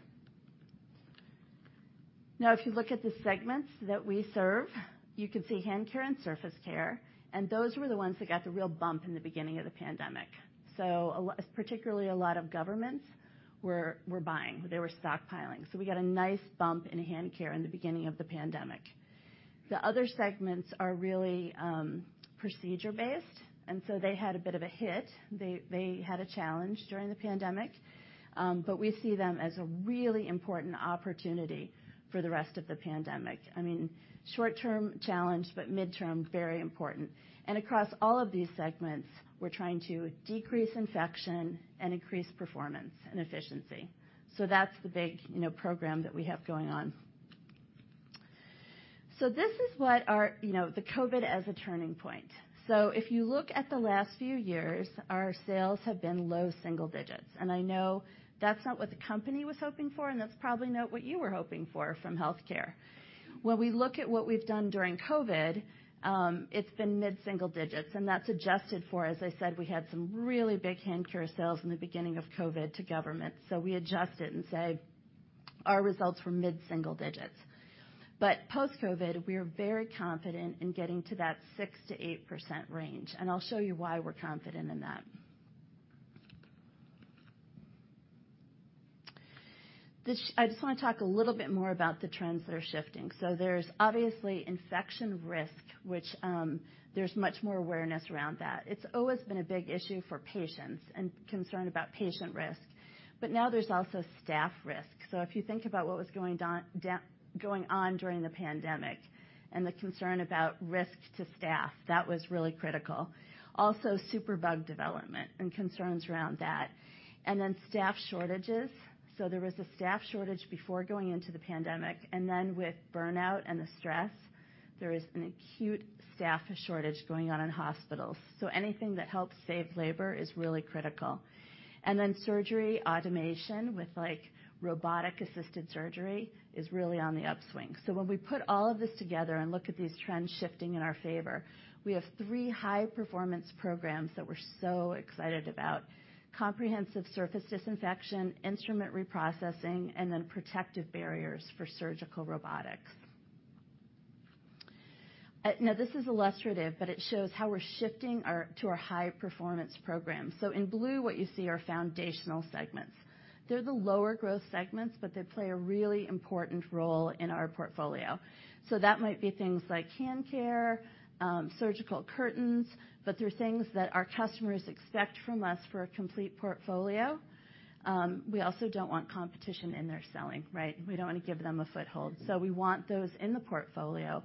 Now, if you look at the segments that we serve, you can see hand care and surface care, and those were the ones that got the real bump in the beginning of the pandemic. Particularly a lot of governments were buying. They were stockpiling. We got a nice bump in hand care in the beginning of the pandemic. The other segments are really procedure-based, and so they had a bit of a hit. They had a challenge during the pandemic, but we see them as a really important opportunity for the rest of the pandemic. I mean, short-term challenge, but mid-term, very important. Across all of these segments, we're trying to decrease infection and increase performance and efficiency. That's the big program that we have going on. This is the COVID as a turning point. If you look at the last few years, our sales have been low single digits. I know that's not what the company was hoping for, and that's probably not what you were hoping for from healthcare. When we look at what we've done during COVID, it's been mid-single digits, and that's adjusted for, as I said, we had some really big hand care sales in the beginning of COVID to government. We adjust it and say our results were mid-single digits. Post-COVID, we are very confident in getting to that six to eight percent range, and I'll show you why we're confident in that. I just want to talk a little bit more about the trends that are shifting. There's obviously infection risk, which there's much more awareness around that. It's always been a big issue for patients and concern about patient risk. Now there's also staff risk. If you think about what was going on during the pandemic and the concern about risk to staff, that was really critical. Also, superbug development and concerns around that. Staff shortages. There was a staff shortage before going into the pandemic, and then with burnout and the stress, there is an acute staff shortage going on in hospitals. Anything that helps save labor is really critical. Surgery automation with robotic-assisted surgery is really on the upswing. When we put all of this together and look at these trends shifting in our favor, we have three high-performance programs that we're so excited about. Comprehensive surface disinfection, instrument reprocessing, and protective barriers for surgical robotics. This is illustrative, but it shows how we're shifting to our high-performance program. In blue, what you see are foundational segments. They're the lower growth segments, but they play a really important role in our portfolio. That might be things like hand care, surgical curtains, but they're things that our customers expect from us for a complete portfolio. We also don't want competition in their selling, right? We don't want to give them a foothold. We want those in the portfolio.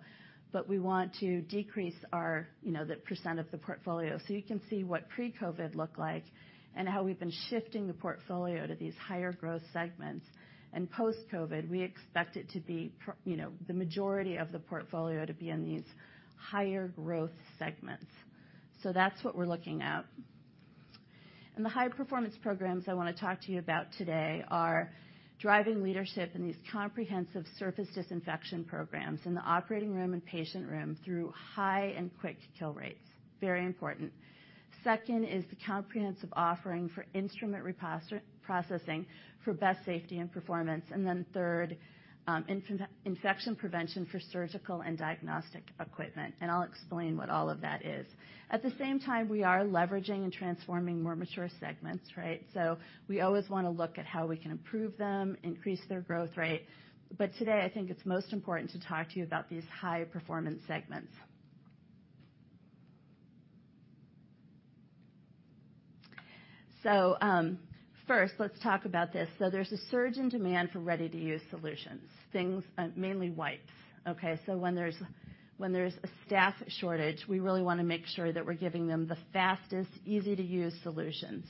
We want to decrease the percent of the portfolio. You can see what pre-COVID looked like and how we've been shifting the portfolio to these higher growth segments. Post-COVID, we expect the majority of the portfolio to be in these higher growth segments. That's what we're looking at. The high-performance programs I want to talk to you about today are driving leadership in these comprehensive surface disinfection programs in the operating room and patient room through high and quick kill rates. Very important. Second is the comprehensive offering for instrument reprocessing for best safety and performance. Third, infection prevention for surgical and diagnostic equipment. I'll explain what all of that is. At the same time, we are leveraging and transforming more mature segments, right? We always want to look at how we can improve them, increase their growth rate. Today, I think it's most important to talk to you about these high-performance segments. First, let's talk about this. There's a surge in demand for ready-to-use solutions, mainly wipes. Okay? When there's a staff shortage, we really want to make sure that we're giving them the fastest, easy-to-use solutions.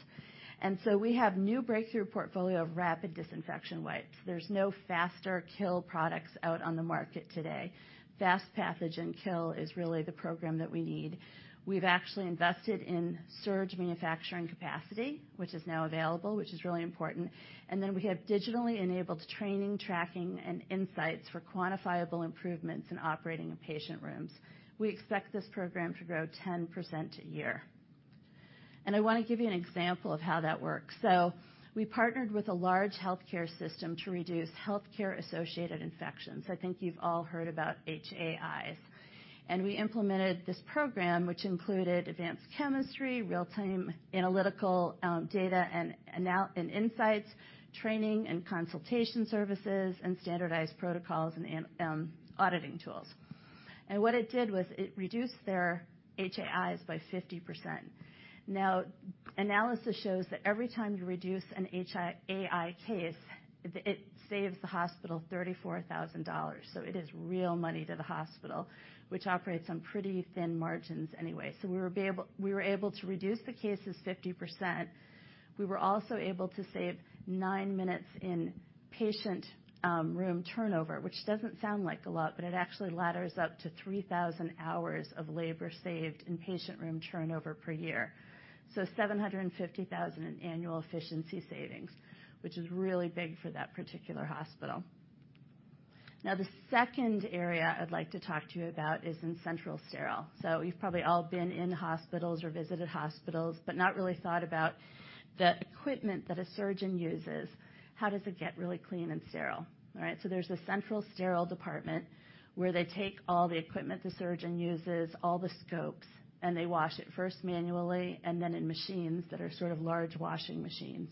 We have new breakthrough portfolio of rapid disinfection wipes. There's no faster kill products out on the market today. Fast pathogen kill is really the program that we need. We've actually invested in surge manufacturing capacity, which is now available, which is really important. We have digitally enabled training, tracking, and insights for quantifiable improvements in operating and patient rooms. We expect this program to grow 10% a year. I want to give you an example of how that works. We partnered with a large healthcare system to reduce Healthcare-Associated Infections. I think you've all heard about HAIs. We implemented this program, which included advanced chemistry, real-time analytical data and insights, training and consultation services, and standardized protocols and auditing tools. What it did was it reduced their HAIs by 50%. Now, analysis shows that every time you reduce an HAI case, it saves the hospital $34,000. It is real money to the hospital, which operates on pretty thin margins anyway. We were able to reduce the cases 50%. We were also able to save nine minutes in patient room turnover, which doesn't sound like a lot, but it actually ladders up to 3,000 hours of labor saved in patient room turnover per year. $750,000 in annual efficiency savings, which is really big for that particular hospital. Now, the second area I'd like to talk to you about is in central sterile. You've probably all been in hospitals or visited hospitals, but not really thought about the equipment that a surgeon uses. How does it get really clean and sterile? All right. There's a central sterile department where they take all the equipment the surgeon uses, all the scopes, and they wash it, first manually, and then in machines that are sort of large washing machines.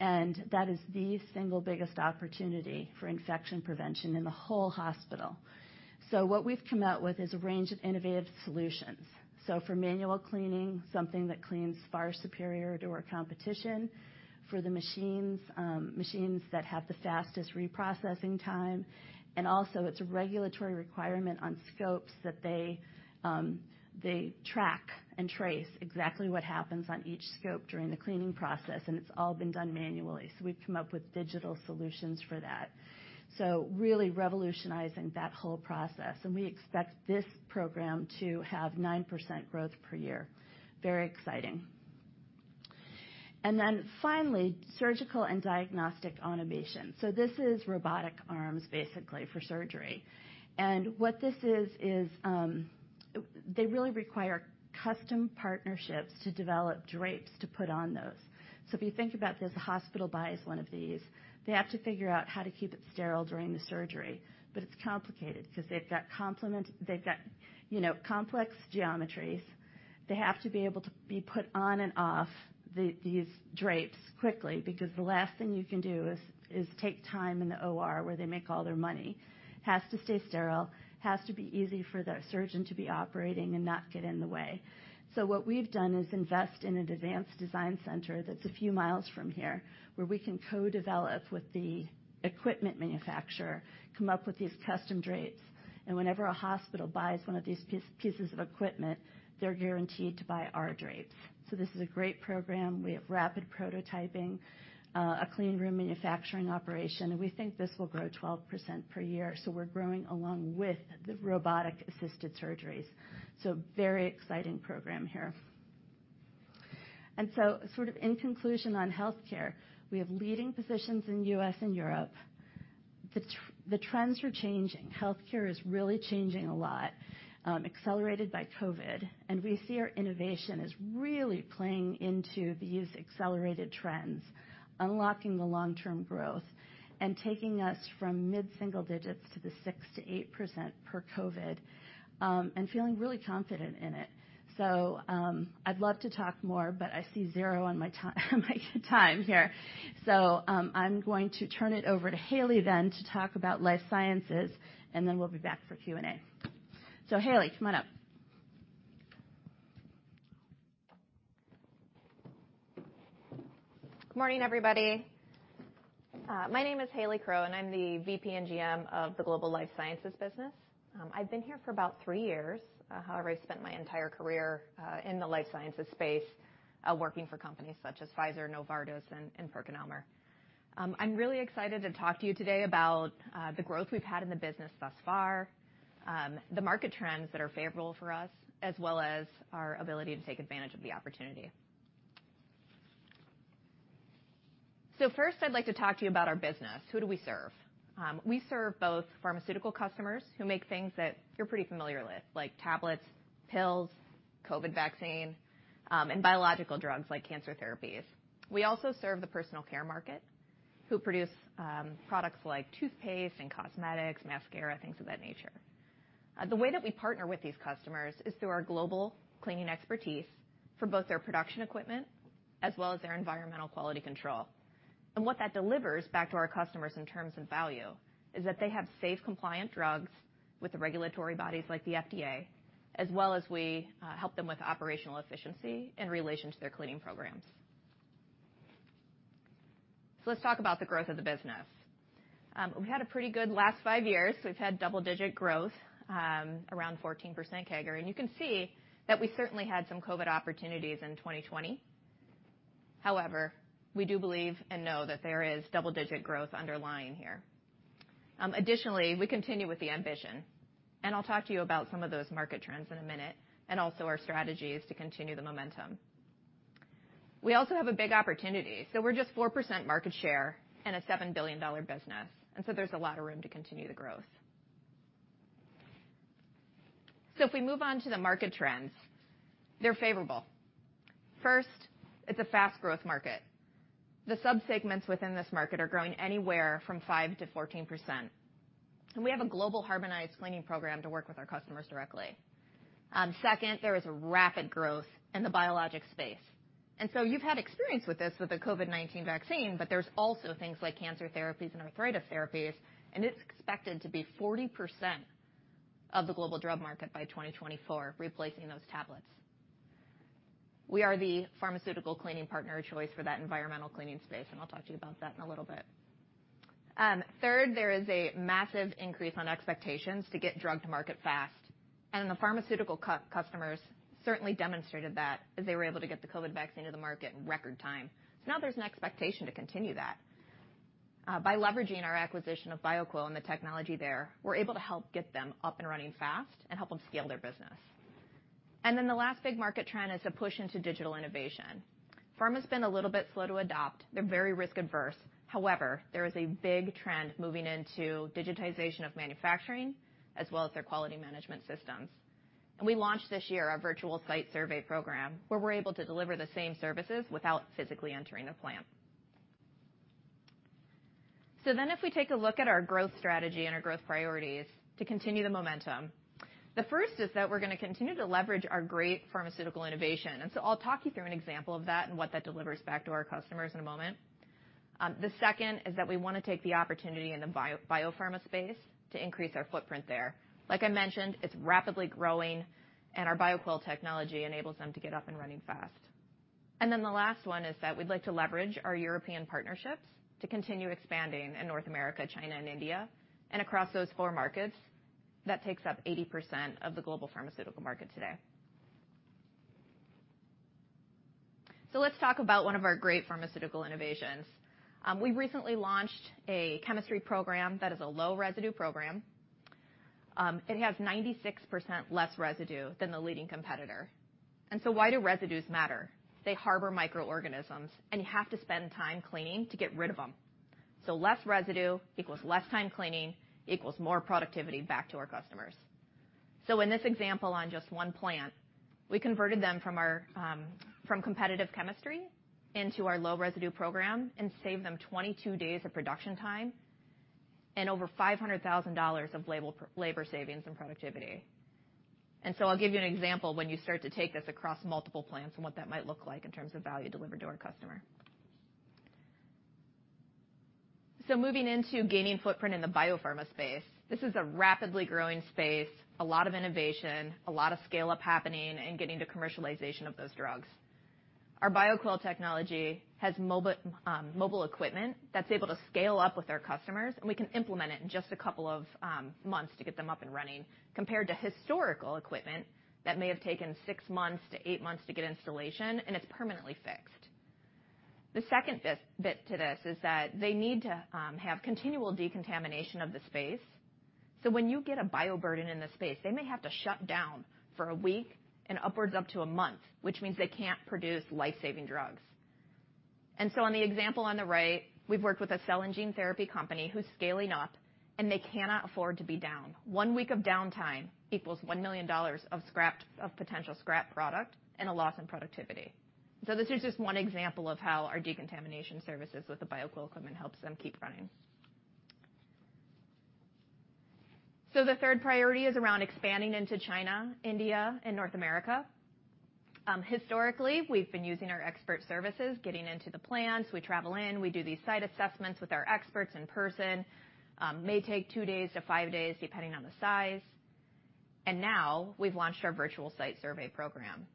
That is the single biggest opportunity for infection prevention in the whole hospital. What we've come out with is a range of innovative solutions. For manual cleaning, something that cleans far superior to our competition. For the machines that have the fastest reprocessing time, and also it's a regulatory requirement on scopes that they track and trace exactly what happens on each scope during the cleaning process, and it's all been done manually. We've come up with digital solutions for that. Really revolutionizing that whole process. We expect this program to have nine percent growth per year. Very exciting. Finally, surgical and diagnostic automation. This is robotic arms, basically, for surgery. What this is, they really require custom partnerships to develop drapes to put on those. If you think about this, the hospital buys one of these. They have to figure out how to keep it sterile during the surgery. It's complicated because they've got complex geometries. They have to be able to be put on and off these drapes quickly, because the last thing you can do is take time in the OR, where they make all their money. It has to stay sterile, has to be easy for the surgeon to be operating and not get in the way. What we've done is invest in an advanced design center that's a few miles from here, where we can co-develop with the equipment manufacturer, come up with these custom drapes, and whenever a hospital buys one of these pieces of equipment, they're guaranteed to buy our drapes. This is a great program. We have rapid prototyping, a clean room manufacturing operation, and we think this will grow 12% per year. We're growing along with the robotic-assisted surgeries. Very exciting program here. In conclusion on healthcare, we have leading positions in U.S. and Europe. The trends are changing. Healthcare is really changing a lot, accelerated by COVID-19, and we see our innovation is really playing into these accelerated trends, unlocking the long-term growth and taking us from mid-single digits to the six to eight percent post-COVID-19, and feeling really confident in it. I'd love to talk more, but I see zero on my time here. I'm going to turn it over to Hayley then to talk about Life Sciences, and then we'll be back for Q&A. Hayley, come on up Good morning, everybody. My name is Hayley Crowe, I'm the VP and GM of the Global Life Sciences business. I've been here for about three years. However, I spent my entire career in the life sciences space, working for companies such as Pfizer, Novartis, and PerkinElmer. I'm really excited to talk to you today about the growth we've had in the business thus far, the market trends that are favorable for us, as well as our ability to take advantage of the opportunity. First, I'd like to talk to you about our business. Who do we serve? We serve both pharmaceutical customers, who make things that you're pretty familiar with, like tablets, pills, COVID vaccine, and biological drugs, like cancer therapies. We also serve the personal care market, who produce products like toothpaste and cosmetics, mascara, things of that nature. The way that we partner with these customers is through our global cleaning expertise for both their production equipment as well as their environmental quality control. What that delivers back to our customers in terms of value is that they have safe, compliant drugs with the regulatory bodies like the FDA, as well as we help them with operational efficiency in relation to their cleaning programs. Let's talk about the growth of the business. We had a pretty good last five years. We've had double-digit growth, around 14% CAGR, and you can see that we certainly had some COVID opportunities in 2020. However, we do believe and know that there is double-digit growth underlying here. Additionally, we continue with the ambition, and I'll talk to you about some of those market trends in a minute, and also our strategies to continue the momentum. We also have a big opportunity. We're just four percent market share in a $7 billion business, there's a lot of room to continue the growth. If we move on to the market trends, they're favorable. First, it's a fast growth market. The sub-segments within this market are growing anywhere from five to 14%, and we have a global harmonized cleaning program to work with our customers directly. Second, there is a rapid growth in the biologic space. You've had experience with this with the COVID-19 vaccine, but there's also things like cancer therapies and arthritis therapies, and it's expected to be 40% of the global drug market by 2024, replacing those tablets. We are the pharmaceutical cleaning partner of choice for that environmental cleaning space, and I'll talk to you about that in a little bit. There is a massive increase on expectations to get drug to market fast, and the pharmaceutical customers certainly demonstrated that as they were able to get the COVID vaccine to the market in record time. Now there's an expectation to continue that. By leveraging our acquisition of Bioquell and the technology there, we're able to help get them up and running fast and help them scale their business. The last big market trend is the push into digital innovation. Pharma's been a little bit slow to adopt. They're very risk-averse. However, there is a big trend moving into digitization of manufacturing as well as their quality management systems. We launched this year our virtual site survey program, where we're able to deliver the same services without physically entering a plant. If we take a look at our growth strategy and our growth priorities to continue the momentum, the first is that we're going to continue to leverage our great pharmaceutical innovation, I'll talk you through an example of that and what that delivers back to our customers in a moment. The second is that we want to take the opportunity in the biopharma space to increase our footprint there. Like I mentioned, it's rapidly growing, our Bioquell technology enables them to get up and running fast. The last one is that we'd like to leverage our European partnerships to continue expanding in North America, China, and India, across those four markets, that takes up 80% of the global pharmaceutical market today. Let's talk about one of our great pharmaceutical innovations. We recently launched a chemistry program that is a low-residue program. It has 96% less residue than the leading competitor. Why do residues matter? They harbor microorganisms, and you have to spend time cleaning to get rid of them. Less residue equals less time cleaning equals more productivity back to our customers. In this example on just one plant, we converted them from competitive chemistry into our low-residue program and saved them 22 days of production time and over $500,000 of labor savings and productivity. I'll give you an example when you start to take this across multiple plants and what that might look like in terms of value delivered to our customer. Moving into gaining footprint in the biopharma space. This is a rapidly growing space, a lot of innovation, a lot of scale-up happening, and getting to commercialization of those drugs. Our Bioquell technology has mobile equipment that's able to scale up with our customers, and we can implement it in just two months to get them up and running, compared to historical equipment that may have taken six months to eight months to get installation, and it's permanently fixed. The second bit to this is that they need to have continual decontamination of the space. When you get a bioburden in the space, they may have to shut down for one week and upwards up to one month, which means they can't produce life-saving drugs. On the example on the right, we've worked with a cell and gene therapy company who's scaling up, and they cannot afford to be down. One week of downtime equals $1 million of potential scrap product and a loss in productivity. This is just one example of how our decontamination services with the Bioquell equipment helps them keep running. The third priority is around expanding into China, India, and North America. Historically, we've been using our expert services, getting into the plants. We travel in, we do these site assessments with our experts in person. May take two days to five days, depending on the size. Now we've launched our virtual site survey program.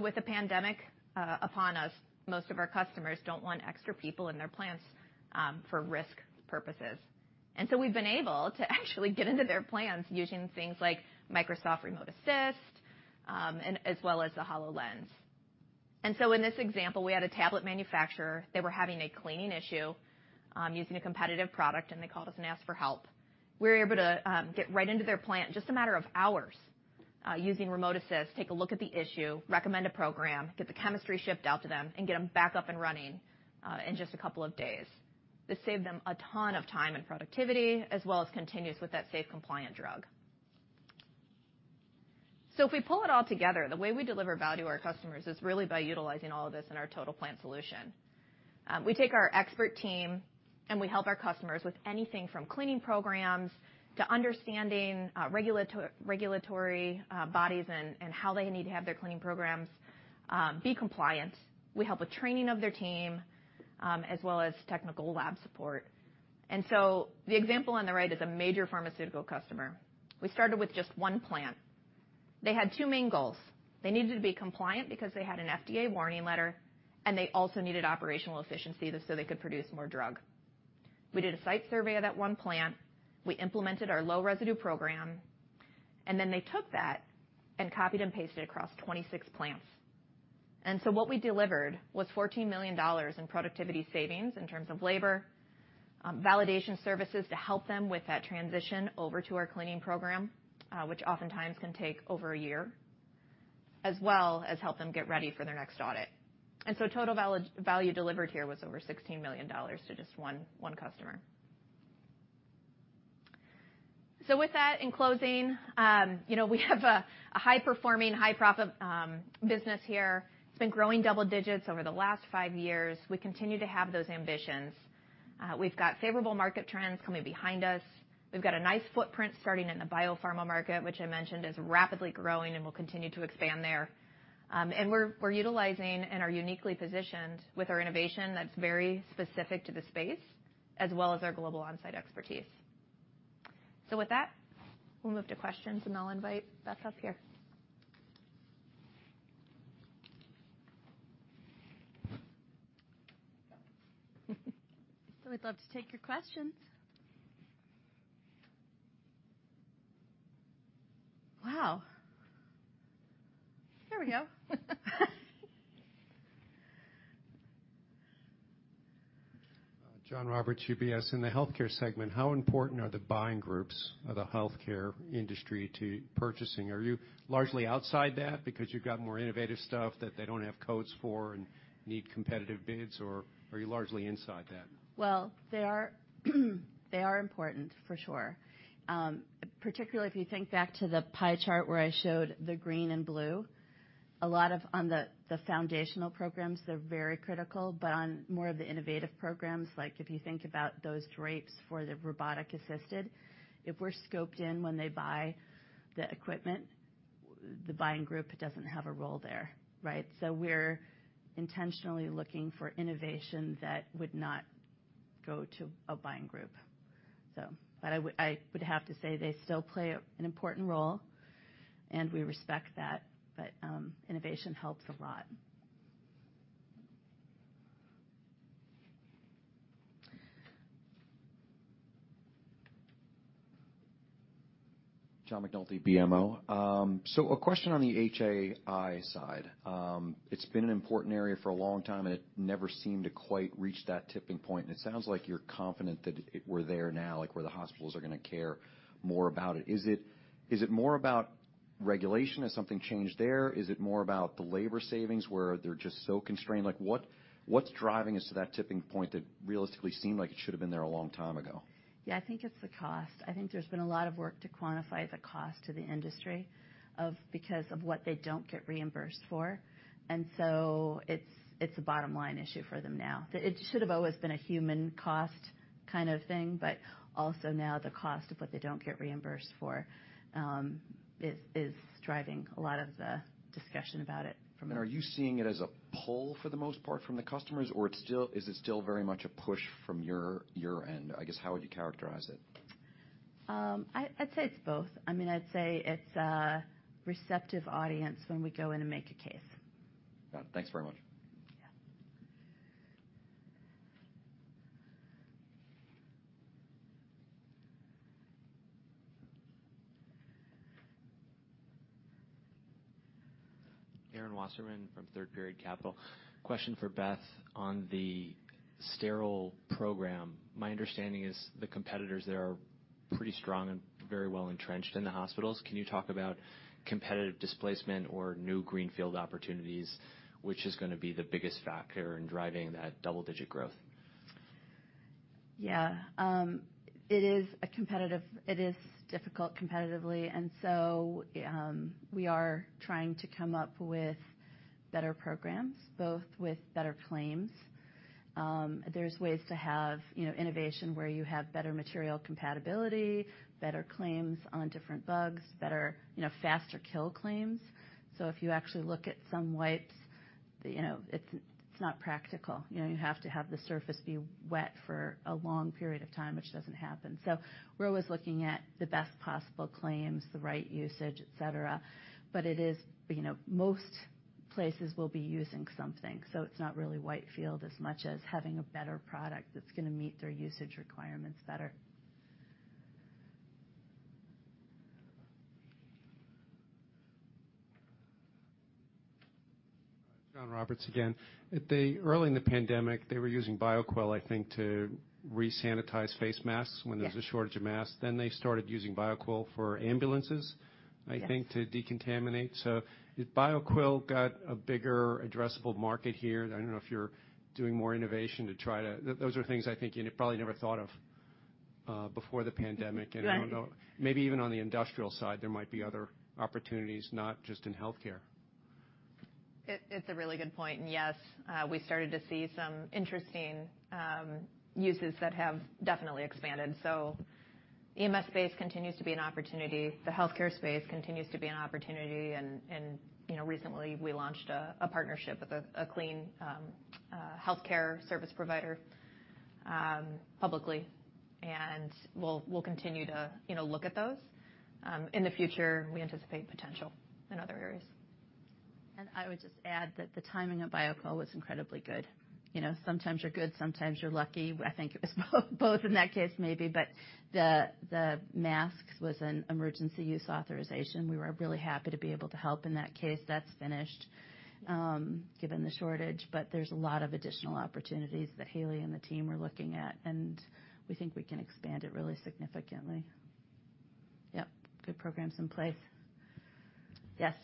With the pandemic upon us, most of our customers don't want extra people in their plants for risk purposes. We've been able to actually get into their plans using things like Microsoft Remote Assist, as well as the HoloLens. In this example, we had a tablet manufacturer, they were having a cleaning issue using a competitive product, and they called us and asked for help. We were able to get right into their plant in just a matter of hours, using Remote Assist, take a look at the issue, recommend a program, get the chemistry shipped out to them, and get them back up and running in just a couple of days. This saved them a ton of time and productivity, as well as continuity with that safe, compliant drug. If we pull it all together, the way we deliver value to our customers is really by utilizing all of this in our total plant solution. We take our expert team, and we help our customers with anything from cleaning programs to understanding regulatory bodies and how they need to have their cleaning programs be compliant. We help with training of their team, as well as technical lab support. The example on the right is a major pharmaceutical customer. We started with just one plant. They had two main goals. They needed to be compliant because they had an FDA warning letter, and they also needed operational efficiency just so they could produce more drug. We did a site survey of that one plant. We implemented our low-residue program, and then they took that and copied and pasted across 26 plants. What we delivered was $14 million in productivity savings in terms of labor, validation services to help them with that transition over to our cleaning program, which oftentimes can take over a year, as well as help them get ready for their next audit. Total value delivered here was over $16 million to just one customer. With that, in closing, we have a high-performing, high-profit business here. It's been growing double digits over the last five years. We continue to have those ambitions. We've got favorable market trends coming behind us. We've got a nice footprint starting in the biopharma market, which I mentioned is rapidly growing, and we'll continue to expand there. We're utilizing and are uniquely positioned with our innovation that's very specific to the space, as well as our global on-site expertise. With that, we'll move to questions, and I'll invite Beth up here. We'd love to take your questions. Wow. Here we go. John Roberts, UBS. In the healthcare segment, how important are the buying groups of the healthcare industry to purchasing? Are you largely outside that because you've got more innovative stuff that they don't have codes for and need competitive bids, or are you largely inside that? Well, they are important, for sure. Particularly if you think back to the pie chart where I showed the green and blue, a lot of on the foundational programs, they're very critical. On more of the innovative programs, like if you think about those drapes for the robotic-assisted, if we're scoped in when they buy the equipment, the buying group doesn't have a role there, right? We're intentionally looking for innovation that would not go to a buying group. I would have to say they still play an important role, and we respect that. Innovation helps a lot. John McNulty, BMO. A question on the HAI side. It's been an important area for a long time, and it never seemed to quite reach that tipping point. It sounds like you're confident that we're there now, like where the hospitals are going to care more about it. Is it more about regulation? Has something changed there? Is it more about the labor savings, where they're just so constrained? What's driving us to that tipping point that realistically seemed like it should've been there a long time ago? Yeah, I think it's the cost. I think there's been a lot of work to quantify the cost to the industry, because of what they don't get reimbursed for. It's a bottom-line issue for them now. It should have always been a human cost kind of thing, but also now the cost of what they don't get reimbursed for is driving a lot of the discussion about it. Are you seeing it as a pull for the most part from the customers, or is it still very much a push from your end? I guess, how would you characterize it? I'd say it's both. I'd say it's a receptive audience when we go in and make a case. Got it. Thanks very much. Yeah. Aaron Wasserman from Third Period Capital. Question for Beth on the sterile program. My understanding is the competitors there are pretty strong and very well entrenched in the hospitals. Can you talk about competitive displacement or new greenfield opportunities? Which is going to be the biggest factor in driving that double-digit growth? Yeah. It is difficult competitively. We are trying to come up with better programs, both with better claims. There's ways to have innovation where you have better material compatibility, better claims on different bugs, better, faster kill claims. If you actually look at some wipes, it's not practical. You have to have the surface be wet for a long period of time, which doesn't happen. We're always looking at the best possible claims, the right usage, et cetera. Most places will be using something. It's not really greenfield as much as having a better product that's going to meet their usage requirements better. John Roberts again. Early in the pandemic, they were using Bioquell, I think, to re-sanitize face masks, when there was a shortage of masks. They started using Bioquell for ambulances. I think, to decontaminate. Has Bioquell got a bigger addressable market here? I don't know if you're doing more innovation. Those are things I think you probably never thought of before the pandemic. I don't know, maybe even on the industrial side, there might be other opportunities, not just in healthcare. It's a really good point. Yes, we started to see some interesting uses that have definitely expanded. EMS space continues to be an opportunity. The healthcare space continues to be an opportunity, and recently we launched a partnership with a clean healthcare service provider, publicly. We'll continue to look at those. In the future, we anticipate potential in other areas. I would just add that the timing of Bioquell was incredibly good. Sometimes you're good, sometimes you're lucky. I think it was both in that case, maybe. The masks was an emergency use authorization. We were really happy to be able to help in that case. That's finished, given the shortage. There's a lot of additional opportunities that Hayley and the team are looking at, and we think we can expand it really significantly. Yep. Good programs in place. Yes.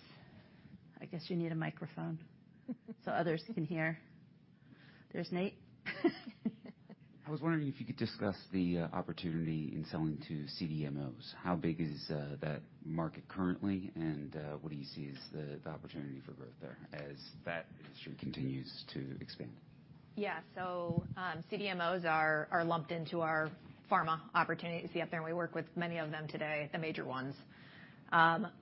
I guess you need a microphone, so others can hear. There's Nate. I was wondering if you could discuss the opportunity in selling to CDMOs. How big is that market currently, and what do you see as the opportunity for growth there as that industry continues to expand? Yeah. CDMOs are lumped into our pharma opportunities you see up there, and we work with many of them today, the major ones.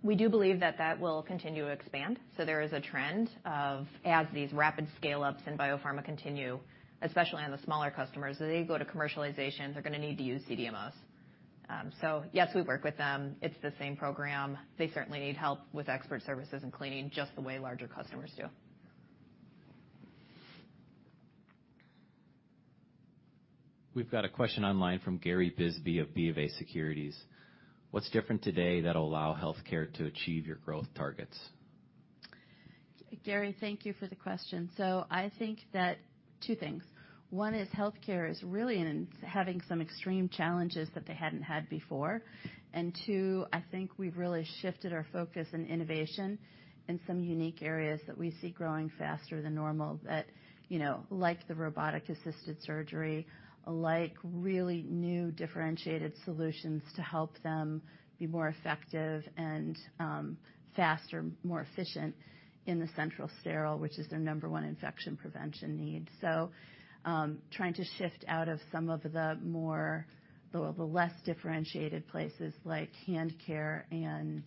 We do believe that that will continue to expand. There is a trend of as these rapid scale-ups in biopharma continue, especially on the smaller customers, as they go to commercialization, they're going to need to use CDMOs. Yes, we work with them. It's the same program. They certainly need help with expert services and cleaning, just the way larger customers do. We've got a question online from Gary Bisbee of BofA Securities. What's different today that'll allow healthcare to achieve your growth targets? Gary, thank you for the question. I think that two things. One is healthcare is really having some extreme challenges that they hadn't had before. Two, I think we've really shifted our focus on innovation in some unique areas that we see growing faster than normal. That like the robotic-assisted surgery, like really new differentiated solutions to help them be more effective and faster, more efficient in the central sterile, which is their number one infection prevention need. Trying to shift out of some of the less differentiated places like hand care and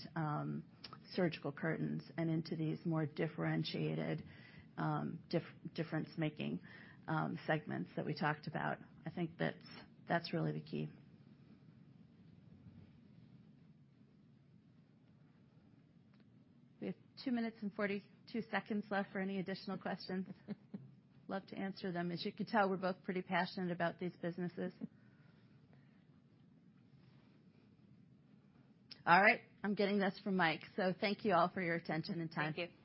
surgical curtains and into these more differentiated difference-making segments that we talked about. I think that's really the key. We have two minutes and 42 seconds left for any additional questions. Love to answer them. As you can tell, we're both pretty passionate about these businesses. All right. I'm getting this from Mike. Thank you all for your attention and time. Thank you.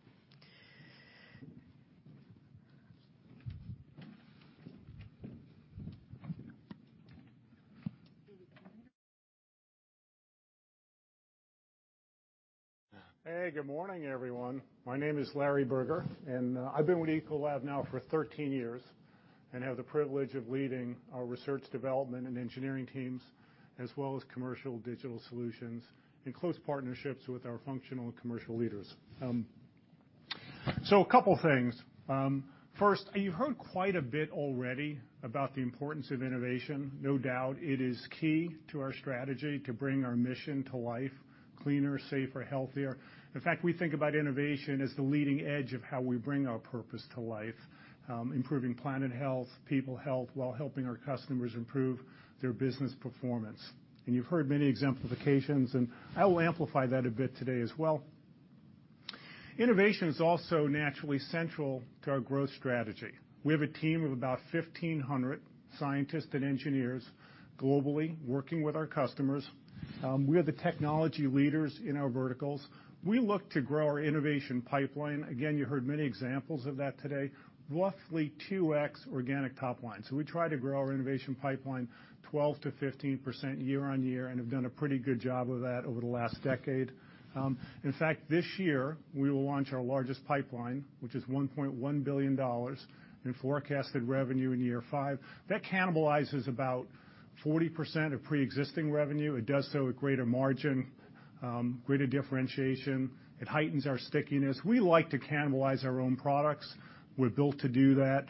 Good morning, everyone. My name is Larry Berger. I've been with Ecolab now for 13 years, and have the privilege of leading our research development and engineering teams, as well as commercial digital solutions and close partnerships with our functional and commercial leaders. A couple things. First, you've heard quite a bit already about the importance of innovation. No doubt, it is key to our strategy to bring our mission to life, cleaner, safer, healthier. In fact, we think about innovation as the leading edge of how we bring our purpose to life. Improving planet health, people health, while helping our customers improve their business performance. You've heard many exemplifications, and I will amplify that a bit today as well. Innovation is also naturally central to our growth strategy. We have a team of about 1,500 scientists and engineers globally working with our customers. We are the technology leaders in our verticals. We look to grow our innovation pipeline. Again, you heard many examples of that today. Roughly two X organic top line. We try to grow our innovation pipeline 12%-15% year-over-year and have done a pretty good job of that over the last decade. In fact, this year, we will launch our largest pipeline, which is $1.1 billion in forecasted revenue in year five. That cannibalizes about 40% of preexisting revenue. It does so at greater margin, greater differentiation. It heightens our stickiness. We like to cannibalize our own products. We're built to do that.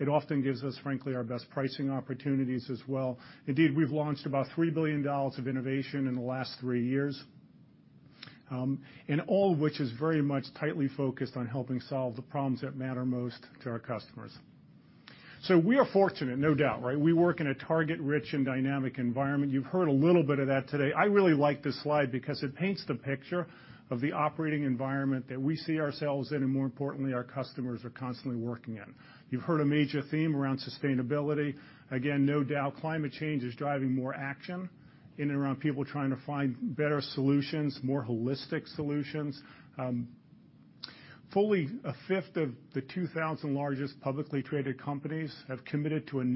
It often gives us, frankly, our best pricing opportunities as well. Indeed, we've launched about $3 billion of innovation in the last three years. All of which is very much tightly focused on helping solve the problems that matter most to our customers. We are fortunate, no doubt, right? We work in a target-rich and dynamic environment. You've heard a little bit of that today. I really like this slide because it paints the picture of the operating environment that we see ourselves in, and more importantly, our customers are constantly working in. You've heard a major theme around sustainability. Again, no doubt climate change is driving more action in and around people trying to find better solutions, more holistic solutions. Fully a fifth of the 2,000 largest publicly traded companies have committed to a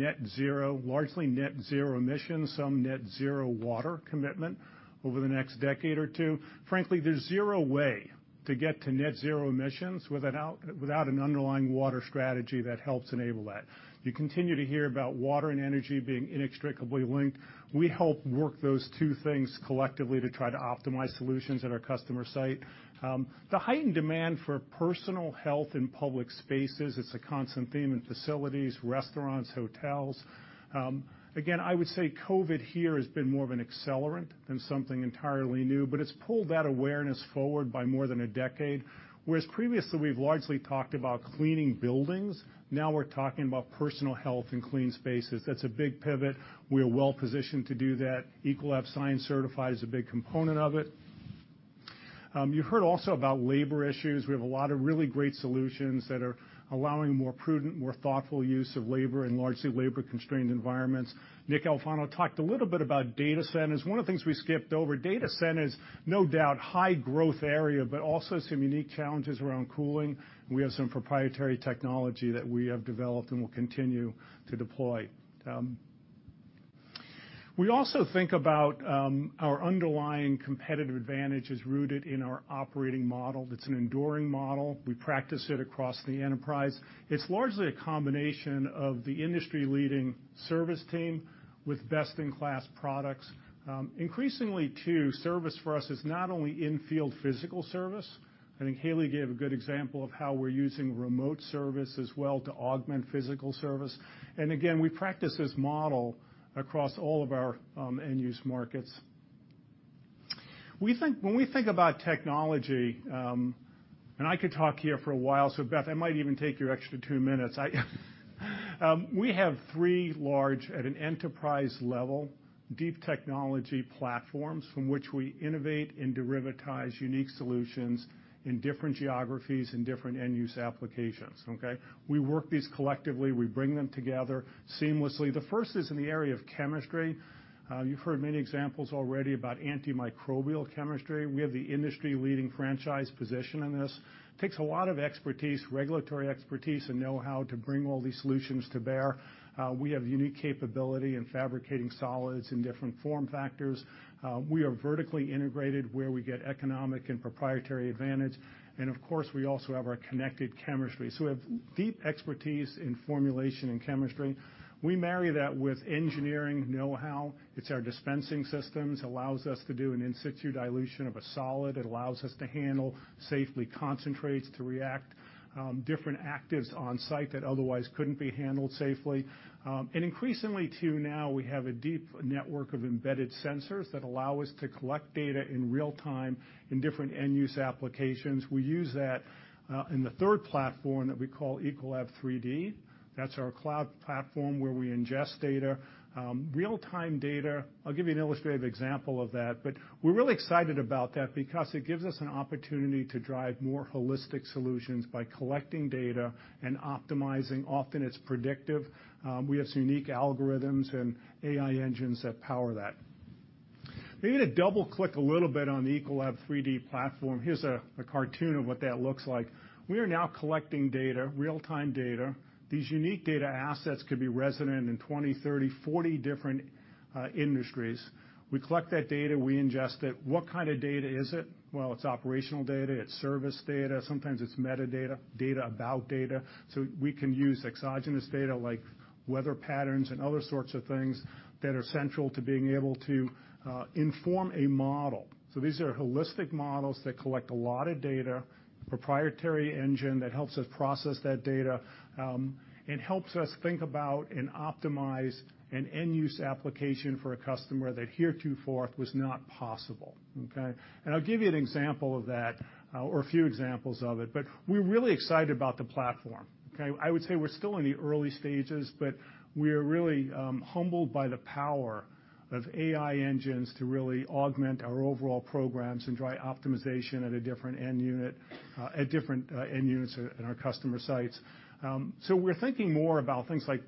largely net zero emission, some net zero water commitment over the next decade or two. Frankly, there's zero way to get to net zero emissions without an underlying water strategy that helps enable that. You continue to hear about water and energy being inextricably linked. We help work those two things collectively to try to optimize solutions at our customer site. The heightened demand for personal health in public spaces, it's a constant theme in facilities, restaurants, hotels. I would say COVID here has been more of an accelerant than something entirely new, but it's pulled that awareness forward by more than a decade. Whereas previously we've largely talked about cleaning buildings, now we're talking about personal health and clean spaces. That's a big pivot. We're well positioned to do that. Ecolab Science Certified is a big component of it. You heard also about labor issues. We have a lot of really great solutions that are allowing more prudent, more thoughtful use of labor in largely labor-constrained environments. Nick Alfano talked a little bit about data centers. One of the things we skipped over, data centers, no doubt, high growth area, but also some unique challenges around cooling. We have some proprietary technology that we have developed and will continue to deploy. We also think about our underlying competitive advantage as rooted in our operating model. It's an enduring model. We practice it across the enterprise. It's largely a combination of the industry-leading service team with best-in-class products. Increasingly too, service for us is not only in-field physical service. I think Hayley gave a good example of how we're using remote service as well to augment physical service. Again, we practice this model across all of our end-use markets. When we think about technology, I could talk here for a while, Beth, I might even take your extra 2 minutes. We have three large, at an enterprise level, deep technology platforms from which we innovate and derivatize unique solutions in different geographies, in different end-use applications. Okay? We work these collectively. We bring them together seamlessly. The first is in the area of chemistry. You've heard many examples already about antimicrobial chemistry. We have the industry-leading franchise position in this. Takes a lot of expertise, regulatory expertise, and know-how to bring all these solutions to bear. We have unique capability in fabricating solids in different form factors. We are vertically integrated where we get economic and proprietary advantage. Of course, we also have our connected chemistry. We have deep expertise in formulation and chemistry. We marry that with engineering know-how. It's our dispensing systems, allows us to do an in situ dilution of a solid. It allows us to handle safely concentrates to react different actives on site that otherwise couldn't be handled safely. Increasingly too, now we have a deep network of embedded sensors that allow us to collect data in real time in different end-use applications. We use that in the third platform that we call ECOLAB3D. That's our cloud platform where we ingest data, real-time data. I'll give you an illustrative example of that, we're really excited about that because it gives us an opportunity to drive more holistic solutions by collecting data and optimizing. Often it's predictive. We have some unique algorithms and AI engines that power that. We're going to double click a little bit on the ECOLAB3D platform. Here's a cartoon of what that looks like. We are now collecting data, real-time data. These unique data assets could be resident in 20, 30, 40 different industries. We collect that data, we ingest it. What kind of data is it? Well, it's operational data. It's service data. Sometimes it's metadata, data about data. We can use exogenous data like weather patterns and other sorts of things that are central to being able to inform a model. These are holistic models that collect a lot of data, proprietary engine that helps us process that data, and helps us think about and optimize an end-use application for a customer that heretofore was not possible. Okay? I'll give you an example of that, or a few examples of it, but we're really excited about the platform. Okay? I would say we're still in the early stages, but we're really humbled by the power of AI engines to really augment our overall programs and drive optimization at different end units at our customer sites. We're thinking more about things like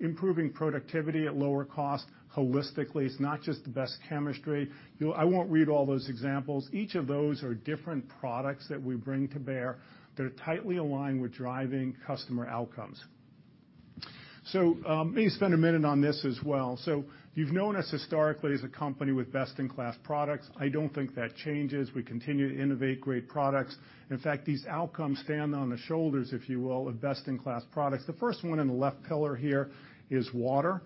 improving productivity at lower cost holistically. It's not just the best chemistry. I won't read all those examples. Each of those are different products that we bring to bear that are tightly aligned with driving customer outcomes. Let me spend a minute on this as well. You've known us historically as a company with best-in-class products. I don't think that changes. We continue to innovate great products. In fact, these outcomes stand on the shoulders, if you will, of best-in-class products. The first one in the left pillar here is water.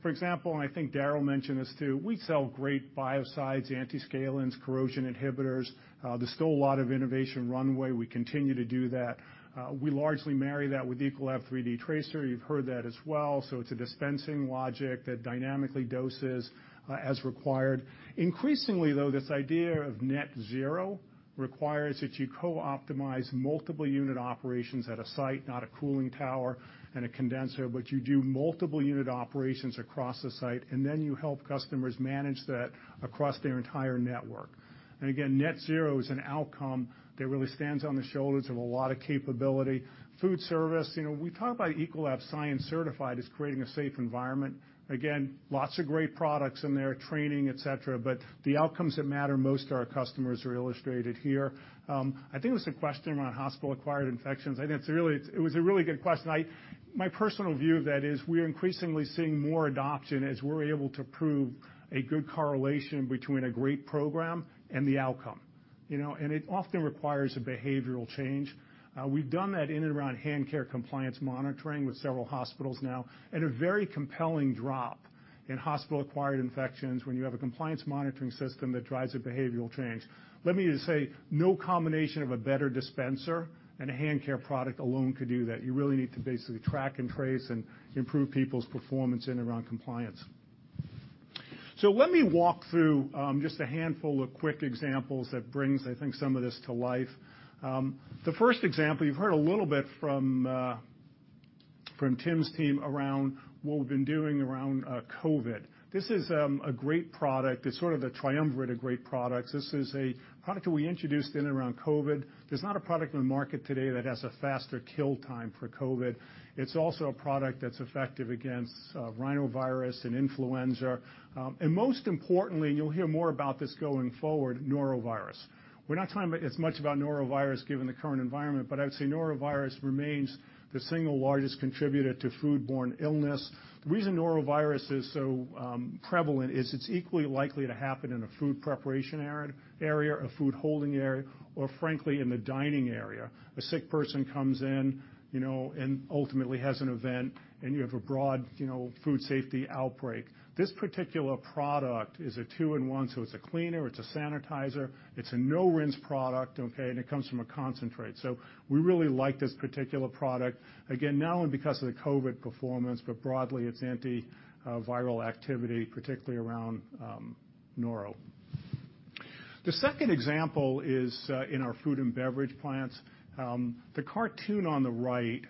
For example, and I think Darrell mentioned this too, we sell great biocides, antiscalants, corrosion inhibitors. There's still a lot of innovation runway. We continue to do that. We largely marry that with Ecolab 3D TRASAR. You've heard that as well. It's a dispensing logic that dynamically doses as required. Increasingly, though, this idea of net zero requires that you co-optimize multiple unit operations at a site, not a cooling tower and a condenser, but you do multiple unit operations across the site, and then you help customers manage that across their entire network. Again, net zero is an outcome that really stands on the shoulders of a lot of capability. Food Service. We talk about Ecolab Science Certified as creating a safe environment. Again, lots of great products in there, training, et cetera, but the outcomes that matter most to our customers are illustrated here. I think there was a question around hospital-acquired infections. I think it was a really good question. My personal view of that is we're increasingly seeing more adoption as we're able to prove a good correlation between a great program and the outcome. It often requires a behavioral change. We've done that in and around hand care compliance monitoring with several hospitals now, at a very compelling drop in hospital-acquired infections when you have a compliance monitoring system that drives a behavioral change. Let me just say, no combination of a better dispenser and a hand care product alone could do that. You really need to basically track and trace and improve people's performance in and around compliance. Let me walk through just a handful of quick examples that brings, I think, some of this to life. The first example, you've heard a little bit from Tim's team around what we've been doing around COVID. This is a great product. It's sort of the triumvirate of great products. This is a product that we introduced in and around COVID. There's not a product on the market today that has a faster kill time for COVID. It's also a product that's effective against rhinovirus and influenza. Most importantly, you'll hear more about this going forward, norovirus. We're not talking as much about norovirus given the current environment, but I would say norovirus remains the single largest contributor to foodborne illness. The reason norovirus is so prevalent is it's equally likely to happen in a food preparation area, a food holding area, or frankly, in the dining area. A sick person comes in, and ultimately has an event, and you have a broad food safety outbreak. This particular product is a two-in-one, so it's a cleaner, it's a sanitizer, it's a no-rinse product, okay, and it comes from a concentrate. We really like this particular product. Again, not only because of the COVID performance, but broadly, its antiviral activity, particularly around norovirus. The second example is in our food and beverage plants. The cartoon on the right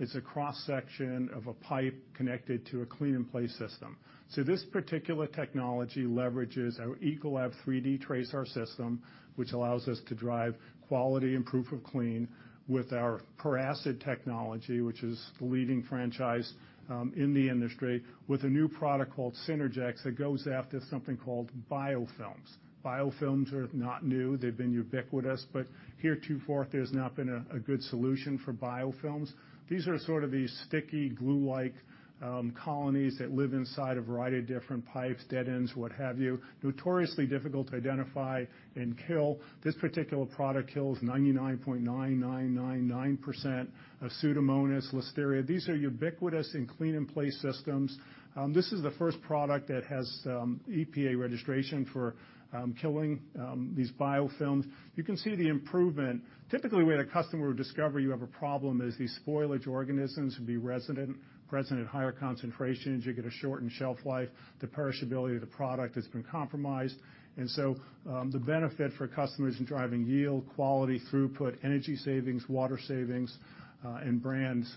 is a cross-section of a pipe connected to a Clean-in-Place system. This particular technology leverages our 3D TRASAR system, which allows us to drive quality and proof of clean with our peracid technology, which is the leading franchise in the industry, with a new product called Synergex that goes after something called biofilms. Biofilms are not new. They've been ubiquitous, but heretofore, there's not been a good solution for biofilms. These are sort of these sticky, glue-like colonies that live inside a variety of different pipes, dead ends, what have you. Notoriously difficult to identify and kill. This particular product kills 99.9999% of Pseudomonas, Listeria. These are ubiquitous in Clean-in-Place systems. This is the first product that has EPA registration for killing these biofilms. You can see the improvement. Typically, the way the customer would discover you have a problem is these spoilage organisms would be resident, present at higher concentrations. You get a shortened shelf life. The perishability of the product has been compromised. The benefit for customers in driving yield, quality, throughput, energy savings, water savings, and brands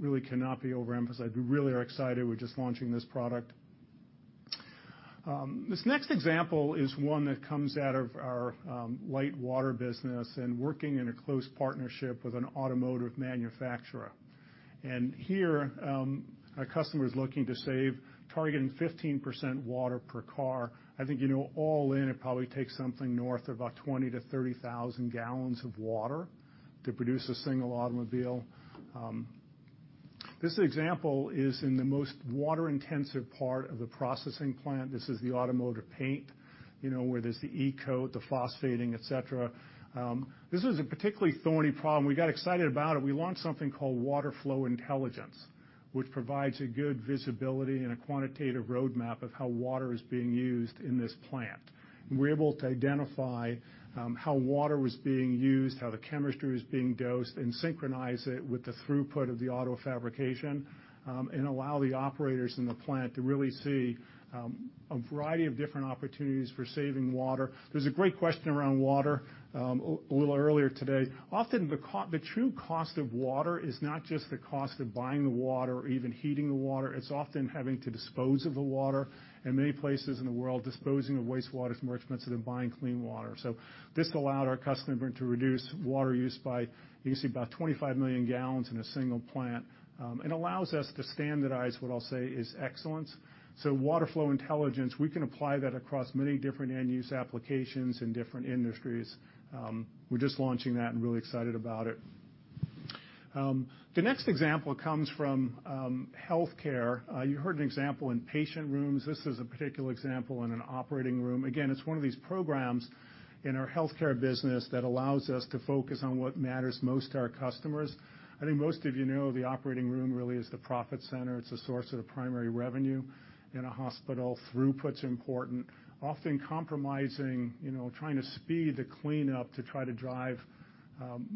really cannot be overemphasized. We really are excited. We're just launching this product. This next example is one that comes out of our Nalco Water business and working in a close partnership with an automotive manufacturer. Here, a customer is looking to save, targeting 15% water per car. I think you know all in, it probably takes something north of about 20,000 to 30,000 gallons of water to produce a single automobile. This example is in the most water-intensive part of the processing plant. This is the automotive paint, where there's the e-coat, the phosphating, et cetera. This is a particularly thorny problem. We got excited about it. We launched something called Water Flow Intelligence, which provides a good visibility and a quantitative roadmap of how water is being used in this plant. We're able to identify how water was being used, how the chemistry was being dosed, and synchronize it with the throughput of the auto fabrication, and allow the operators in the plant to really see a variety of different opportunities for saving water. There was a great question around water a little earlier today. Often, the true cost of water is not just the cost of buying the water or even heating the water, it's often having to dispose of the water. In many places in the world, disposing of wastewater is more expensive than buying clean water. This allowed our customer to reduce water use by, you can see, about 25 million gallons in a single plant. It allows us to standardize what I'll say is excellence. Water Flow Intelligence, we can apply that across many different end-use applications in different industries. We're just launching that and really excited about it. The next example comes from healthcare. You heard an example in patient rooms. This is a particular example in an operating room. It's one of these programs in our Healthcare business that allows us to focus on what matters most to our customers. I think most of you know, the operating room really is the profit center. It's a source of primary revenue in a hospital. Throughput's important. Often compromising, trying to speed the cleanup to try to drive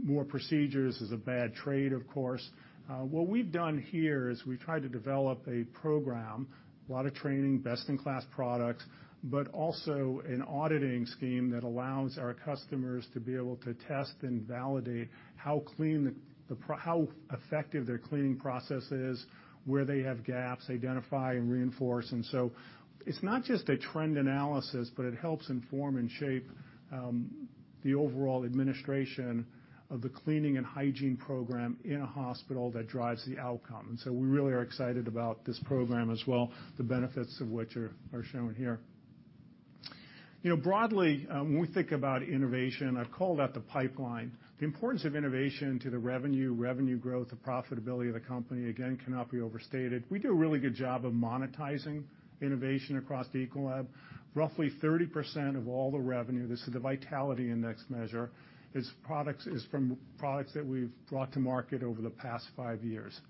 more procedures is a bad trade, of course. What we've done here is we've tried to develop a program, a lot of training, best-in-class products, but also an auditing scheme that allows our customers to be able to test and validate how effective their cleaning process is, where they have gaps, identify and reinforce. It's not just a trend analysis, but it helps inform and shape the overall administration of the cleaning and hygiene program in a hospital that drives the outcome. We really are excited about this program as well, the benefits of which are shown here. Broadly, when we think about innovation, I've called out the pipeline. The importance of innovation to the revenue growth, the profitability of the company, again, cannot be overstated. We do a really good job of monetizing innovation across Ecolab. Roughly 30% of all the revenue, this is the vitality index measure, is from products that we've brought to market over the past five years.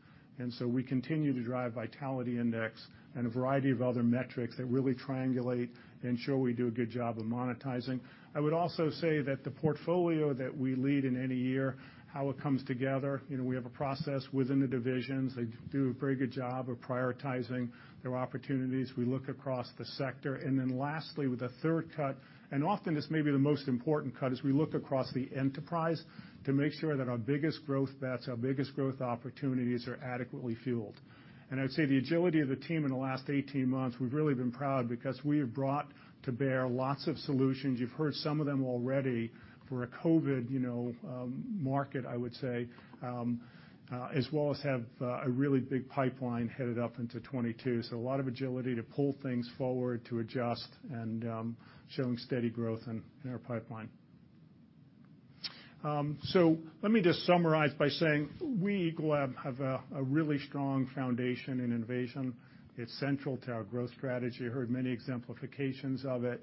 We continue to drive vitality index and a variety of other metrics that really triangulate and show we do a good job of monetizing. I would also say that the portfolio that we lead in any year, how it comes together, we have a process within the divisions. They do a very good job of prioritizing their opportunities. We look across the sector, and then lastly, with the third cut, and often this may be the most important cut, is we look across the enterprise to make sure that our biggest growth bets, our biggest growth opportunities are adequately fueled. I would say the agility of the team in the last 18 months, we've really been proud because we have brought to bear lots of solutions. You've heard some of them already for a COVID market, I would say, as well as have a really big pipeline headed up into 2022. A lot of agility to pull things forward, to adjust, and showing steady growth in our pipeline. Let me just summarize by saying we, Ecolab, have a really strong foundation in innovation. It's central to our growth strategy. You heard many exemplifications of it.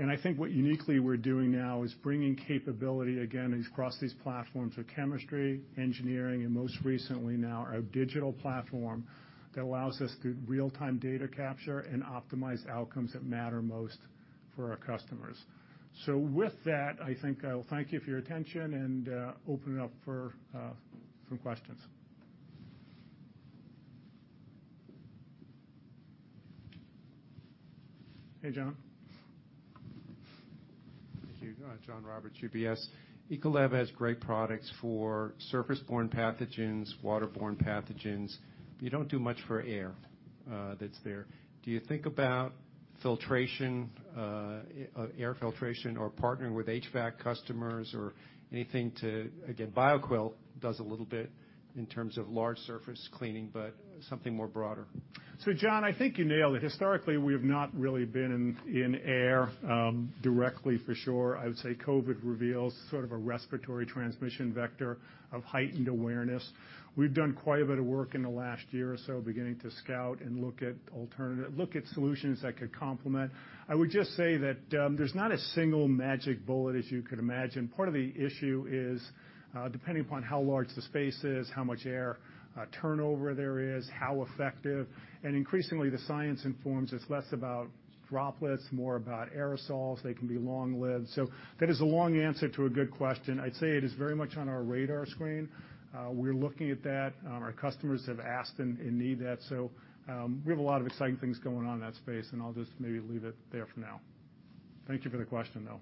I think what uniquely we're doing now is bringing capability, again, across these platforms of chemistry, engineering, and most recently now, our digital platform that allows us to real-time data capture and optimize outcomes that matter most for our customers. With that, I think I'll thank you for your attention and open it up for some questions. Hey, John. Thank you. John Roberts, UBS. Ecolab has great products for surface-borne pathogens, water-borne pathogens. You don't do much for air that's there. Do you think about air filtration or partnering with HVAC customers or anything to, again, Bioquell does a little bit in terms of large surface cleaning, but something more broader? John, I think you nailed it. Historically, we have not really been in air directly for sure. I would say COVID-19 reveals sort of a respiratory transmission vector of heightened awareness. We've done quite a bit of work in the last year or so beginning to scout and look at solutions that could complement. I would just say that there's not a single magic bullet, as you could imagine. Part of the issue is, depending upon how large the space is, how much air turnover there is, how effective, and increasingly the science informs it's less about droplets, more about aerosols. They can be long-lived. That is a long answer to a good question. I'd say it is very much on our radar screen. We're looking at that. Our customers have asked and need that. We have a lot of exciting things going on in that space, and I'll just maybe leave it there for now. Thank you for the question, though.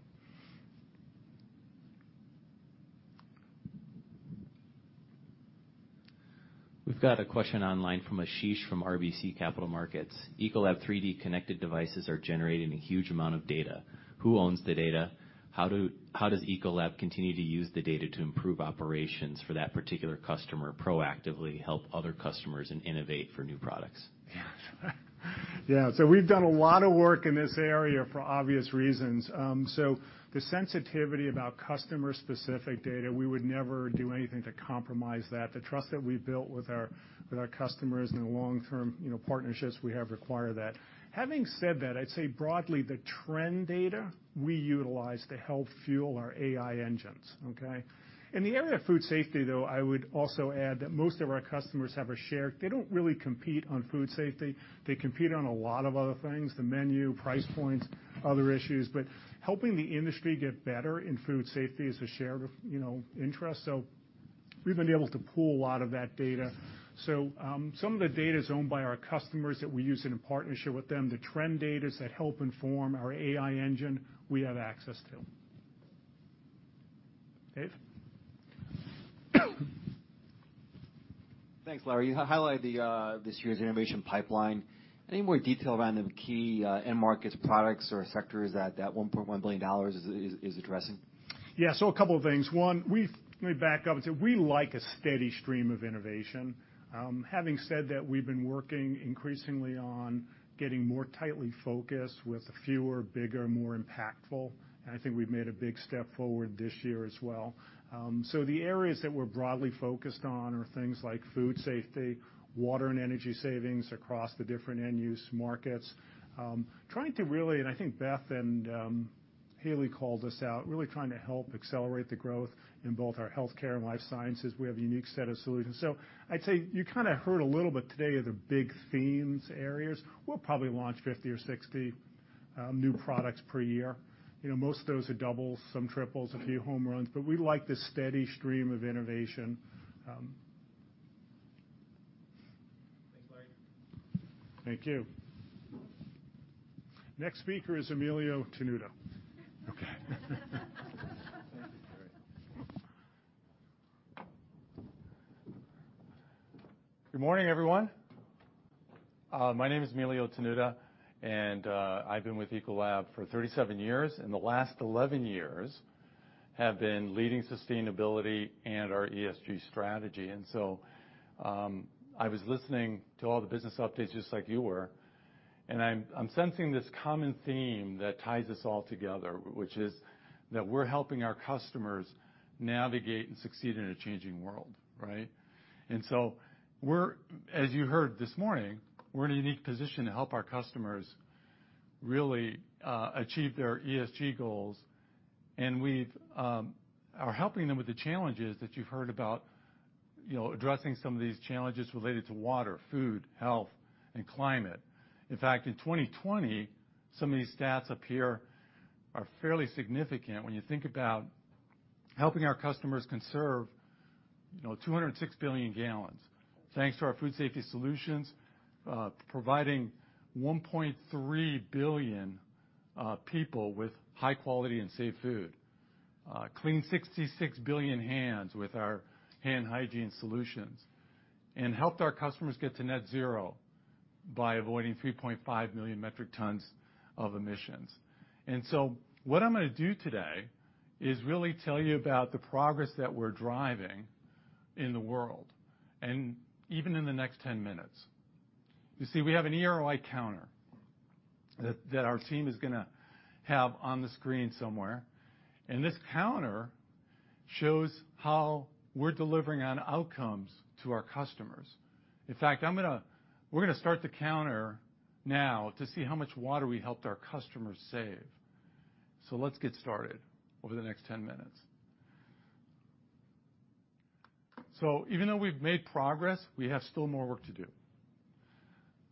We've got a question online from Ashish from RBC Capital Markets. ECOLAB3D connected devices are generating a huge amount of data. Who owns the data? How does Ecolab continue to use the data to improve operations for that particular customer, proactively help other customers, and innovate for new products? We've done a lot of work in this area for obvious reasons. The sensitivity about customer-specific data, we would never do anything to compromise that. The trust that we've built with our customers and the long-term partnerships we have require that. Having said that, I'd say broadly the trend data we utilize to help fuel our AI engines, okay? In the area of food safety, though, I would also add that most of our customers have a shared. They don't really compete on food safety. They compete on a lot of other things, the menu, price points, other issues, but helping the industry get better in food safety is a shared interest, so we've been able to pool a lot of that data. Some of the data's owned by our customers that we use in a partnership with them. The trend data that help inform our AI engine, we have access to. Dave? Thanks, Larry. You highlighted this year's innovation pipeline. Any more detail around the key end markets, products, or sectors that $1.1 billion is addressing? Yeah. A couple of things. One, let me back up and say we like a steady stream of innovation. Having said that, we've been working increasingly on getting more tightly focused with fewer, bigger, more impactful, and I think we've made a big step forward this year as well. The areas that we're broadly focused on are things like food safety, water and energy savings across the different end-use markets. Trying to really, and I think Beth and Haley called us out, really trying to help accelerate the growth in both our Healthcare and Life Sciences. We have a unique set of solutions. I'd say you kind of heard a little bit today are the big themes areas. We'll probably launch 50 or 60 new products per year. Most of those are doubles, some triples, a few home runs, but we like this steady stream of innovation. Thank you. Next speaker is Emilio Tenuta. Okay. Good morning, everyone. My name is Emilio Tenuta. I've been with Ecolab for 37 years. The last 11 years have been leading sustainability and our ESG strategy. I was listening to all the business updates just like you were. I'm sensing this common theme that ties us all together, which is that we're helping our customers navigate and succeed in a changing world, right? We're, as you heard this morning, we're in a unique position to help our customers really achieve their ESG goals. We are helping them with the challenges that you've heard about, addressing some of these challenges related to water, food, health, and climate. In fact, in 2020, some of these stats up here are fairly significant when you think about helping our customers conserve 206 billion gallons. Thanks to our food safety solutions, providing 1.3 billion people with high quality and safe food. Cleaning 66 billion hands with our hand hygiene solutions. Helped our customers get to net zero by avoiding 3.5 million metric tons of emissions. What I'm going to do today is really tell you about the progress that we're driving in the world, even in the next 10 minutes. You see, we have an eROI counter that our team is going to have on the screen somewhere. This counter shows how we're delivering on outcomes to our customers. In fact, we're going to start the counter now to see how much water we helped our customers save. Let's get started over the next 10 minutes. Even though we've made progress, we have still more work to do.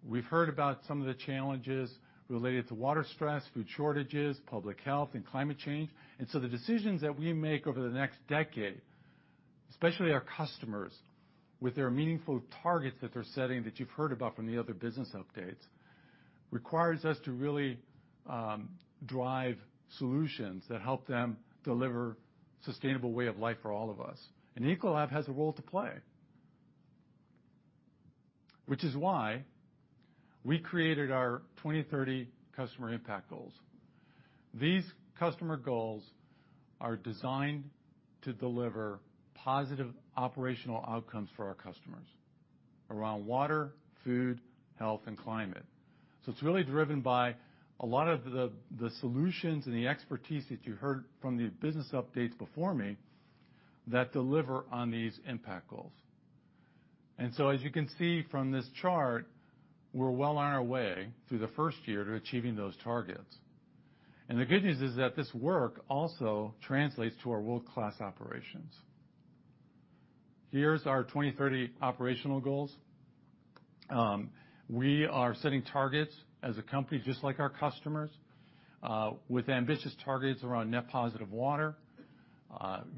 We've heard about some of the challenges related to water stress, food shortages, public health, and climate change. The decisions that we make over the next decade, especially our customers, with their meaningful targets that they're setting, that you've heard about from the other business updates, requires us to really drive solutions that help them deliver sustainable way of life for all of us. Ecolab has a role to play. Which is why we created our 2030 customer impact goals. These customer goals are designed to deliver positive operational outcomes for our customers around water, food, health, and climate. It's really driven by a lot of the solutions and the expertise that you heard from the business updates before me that deliver on these impact goals. As you can see from this chart, we're well on our way through the first year to achieving those targets. The good news is that this work also translates to our world-class operations. Here's our 2030 operational goals. We are setting targets as a company just like our customers, with ambitious targets around net positive water,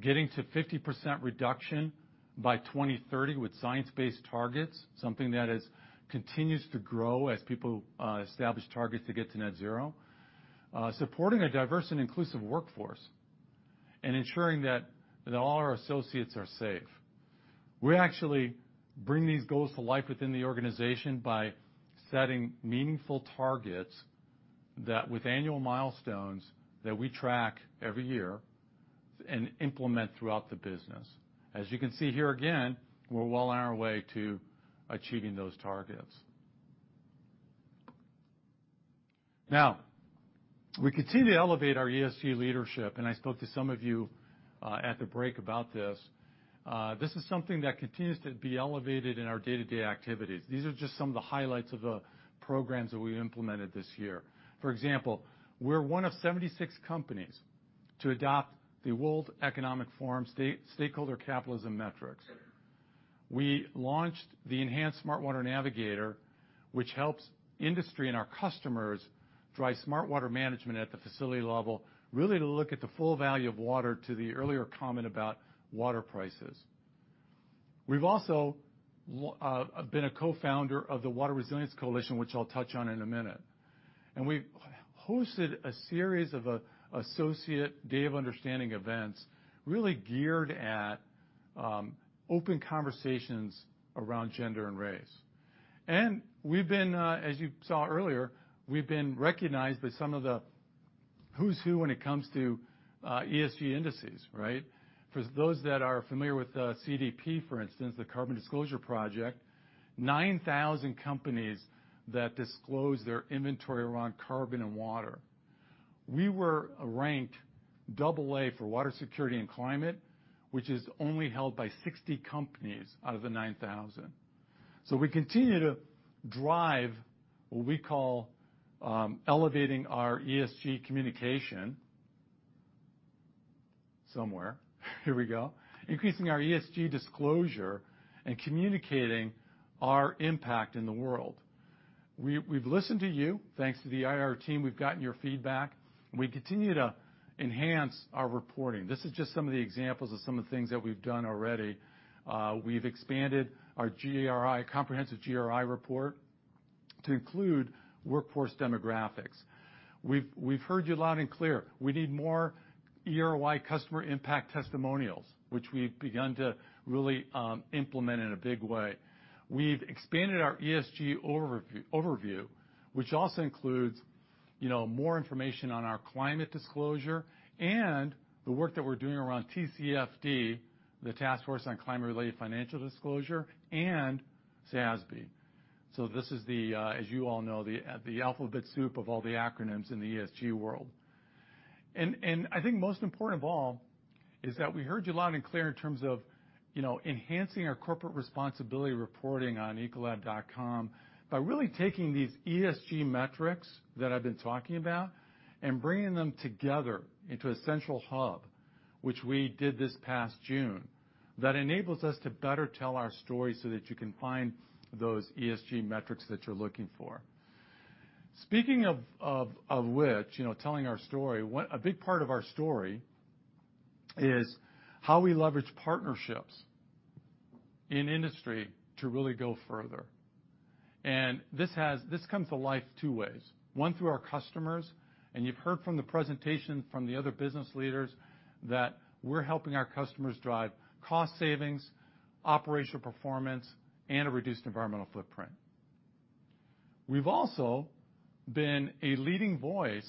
getting to 50% reduction by 2030 with science-based targets, something that continues to grow as people establish targets to get to net zero. Supporting a diverse and inclusive workforce and ensuring that all our associates are safe. We actually bring these goals to life within the organization by setting meaningful targets that with annual milestones that we track every year and implement throughout the business. As you can see here again, we're well on our way to achieving those targets. Now, we continue to elevate our ESG leadership. I spoke to some of you at the break about this. This is something that continues to be elevated in our day-to-day activities. These are just some of the highlights of the programs that we implemented this year. For example, we're one of 76 companies to adopt the World Economic Forum Stakeholder Capitalism Metrics. We launched the Enhanced Smart Water Navigator, which helps industry and our customers drive smart water management at the facility level, really to look at the full value of water to the earlier comment about water prices. We've also been a co-founder of the Water Resilience Coalition, which I'll touch on in a minute. We've hosted a series of associate Day of Understanding events really geared at open conversations around gender and race. We've been, as you saw earlier, we've been recognized by some of the who's who when it comes to ESG indices, right. For those that are familiar with CDP, for instance, the Carbon Disclosure Project, 9,000 companies that disclose their inventory around carbon and water. We were ranked double A for water security and climate, which is only held by 60 companies out of the 9,000. We continue to drive what we call elevating our ESG communication somewhere. Here we go. Increasing our ESG disclosure and communicating our impact in the world. We've listened to you. Thanks to the IR team, we've gotten your feedback, and we continue to enhance our reporting. This is just some of the examples of some of the things that we've done already. We've expanded our comprehensive GRI report to include workforce demographics. We've heard you loud and clear. We need more eROI customer impact testimonials, which we've begun to really implement in a big way. We've expanded our ESG overview, which also includes more information on our climate disclosure and the work that we're doing around TCFD, the Task Force on Climate-related Financial Disclosures, and SASB. This is, as you all know, the alphabet soup of all the acronyms in the ESG world. I think most important of all is that we heard you loud and clear in terms of enhancing our corporate responsibility reporting on ecolab.com by really taking these ESG metrics that I've been talking about and bringing them together into a central hub, which we did this past June, that enables us to better tell our story so that you can find those ESG metrics that you're looking for. Speaking of which, telling our story, a big part of our story is how we leverage partnerships in industry to really go further. This comes to life two ways. One, through our customers, you've heard from the presentation from the other business leaders that we're helping our customers drive cost savings, operational performance, and a reduced environmental footprint. We've also been a leading voice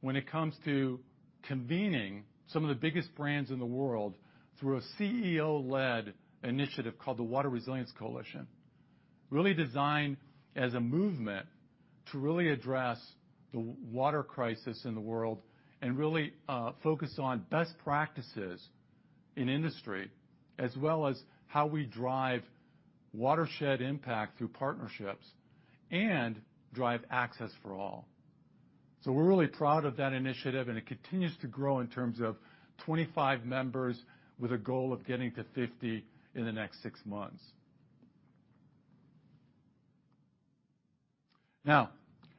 when it comes to convening some of the biggest brands in the world through a CEO-led initiative called the Water Resilience Coalition. Really designed as a movement to really address the water crisis in the world and really focus on best practices in industry, as well as how we drive watershed impact through partnerships and drive access for all. We're really proud of that initiative, and it continues to grow in terms of 25 members with a goal of getting to 50 in the next six months.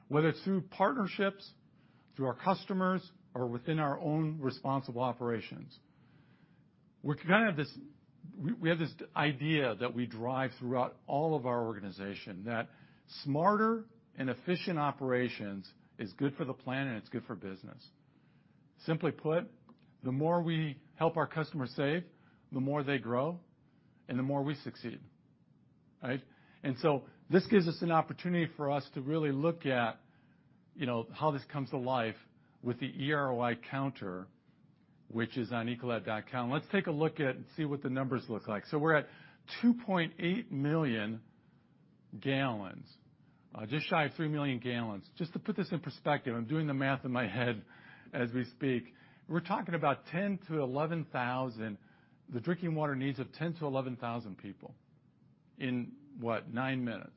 Whether through partnerships, through our customers, or within our own responsible operations, we have this idea that we drive throughout all of our organization that smarter and efficient operations is good for the planet and it's good for business. Simply put, the more we help our customers save, the more they grow, and the more we succeed. Right? This gives us an opportunity for us to really look at how this comes to life with the eROI counter, which is on ecolab.com. Let's take a look at and see what the numbers look like. We're at two point eight million gallons, just shy of three million gallons. Just to put this in perspective, I'm doing the math in my head as we speak. We're talking about the drinking water needs of 10,000 to 11,000 people in, what, nine minutes.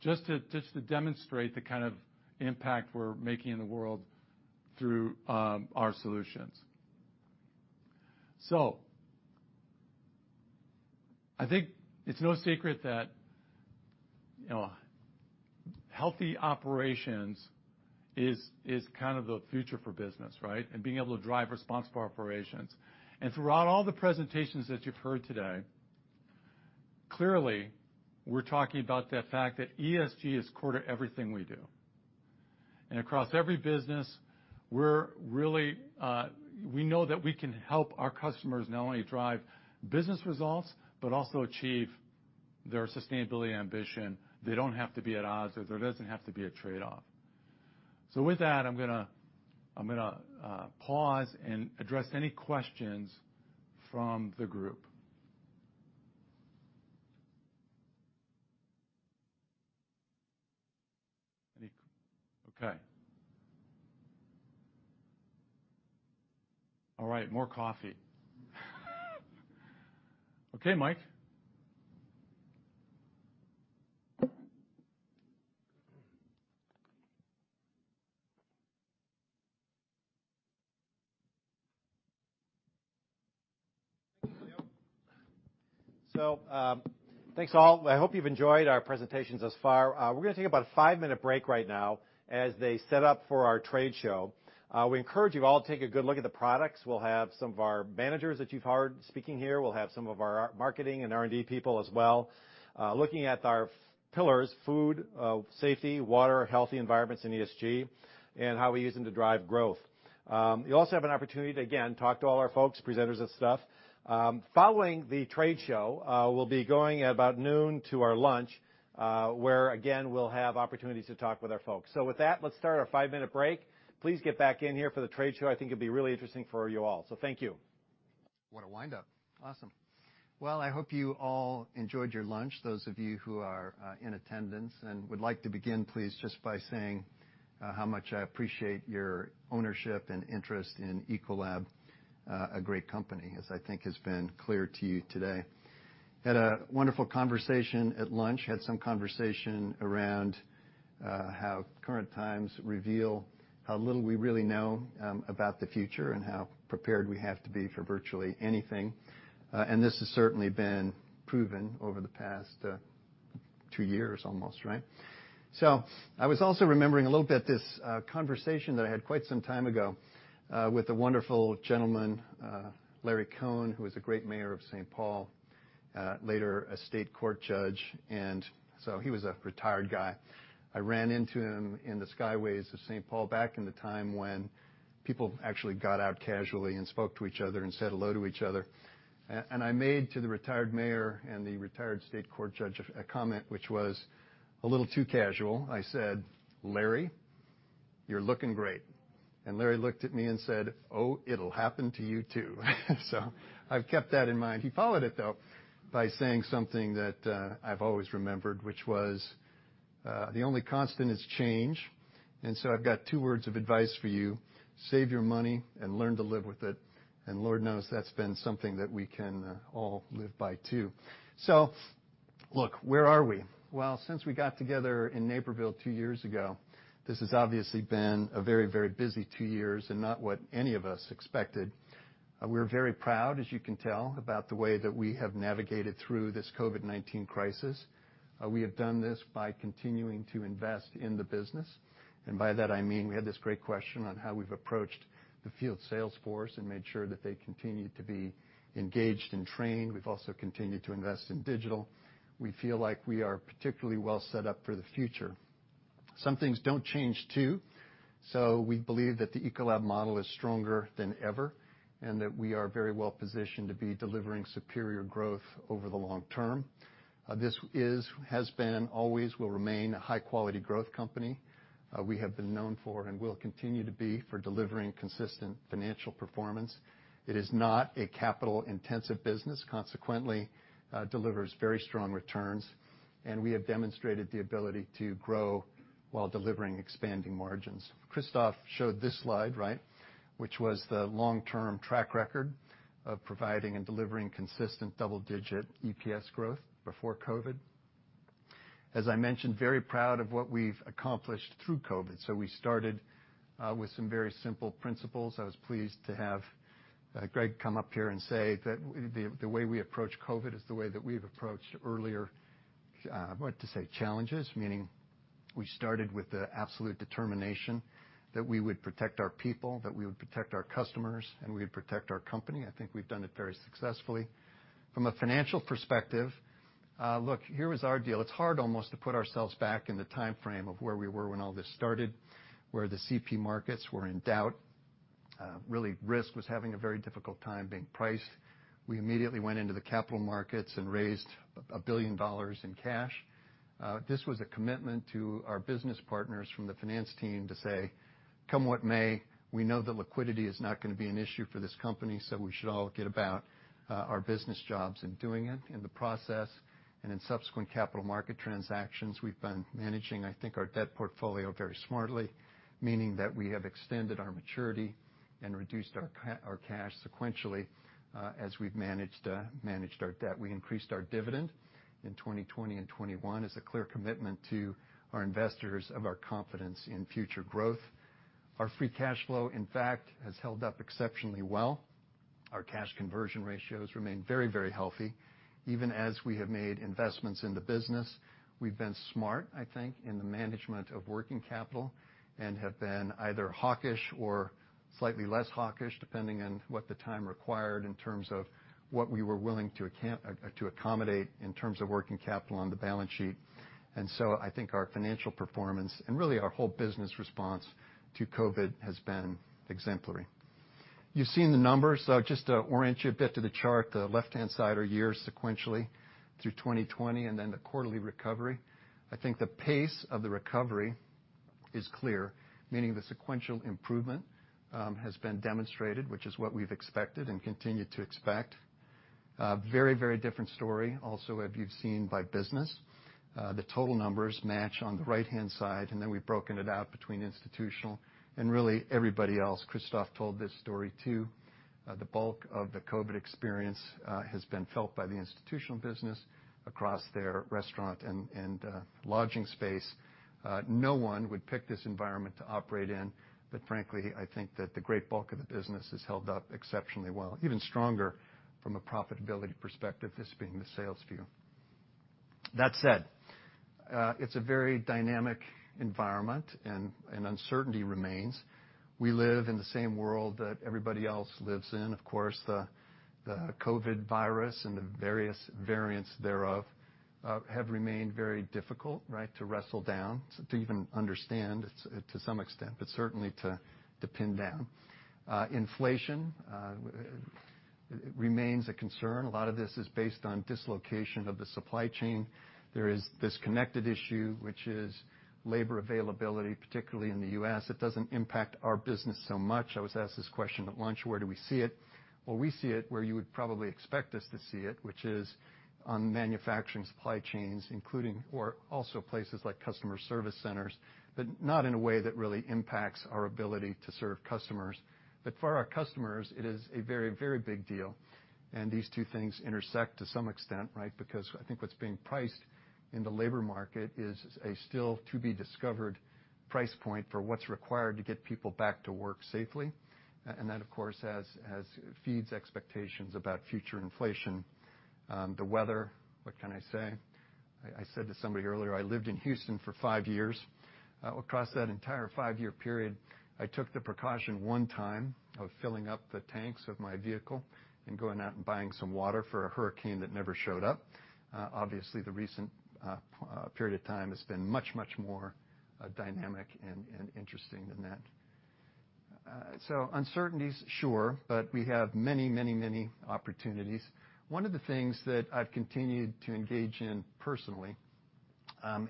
Just to demonstrate the kind of impact we're making in the world through our solutions. I think it's no secret that healthy operations is kind of the future for business, right? Being able to drive responsible operations. Throughout all the presentations that you've heard today, clearly, we're talking about the fact that ESG is core to everything we do. Across every business, we know that we can help our customers not only drive business results, but also achieve their sustainability ambition. They don't have to be at odds, or there doesn't have to be a trade-off. With that, I'm going to pause and address any questions from the group. Okay. All right. More coffee. Okay, Mike. Thanks all. I hope you've enjoyed our presentations thus far. We're going to take about a 5-minute break right now as they set up for our trade show. We encourage you all to take a good look at the products. We'll have some of our managers that you've heard speaking here. We'll have some of our marketing and R&D people as well, looking at our pillars, food safety, water, healthy environments, and ESG, and how we use them to drive growth. You also have an opportunity to, again, talk to all our folks, presenters and stuff. Following the trade show, we'll be going at about noon to our lunch, where again, we'll have opportunities to talk with our folks. With that, let's start our five-minute break. Please get back in here for the trade show. I think it'll be really interesting for you all. Thank you. What a windup. Awesome. Well, I hope you all enjoyed your lunch, those of you who are in attendance. Would like to begin, please, just by saying how much I appreciate your ownership and interest in Ecolab, a great company, as I think has been clear to you today. Had a wonderful conversation at lunch. Had some conversation around how current times reveal how little we really know about the future and how prepared we have to be for virtually anything. This has certainly been proven over the past two years almost, right? I was also remembering a little bit this conversation that I had quite some time ago with a wonderful gentleman, Larry Cohen, who was a great mayor of St. Paul, later a state court judge. He was a retired guy. I ran into him in the skyways of St. Paul back in the time when people actually got out casually and spoke to each other and said hello to each other. I made to the retired mayor and the retired state court judge, a comment which was a little too casual. I said, "Larry, you're looking great." Larry looked at me and said, "Oh, it'll happen to you, too." I've kept that in mind. He followed it, though, by saying something that I've always remembered, which was, "The only constant is change, and so I've got two words of advice for you. Save your money and learn to live with it." Lord knows, that's been something that we can all live by, too. Look, where are we? Well, since we got together in Naperville two years ago, this has obviously been a very, very busy two years and not what any of us expected. We're very proud, as you can tell, about the way that we have navigated through this COVID-19 crisis. We have done this by continuing to invest in the business. By that, I mean, we had this great question on how we've approached the field sales force and made sure that they continued to be engaged and trained. We've also continued to invest in digital. We feel like we are particularly well set up for the future. Some things don't change, too. We believe that the Ecolab model is stronger than ever, and that we are very well positioned to be delivering superior growth over the long term. This is, has been, always will remain a high-quality growth company. We have been known for and will continue to be for delivering consistent financial performance. It is not a capital-intensive business, consequently, delivers very strong returns, and we have demonstrated the ability to grow while delivering expanding margins. Christophe showed this slide, which was the long-term track record of providing and delivering consistent double-digit EPS growth before COVID. As I mentioned, very proud of what we've accomplished through COVID. We started with some very simple principles. I was pleased to have Greg come up here and say that the way we approach COVID is the way that we've approached earlier, I want to say, challenges, meaning we started with the absolute determination that we would protect our people, that we would protect our customers, and we would protect our company. I think we've done it very successfully. From a financial perspective, look, here was our deal. It's hard almost to put ourselves back in the timeframe of where we were when all this started, where the CP markets were in doubt. Really, risk was having a very difficult time being priced. We immediately went into the capital markets and raised $1 billion in cash. This was a commitment to our business partners from the finance team to say, come what may, we know that liquidity is not going to be an issue for this company, so we should all get about our business jobs and doing it in the process. In subsequent capital market transactions, we've been managing, I think, our debt portfolio very smartly, meaning that we have extended our maturity and reduced our cash sequentially, as we've managed our debt. We increased our dividend in 2020 and 2021 as a clear commitment to our investors of our confidence in future growth. Our free cash flow, in fact, has held up exceptionally well. Our cash conversion ratios remain very healthy. Even as we have made investments in the business, we've been smart, I think, in the management of working capital and have been either hawkish or slightly less hawkish, depending on what the time required in terms of what we were willing to accommodate in terms of working capital on the balance sheet. I think our financial performance and really our whole business response to COVID has been exemplary. You've seen the numbers, just to orient you a bit to the chart, the left-hand side are years sequentially through 2020, and then the quarterly recovery. I think the pace of the recovery is clear, meaning the sequential improvement has been demonstrated, which is what we've expected and continue to expect. A very, very different story also, as you've seen by business. The total numbers match on the right-hand side, and then we've broken it out between institutional and really everybody else. Christophe told this story, too. The bulk of the COVID experience has been felt by the institutional business across their restaurant and lodging space. No one would pick this environment to operate in, but frankly, I think that the great bulk of the business has held up exceptionally well, even stronger from a profitability perspective, this being the sales view. That said, it's a very dynamic environment and uncertainty remains. We live in the same world that everybody else lives in. Of course, the COVID virus and the various variants thereof have remained very difficult to wrestle down, to even understand to some extent, but certainly to pin down. Inflation remains a concern. A lot of this is based on dislocation of the supply chain. There is this connected issue, which is labor availability, particularly in the U.S. It doesn't impact our business so much. I was asked this question at lunch, where do we see it? Well, we see it where you would probably expect us to see it, which is on manufacturing supply chains, including or also places like customer service centers, but not in a way that really impacts our ability to serve customers. For our customers, it is a very, very big deal. These two things intersect to some extent. I think what's being priced in the labor market is a still to be discovered price point for what's required to get people back to work safely. That, of course, feeds expectations about future inflation. The weather, what can I say? I said to somebody earlier, I lived in Houston for five years. Across that entire five-year period, I took the precaution one time of filling up the tanks of my vehicle and going out and buying some water for a hurricane that never showed up. Obviously, the recent period of time has been much, much more dynamic and interesting than that. Uncertainties, sure. We have many, many, many opportunities. One of the things that I've continued to engage in personally,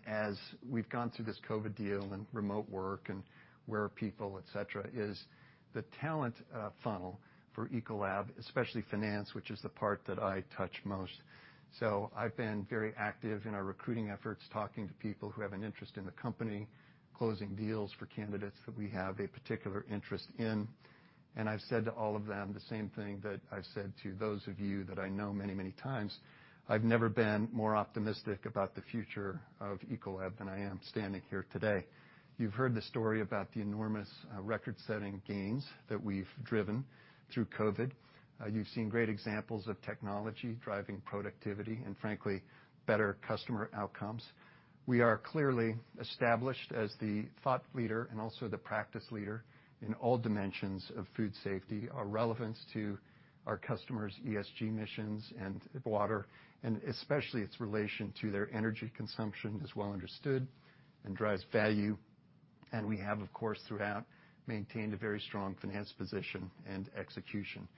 as we've gone through this COVID deal and remote work and where are people, et cetera, is the talent funnel for Ecolab, especially finance, which is the part that I touch most. I've been very active in our recruiting efforts, talking to people who have an interest in the company, closing deals for candidates that we have a particular interest in. I've said to all of them the same thing that I've said to those of you that I know many, many times. I've never been more optimistic about the future of Ecolab than I am standing here today. You've heard the story about the enormous record-setting gains that we've driven through COVID. You've seen great examples of technology driving productivity and frankly, better customer outcomes. We are clearly established as the thought leader and also the practice leader in all dimensions of food safety. Our relevance to our customers' ESG missions and water, and especially its relation to their energy consumption, is well understood and drives value. We have, of course, throughout, maintained a very strong finance position and execution.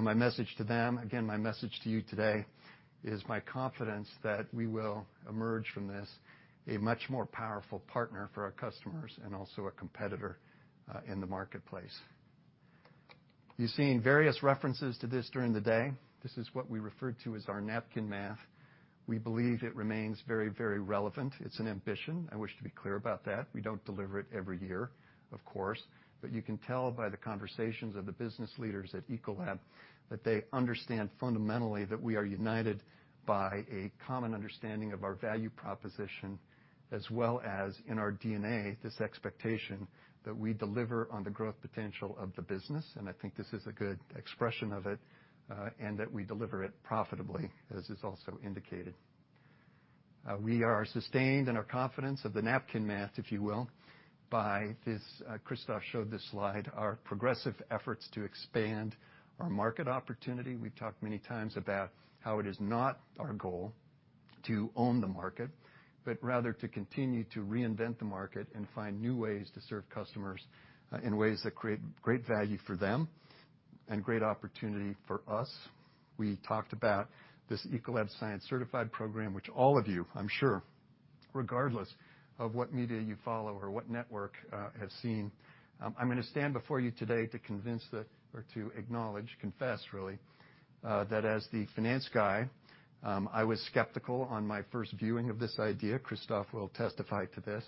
My message to them, again, my message to you today, is my confidence that we will emerge from this a much more powerful partner for our customers and also a competitor in the marketplace. You've seen various references to this during the day. This is what we refer to as our napkin math. We believe it remains very, very relevant. It's an ambition. I wish to be clear about that. We don't deliver it every year, of course. You can tell by the conversations of the business leaders at Ecolab that they understand fundamentally that we are united by a common understanding of our value proposition, as well as in our DNA, this expectation that we deliver on the growth potential of the business, and I think this is a good expression of it, and that we deliver it profitably, as is also indicated. We are sustained in our confidence of the napkin math, if you will, by this. Christophe showed this slide, our progressive efforts to expand our market opportunity. We've talked many times about how it is not our goal to own the market, but rather to continue to reinvent the market and find new ways to serve customers in ways that create great value for them and great opportunity for us. We talked about this Ecolab Science Certified program, which all of you, I'm sure, regardless of what media you follow or what network, have seen. I'm going to stand before you today to convince or to acknowledge, confess really, that as the finance guy, I was skeptical on my first viewing of this idea. Christophe will testify to this.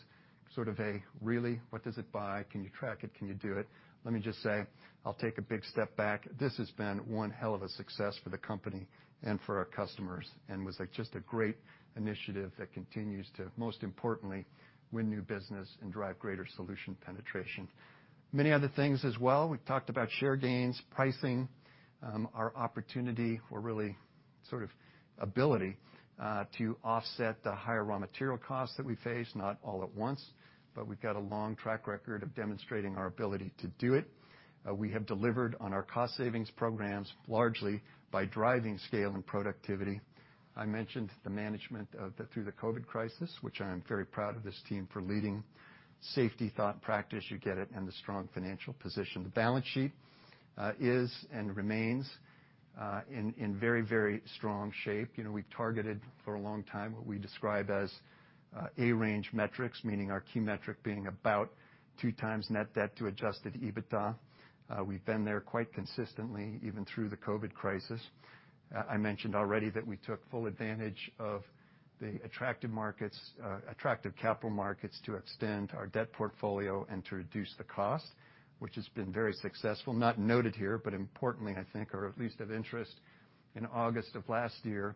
Sort of a, "Really? What does it buy? Can you track it? Can you do it?" Let me just say, I'll take a big step back. This has been one hell of a success for the company and for our customers and was just a great initiative that continues to, most importantly, win new business and drive greater solution penetration. Many other things as well. We've talked about share gains, pricing, our opportunity, or really sort of ability, to offset the higher raw material costs that we face. Not all at once, we've got a long track record of demonstrating our ability to do it. We have delivered on our cost savings programs largely by driving scale and productivity. I mentioned the management through the COVID crisis, which I am very proud of this team for leading. Safety, thought, practice, you get it, and a strong financial position. The balance sheet is and remains in very, very strong shape. We've targeted for a long time what we describe as A-range metrics, meaning our key metric being about two times net debt to adjusted EBITDA. We've been there quite consistently, even through the COVID crisis. I mentioned already that we took full advantage of the attractive capital markets to extend our debt portfolio and to reduce the cost, which has been very successful. Not noted here, but importantly, I think, or at least of interest, in August of last year,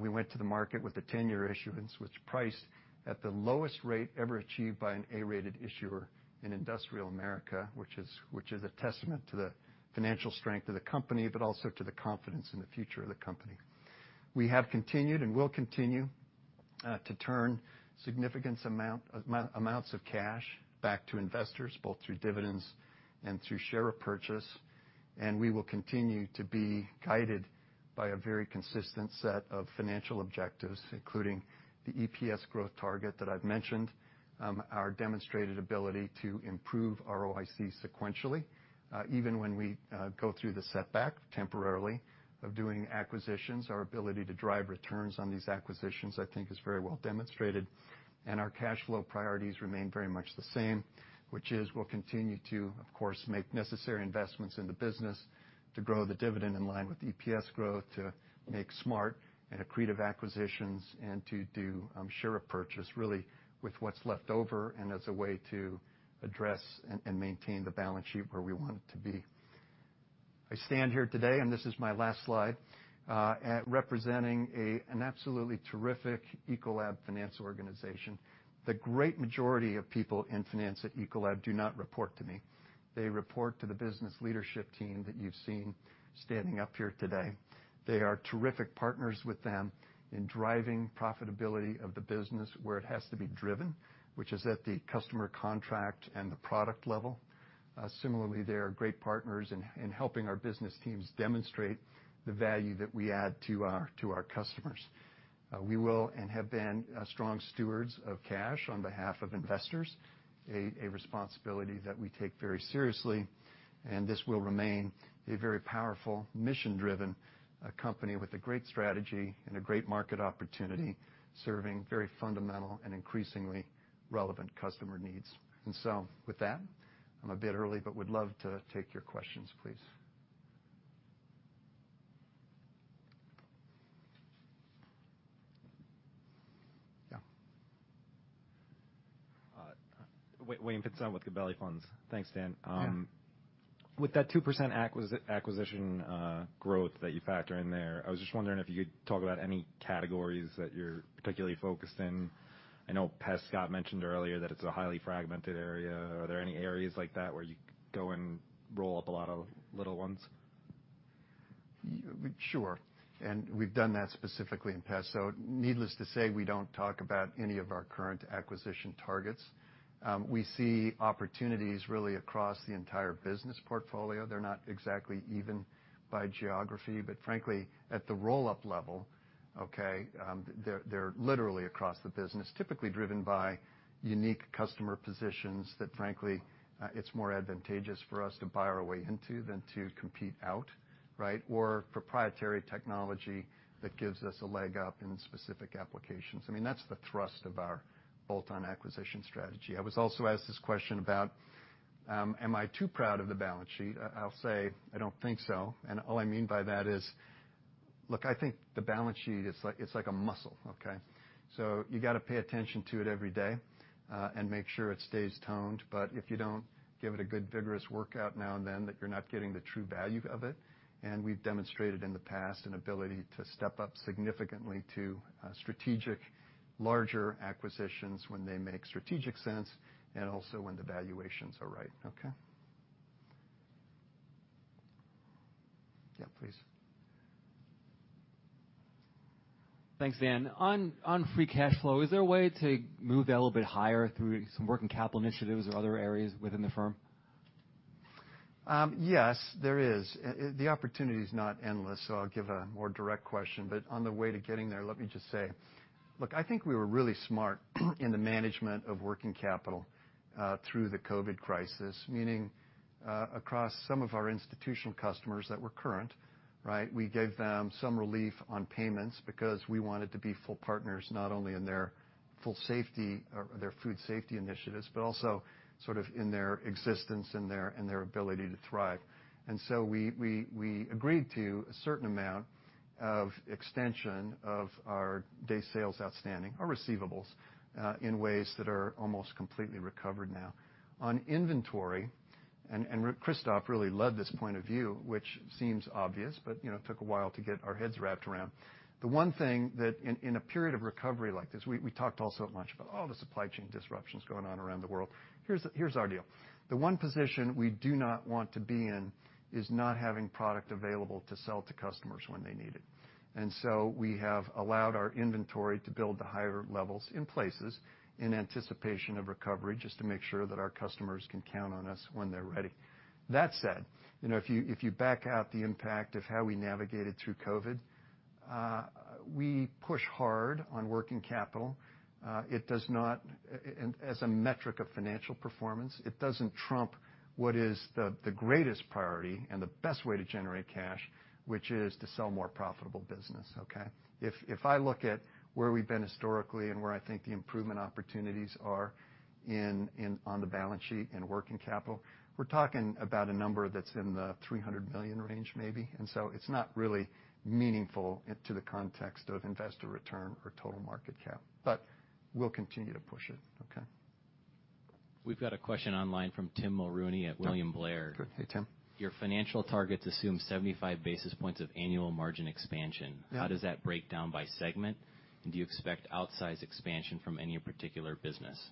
we went to the market with a 10-year issuance, which priced at the lowest rate ever achieved by an A-rated issuer in industrial America, which is a testament to the financial strength of the company, but also to the confidence in the future of the company. We have continued and will continue to turn significant amounts of cash back to investors, both through dividends and through share purchase. We will continue to be guided by a very consistent set of financial objectives, including the EPS growth target that I've mentioned, our demonstrated ability to improve ROIC sequentially even when we go through the setback, temporarily, of doing acquisitions. Our ability to drive returns on these acquisitions, I think, is very well demonstrated, and our cash flow priorities remain very much the same. Which is, we'll continue to, of course, make necessary investments in the business to grow the dividend in line with EPS growth, to make smart and accretive acquisitions, and to do share purchase, really, with what's left over, and as a way to address and maintain the balance sheet where we want it to be. I stand here today, and this is my last slide, representing an absolutely terrific Ecolab finance organization. The great majority of people in finance at Ecolab do not report to me. They report to the business leadership team that you've seen standing up here today. They are terrific partners with them in driving profitability of the business where it has to be driven, which is at the customer contract and the product level. Similarly, they are great partners in helping our business teams demonstrate the value that we add to our customers. We will and have been strong stewards of cash on behalf of investors, a responsibility that we take very seriously, this will remain a very powerful mission-driven company with a great strategy and a great market opportunity, serving very fundamental and increasingly relevant customer needs. With that, I'm a bit early, but would love to take your questions, please. Yeah. William Fitzhugh with Gabelli Funds. Thanks, Dan. Yeah. With that two percent acquisition growth that you factor in there, I was just wondering if you could talk about any categories that you're particularly focused in. I know pest, Scott mentioned earlier that it's a highly fragmented area. Are there any areas like that where you go and roll up a lot of little ones? Sure. We've done that specifically in pest. Needless to say, we don't talk about any of our current acquisition targets. We see opportunities really across the entire business portfolio. They're not exactly even by geography, but frankly, at the roll-up level, okay, they're literally across the business, typically driven by unique customer positions that frankly, it's more advantageous for us to buy our way into than to compete out, right? Proprietary technology that gives us a leg up in specific applications. That's the thrust of our bolt-on acquisition strategy. I was also asked this question about, am I too proud of the balance sheet? I'll say I don't think so. All I mean by that is, look, I think the balance sheet, it's like a muscle, okay? You got to pay attention to it every day, and make sure it stays toned. If you don't give it a good, vigorous workout now and then, that you're not getting the true value of it. We've demonstrated in the past, an ability to step up significantly to strategic, larger acquisitions when they make strategic sense and also when the valuations are right. Okay. Yeah, please. Thanks, Dan. On free cash flow, is there a way to move that a little bit higher through some working capital initiatives or other areas within the firm? Yes, there is. The opportunity's not endless, so I'll give a more direct question, but on the way to getting there, let me just say, look, I think we were really smart in the management of working capital through the COVID crisis, meaning, across some of our institutional customers that were current, right? We gave them some relief on payments because we wanted to be full partners, not only in their food safety initiatives, but also sort of in their existence and their ability to thrive. We agreed to a certain amount of extension of our day sales outstanding, our receivables, in ways that are almost completely recovered now. On inventory, Christophe really led this point of view, which seems obvious, but took a while to get our heads wrapped around. The one thing that in a period of recovery like this, we talked all so much about all the supply chain disruptions going on around the world. Here's our deal. The one position we do not want to be in is not having product available to sell to customers when they need it. We have allowed our inventory to build to higher levels in places in anticipation of recovery, just to make sure that our customers can count on us when they're ready. That said, if you back out the impact of how we navigated through COVID, we push hard on working capital. As a metric of financial performance, it doesn't trump what is the greatest priority and the best way to generate cash, which is to sell more profitable business, okay? If I look at where we've been historically and where I think the improvement opportunities are on the balance sheet in working capital, we're talking about a number that's in the $300 million range, maybe. It's not really meaningful to the context of investor return or total market cap, but we'll continue to push it. Okay. We've got a question online from Tim Mulrooney at William Blair. Hey, Tim. Your financial targets assume 75 basis points of annual margin expansion. Yeah. How does that break down by segment? Do you expect outsized expansion from any particular business?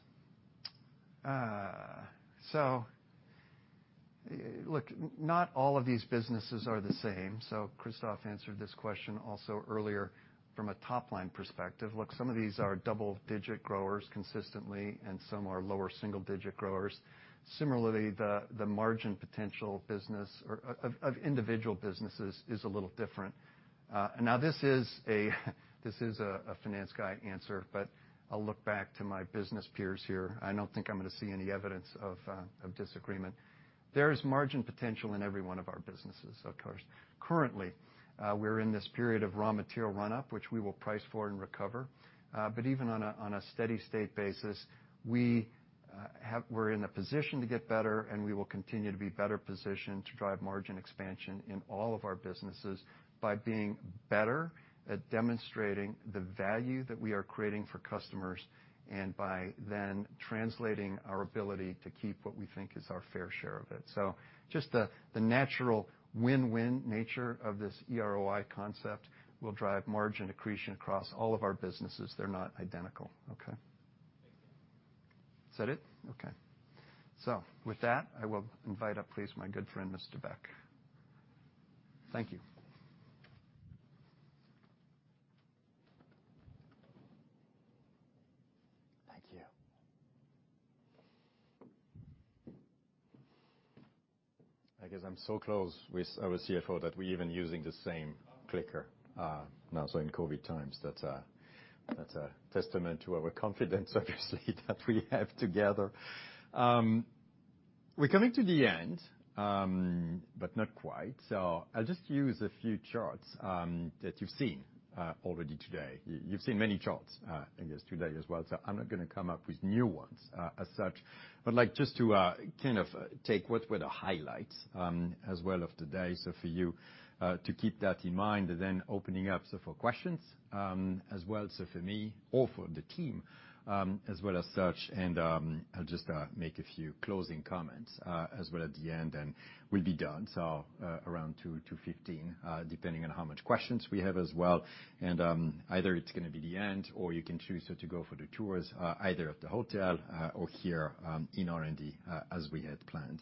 Look, not all of these businesses are the same. Christophe answered this question also earlier from a top-line perspective. Look, some of these are double-digit growers consistently, and some are lower single-digit growers. Similarly, the margin potential of individual businesses is a little different. Now, this is a finance guy answer, but I'll look back to my business peers here. I don't think I'm going to see any evidence of disagreement. There is margin potential in every one of our businesses, of course. Currently, we're in this period of raw material run-up, which we will price for and recover. Even on a steady-state basis, we're in a position to get better, and we will continue to be better positioned to drive margin expansion in all of our businesses by being better at demonstrating the value that we are creating for customers, and by then translating our ability to keep what we think is our fair share of it. Just the natural win-win nature of this eROI concept will drive margin accretion across all of our businesses. They're not identical. Okay Is that it? Okay. With that, I will invite up, please, my good friend, Mr. Beck. Thank you. Thank you. I guess I'm so close with our CFO that we're even using the same clicker now. In COVID times, that's a testament to our confidence, obviously, that we have together. We're coming to the end, but not quite. I'll just use a few charts that you've seen already today. You've seen many charts, I guess, today as well, so I'm not going to come up with new ones as such. Just to take what were the highlights as well of today. For you to keep that in mind, and then opening up, so for questions, as well, so for me or for the team, as well as such. I'll just make a few closing comments as well at the end, and we'll be done. Around 2:00 P.M., 2:15 P.M., depending on how much questions we have as well. Either it's going to be the end or you can choose so to go for the tours either at the hotel or here in R&D as we had planned.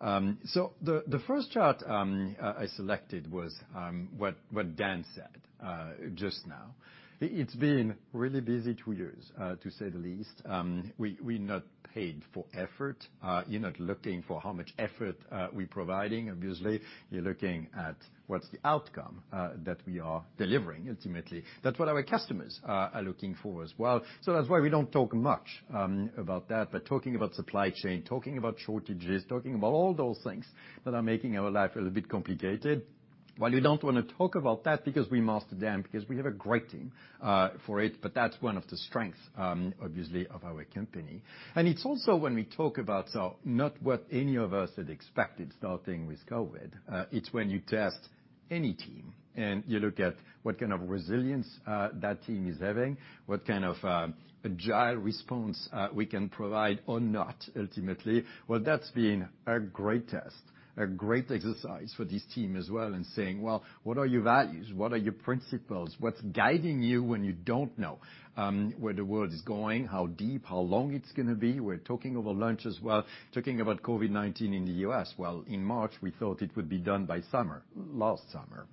The first chart I selected was what Dan said just now. It's been a really busy two years, to say the least. We're not paid for effort. You're not looking for how much effort we're providing, obviously. You're looking at what's the outcome that we are delivering, ultimately. That's what our customers are looking for as well. That's why we don't talk much about that. Talking about supply chain, talking about shortages, talking about all those things that are making our life a little bit complicated. While you don't want to talk about that because we mastered them because we have a great team for it, but that's one of the strengths, obviously, of our company. It's also when we talk about not what any of us had expected starting with COVID-19. It's when you test any team, and you look at what kind of resilience that team is having, what kind of agile response we can provide or not ultimately. That's been a great test, a great exercise for this team as well, and saying, "Well, what are your values? What are your principles? What's guiding you when you don't know where the world is going, how deep, how long it's going to be?" We're talking over lunch as well, talking about COVID-19 in the U.S. In March, we thought it would be done by summer. Last summer,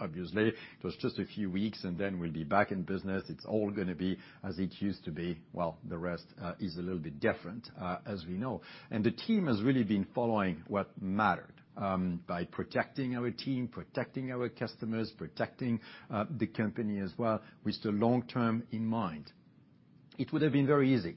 obviously. It was just a few weeks, and then we'll be back in business. It's all going to be as it used to be. Well, the rest is a little bit different as we know. The team has really been following what mattered by protecting our team, protecting our customers, protecting the company as well with the long term in mind. It would have been very easy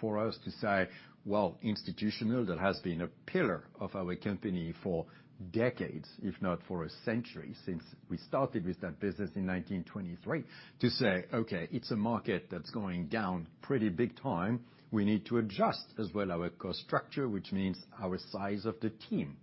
for us to say, well, institutional, that has been a pillar of our company for decades, if not for a century since we started with that business in 1923. To say, okay, it's a market that's going down pretty big time. We need to adjust as well our cost structure, which means our size of the team.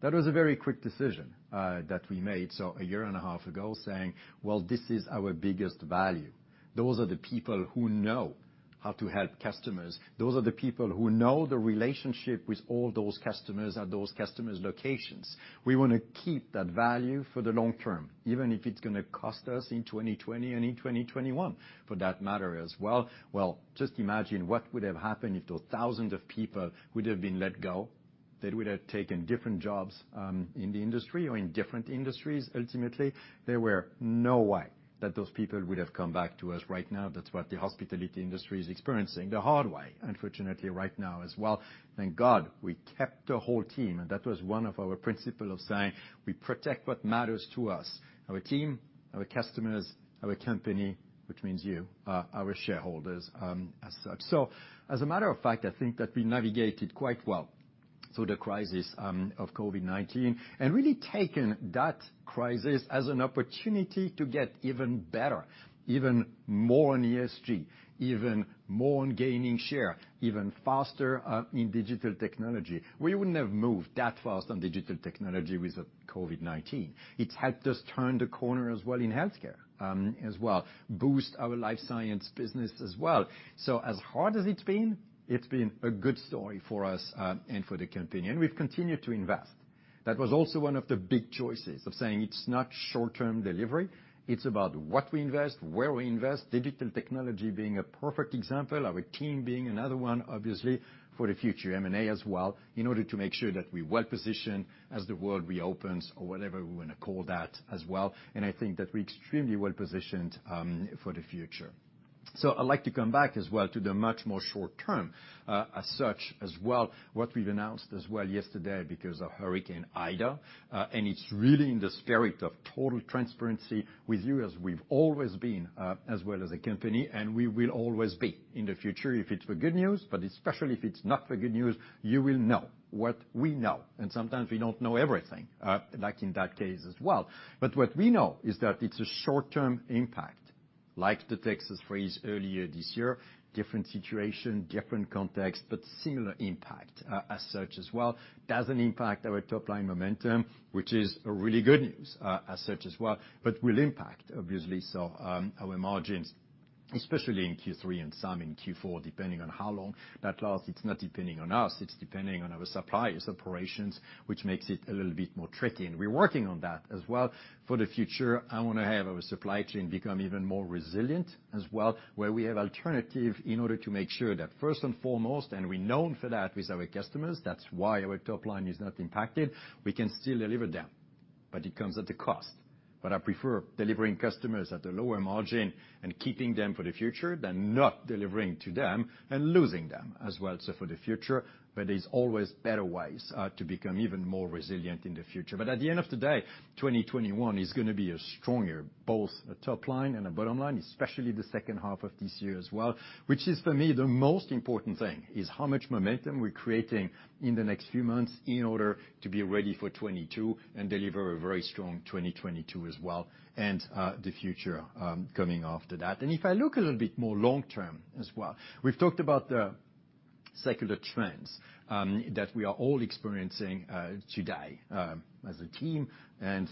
That was a very quick decision that we made. A year and a half ago, saying, well, this is our biggest value. Those are the people who know how to help customers. Those are the people who know the relationship with all those customers at those customers' locations. We want to keep that value for the long term, even if it's going to cost us in 2020 and in 2021 for that matter as well. Well, just imagine what would have happened if those thousands of people would have been let go. They would have taken different jobs in the industry or in different industries, ultimately. There were no way that those people would have come back to us right now. That's what the hospitality industry is experiencing the hard way, unfortunately, right now as well. Thank God we kept the whole team. That was one of our principles of saying we protect what matters to us, our team, our customers, our company, which means you, our shareholders as such. As a matter of fact, I think that we navigated quite well through the crisis of COVID-19 and really taken that crisis as an opportunity to get even better, even more on ESG, even more on gaining share, even faster in digital technology. We wouldn't have moved that fast on digital technology without COVID-19. It helped us turn the corner as well in healthcare as well, boost our life science business as well. As hard as it's been, it's been a good story for us and for the company, and we've continued to invest. That was also one of the big choices of saying it's not short-term delivery, it's about what we invest, where we invest, digital technology being a perfect example, our team being another one, obviously, for the future. M&A as well, in order to make sure that we're well-positioned as the world reopens, or whatever we want to call that as well. I think that we're extremely well-positioned for the future. I'd like to come back as well to the much more short-term as such as well, what we've announced as well yesterday because of Hurricane Ida, and it's really in the spirit of total transparency with you as we've always been, as well as a company, and we will always be in the future. If it's for good news, but especially if it's not for good news, you will know what we know. Sometimes we don't know everything, like in that case as well. What we know is that it's a short-term impact, like the Texas freeze earlier this year, different situation, different context, but similar impact as such as well. Doesn't impact our top-line momentum, which is really good news, as such as well, but will impact, obviously, so our margins, especially in Q3 and some in Q4, depending on how long that lasts. It's not depending on us, it's depending on our suppliers' operations, which makes it a little bit more tricky. We're working on that as well. For the future, I want to have our supply chain become even more resilient as well, where we have alternative in order to make sure that first and foremost, and we're known for that with our customers, that's why our top line is not impacted. We can still deliver them, it comes at a cost. I prefer delivering customers at a lower margin and keeping them for the future than not delivering to them and losing them as well. For the future, there is always better ways to become even more resilient in the future. At the end of the day, 2021 is going to be a stronger, both top line and bottom line, especially the second half of this year as well, which is for me, the most important thing is how much momentum we're creating in the next few months in order to be ready for 2022 and deliver a very strong 2022 as well, and the future coming after that. If I look a little bit more long-term as well, we've talked about the secular trends that we are all experiencing today as a team and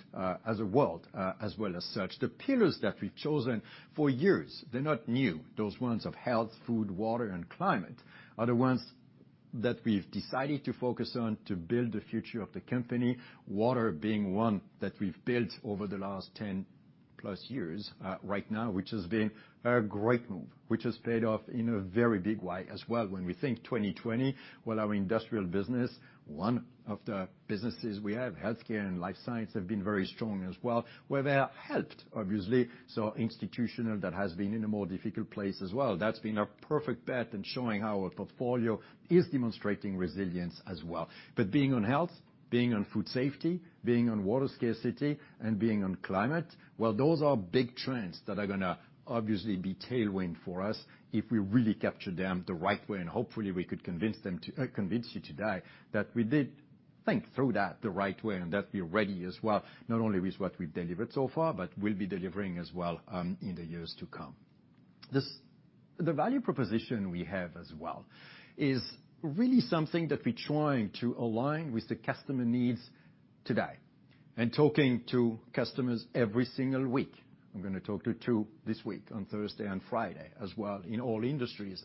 as a world as well as such. The pillars that we've chosen for years, they're not new. Those ones of health, food, water, and climate are the ones that we've decided to focus on to build the future of the company, water being one that we've built over the last 10 plus years right now, which has been a great move. Which has paid off in a very big way as well. When we think 2020, well, our industrial business, one of the businesses we have, healthcare and life science, have been very strong as well, where they are helped, obviously, so institutional that has been in a more difficult place as well. That's been a perfect bet in showing how our portfolio is demonstrating resilience as well. Being on health, being on food safety, being on water scarcity, and being on climate, well, those are big trends that are going to obviously be tailwind for us if we really capture them the right way, and hopefully, we could convince you today that we did think through that the right way and that we're ready as well, not only with what we've delivered so far, but will be delivering as well in the years to come. The value proposition we have as well is really something that we're trying to align with the customer needs today. Talking to customers every single week, I'm going to talk to two this week on Thursday and Friday as well in all industries.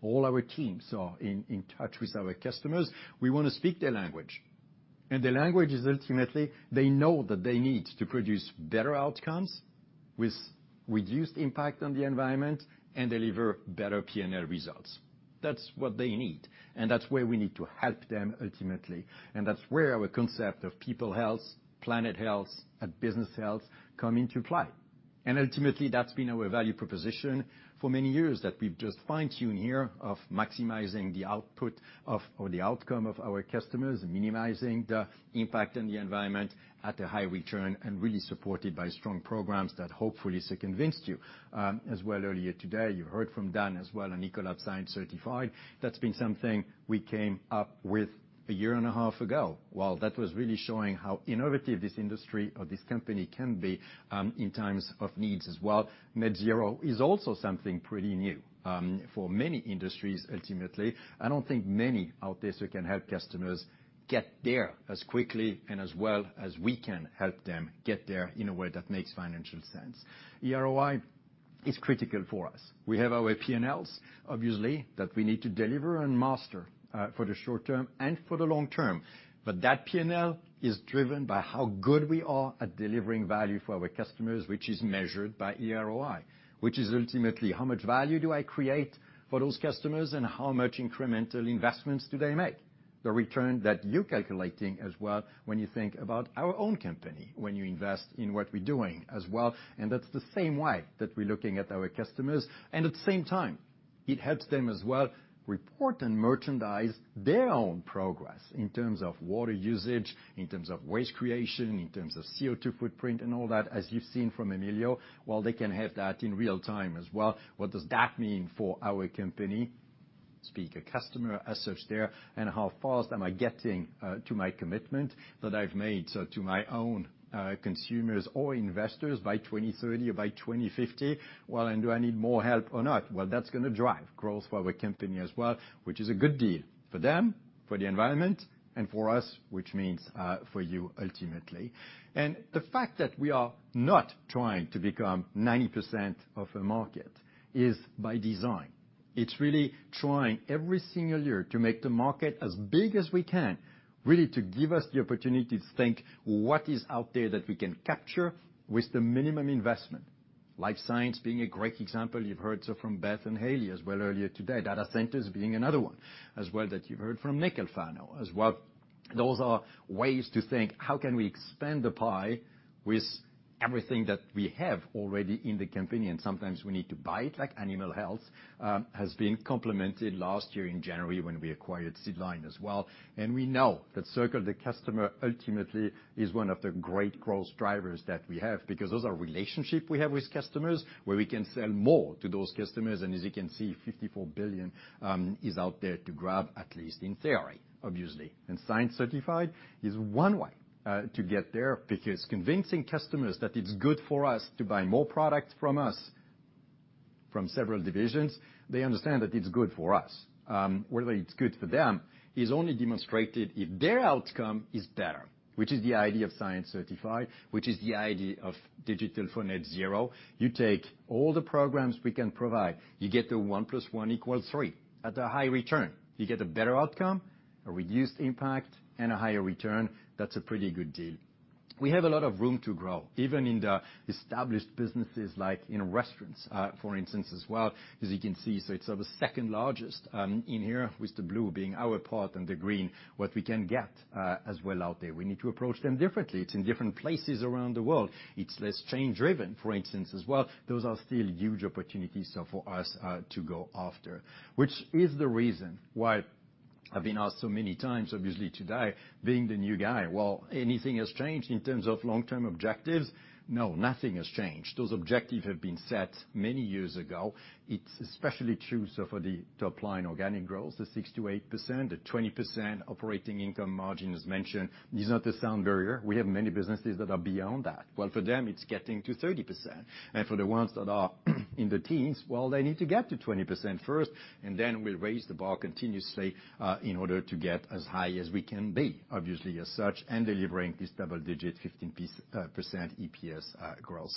All our teams are in touch with our customers. We want to speak their language. Their language is ultimately, they know that they need to produce better outcomes with reduced impact on the environment and deliver better P&L results. That's what they need, and that's where we need to help them ultimately, and that's where our concept of people health, planet health, and business health come into play. Ultimately, that's been our value proposition for many years that we've just fine-tuned here of maximizing the outcome of our customers, minimizing the impact on the environment at a high return, and really supported by strong programs that hopefully convinced you as well earlier today. You heard from Dan as well on Ecolab Science Certified. That's been something we came up with a year and a half ago. While that was really showing how innovative this industry or this company can be in times of needs as well. Net zero is also something pretty new for many industries, ultimately. I don't think many out there who can help customers get there as quickly and as well as we can help them get there in a way that makes financial sense. eROI is critical for us. We have our P&Ls, obviously, that we need to deliver and master, for the short term and for the long term. That P&L is driven by how good we are at delivering value for our customers, which is measured by eROI, which is ultimately how much value do I create for those customers and how much incremental investments do they make? The return that you're calculating as well when you think about our own company, when you invest in what we're doing as well, and that's the same way that we're looking at our customers. At the same time, it helps them as well report and merchandise their own progress in terms of water usage, in terms of waste creation, in terms of CO2 footprint and all that, as you've seen from Emilio. While they can have that in real time as well, what does that mean for our company? Speak a customer as such there, how fast am I getting to my commitment that I've made to my own consumers or investors by 2030 or by 2050? Do I need more help or not? That's going to drive growth for our company as well, which is a good deal for them, for the environment, and for us, which means for you ultimately. The fact that we are not trying to become 90% of a market is by design. It's really trying every single year to make the market as big as we can, really to give us the opportunity to think what is out there that we can capture with the minimum investment. Life Sciences being a great example, you've heard so from Beth and Haley as well earlier today. Data centers being another one as well that you've heard from Nick Alfano as well. Those are ways to think, how can we expand the pie with everything that we have already in the company? Sometimes we need to buy it, like animal health has been complemented last year in January when we acquired CID Lines as well. We know that circle the customer ultimately is one of the great growth drivers that we have, because those are relationship we have with customers, where we can sell more to those customers. As you can see, $54 billion is out there to grab, at least in theory, obviously. Ecolab Science Certified is one way to get there, because convincing customers that it's good for us to buy more product from us, from several divisions, they understand that it's good for us. Whether it's good for them is only demonstrated if their outcome is better, which is the idea of Ecolab Science Certified, which is the idea of Digital for Net ZERO. You take all the programs we can provide, you get the one plus plus equals three at a high return. You get a better outcome, a reduced impact, and a higher return. That's a pretty good deal. We have a lot of room to grow, even in the established businesses like in restaurants, for instance as well. As you can see, it's the second-largest in here with the blue being our part and the green, what we can get as well out there. We need to approach them differently. It's in different places around the world. It's less chain-driven, for instance, as well. Those are still huge opportunities for us to go after, which is the reason why I've been asked so many times, obviously today, being the new guy, well, anything has changed in terms of long-term objectives? No, nothing has changed. Those objective have been set many years ago. It's especially true for the top line organic growth, the six to eight percent, the 20% operating income margin as mentioned. This is not a sound barrier. We have many businesses that are beyond that. Well, for them, it's getting to 30%. For the ones that are in the teens, well, they need to get to 20% first, and then we'll raise the bar continuously, in order to get as high as we can be, obviously, as such, and delivering this double-digit 15% EPS growth.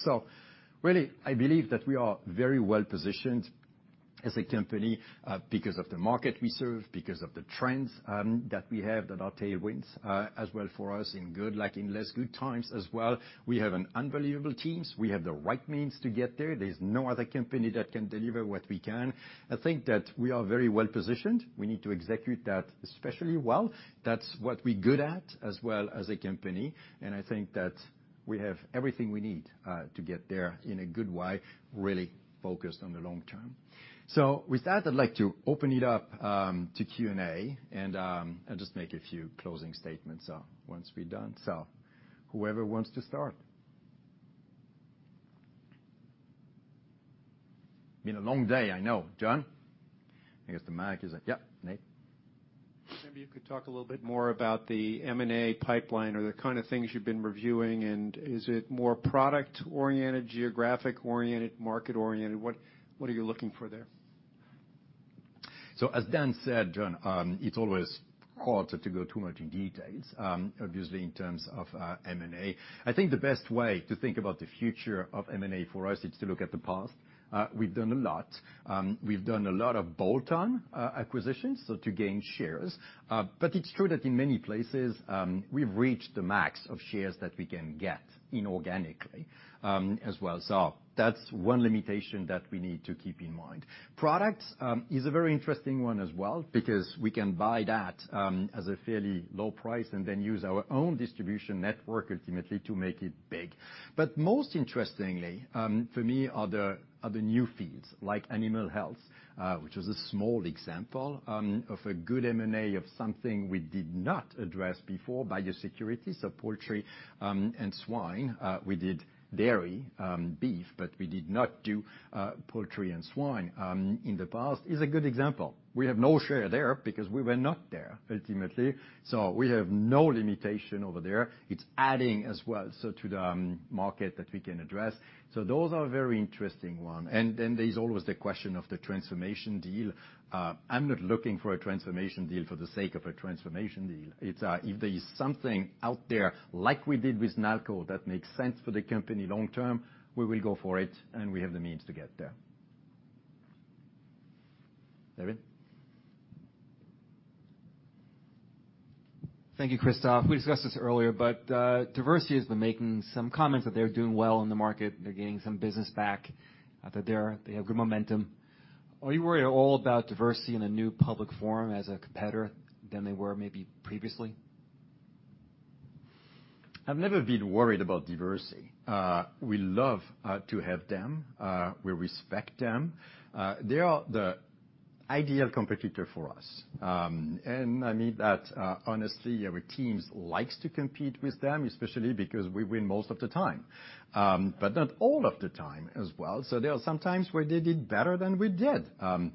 Really, I believe that we are very well-positioned as a company because of the market we serve, because of the trends that we have that are tailwinds as well for us in good, like in less good times as well. We have an unbelievable teams. We have the right means to get there. There's no other company that can deliver what we can. I think that we are very well-positioned. We need to execute that especially well. That's what we're good at as well as a company, and I think that we have everything we need to get there in a good way, really focused on the long term. With that, I'd like to open it up to Q&A, and I'll just make a few closing statements once we're done. Whoever wants to start. Been a long day, I know. John? Yep, Nate. Maybe you could talk a little bit more about the M&A pipeline or the kind of things you've been reviewing and is it more product-oriented, geographic-oriented, market-oriented? What are you looking for there? As Dan said, John, it's always hard to go too much in details, obviously, in terms of M&A. I think the best way to think about the future of M&A for us is to look at the past. We've done a lot. We've done a lot of bolt-on acquisitions to gain shares. It's true that in many places, we've reached the max of shares that we can get inorganically, as well. That's one limitation that we need to keep in mind. Products is a very interesting one as well because we can buy that as a fairly low price and then use our own distribution network, ultimately, to make it big. Most interestingly, for me, are the other new fields like animal health, which is a small example of a good M&A of something we did not address before, biosecurity, poultry and swine. We did dairy, beef, but we did not do poultry and swine in the past, is a good example. We have no share there because we were not there, ultimately. We have no limitation over there. It's adding as well to the market that we can address. Those are very interesting one. There's always the question of the transformation deal. I'm not looking for a transformation deal for the sake of a transformation deal. If there is something out there like we did with Nalco that makes sense for the company long term, we will go for it and we have the means to get there. David? Thank you, Christophe. We discussed this earlier. Diversey has been making some comments that they're doing well in the market. They're getting some business back, that they have good momentum. Are you worried at all about Diversey in a new public forum as a competitor than they were maybe previously? I've never been worried about Diversey. We love to have them. We respect them. They are the ideal competitor for us. I mean that honestly, our teams likes to compete with them, especially because we win most of the time, but not all of the time as well. There are some times where they did better than we did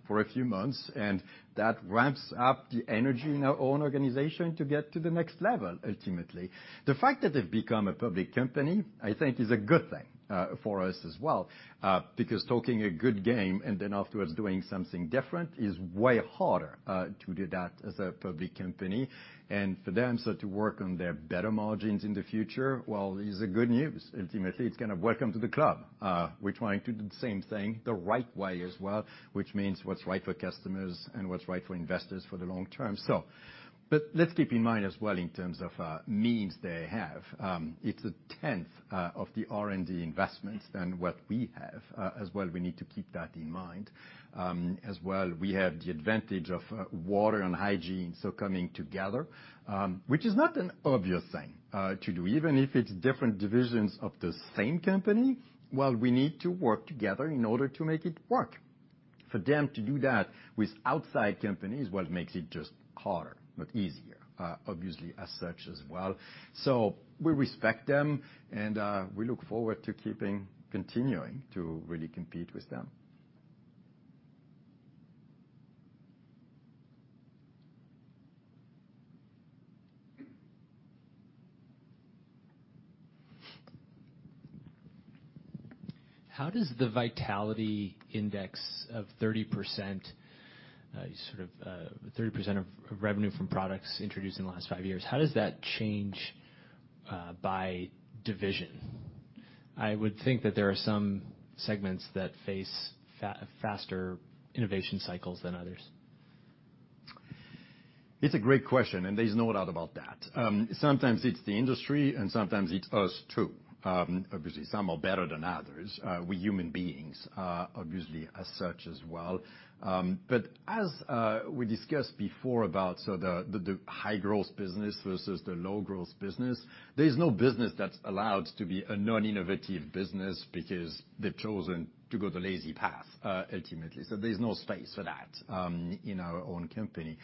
for a few months, and that ramps up the energy in our own organization to get to the next level, ultimately. The fact that they've become a public company, I think, is a good thing for us as well. Talking a good game and then afterwards doing something different is way harder to do that as a public company. For them, so to work on their better margins in the future, well, is a good news. Ultimately, it's kind of welcome to the club. We're trying to do the same thing the right way as well, which means what's right for customers and what's right for investors for the long term. Let's keep in mind as well in terms of means they have. It's a 10th of the R&D investments than what we have as well. We need to keep that in mind. We have the advantage of water and hygiene, coming together, which is not an obvious thing to do, even if it's different divisions of the same company, well, we need to work together in order to make it work. For them to do that with outside companies, well, it makes it just harder, not easier, obviously, as such as well. We respect them, and we look forward to keeping continuing to really compete with them. How does the vitality index of 30% of revenue from products introduced in the last five years, how does that change by division? I would think that there are some segments that face faster innovation cycles than others. It's a great question, and there's no doubt about that. Sometimes it's the industry and sometimes it's us too. Obviously, some are better than others. We're human beings, obviously, as such as well. As we discussed before about so the high-growth business versus the low-growth business, there's no business that's allowed to be a non-innovative business because they've chosen to go the lazy path, ultimately. There's no space for that in our own company.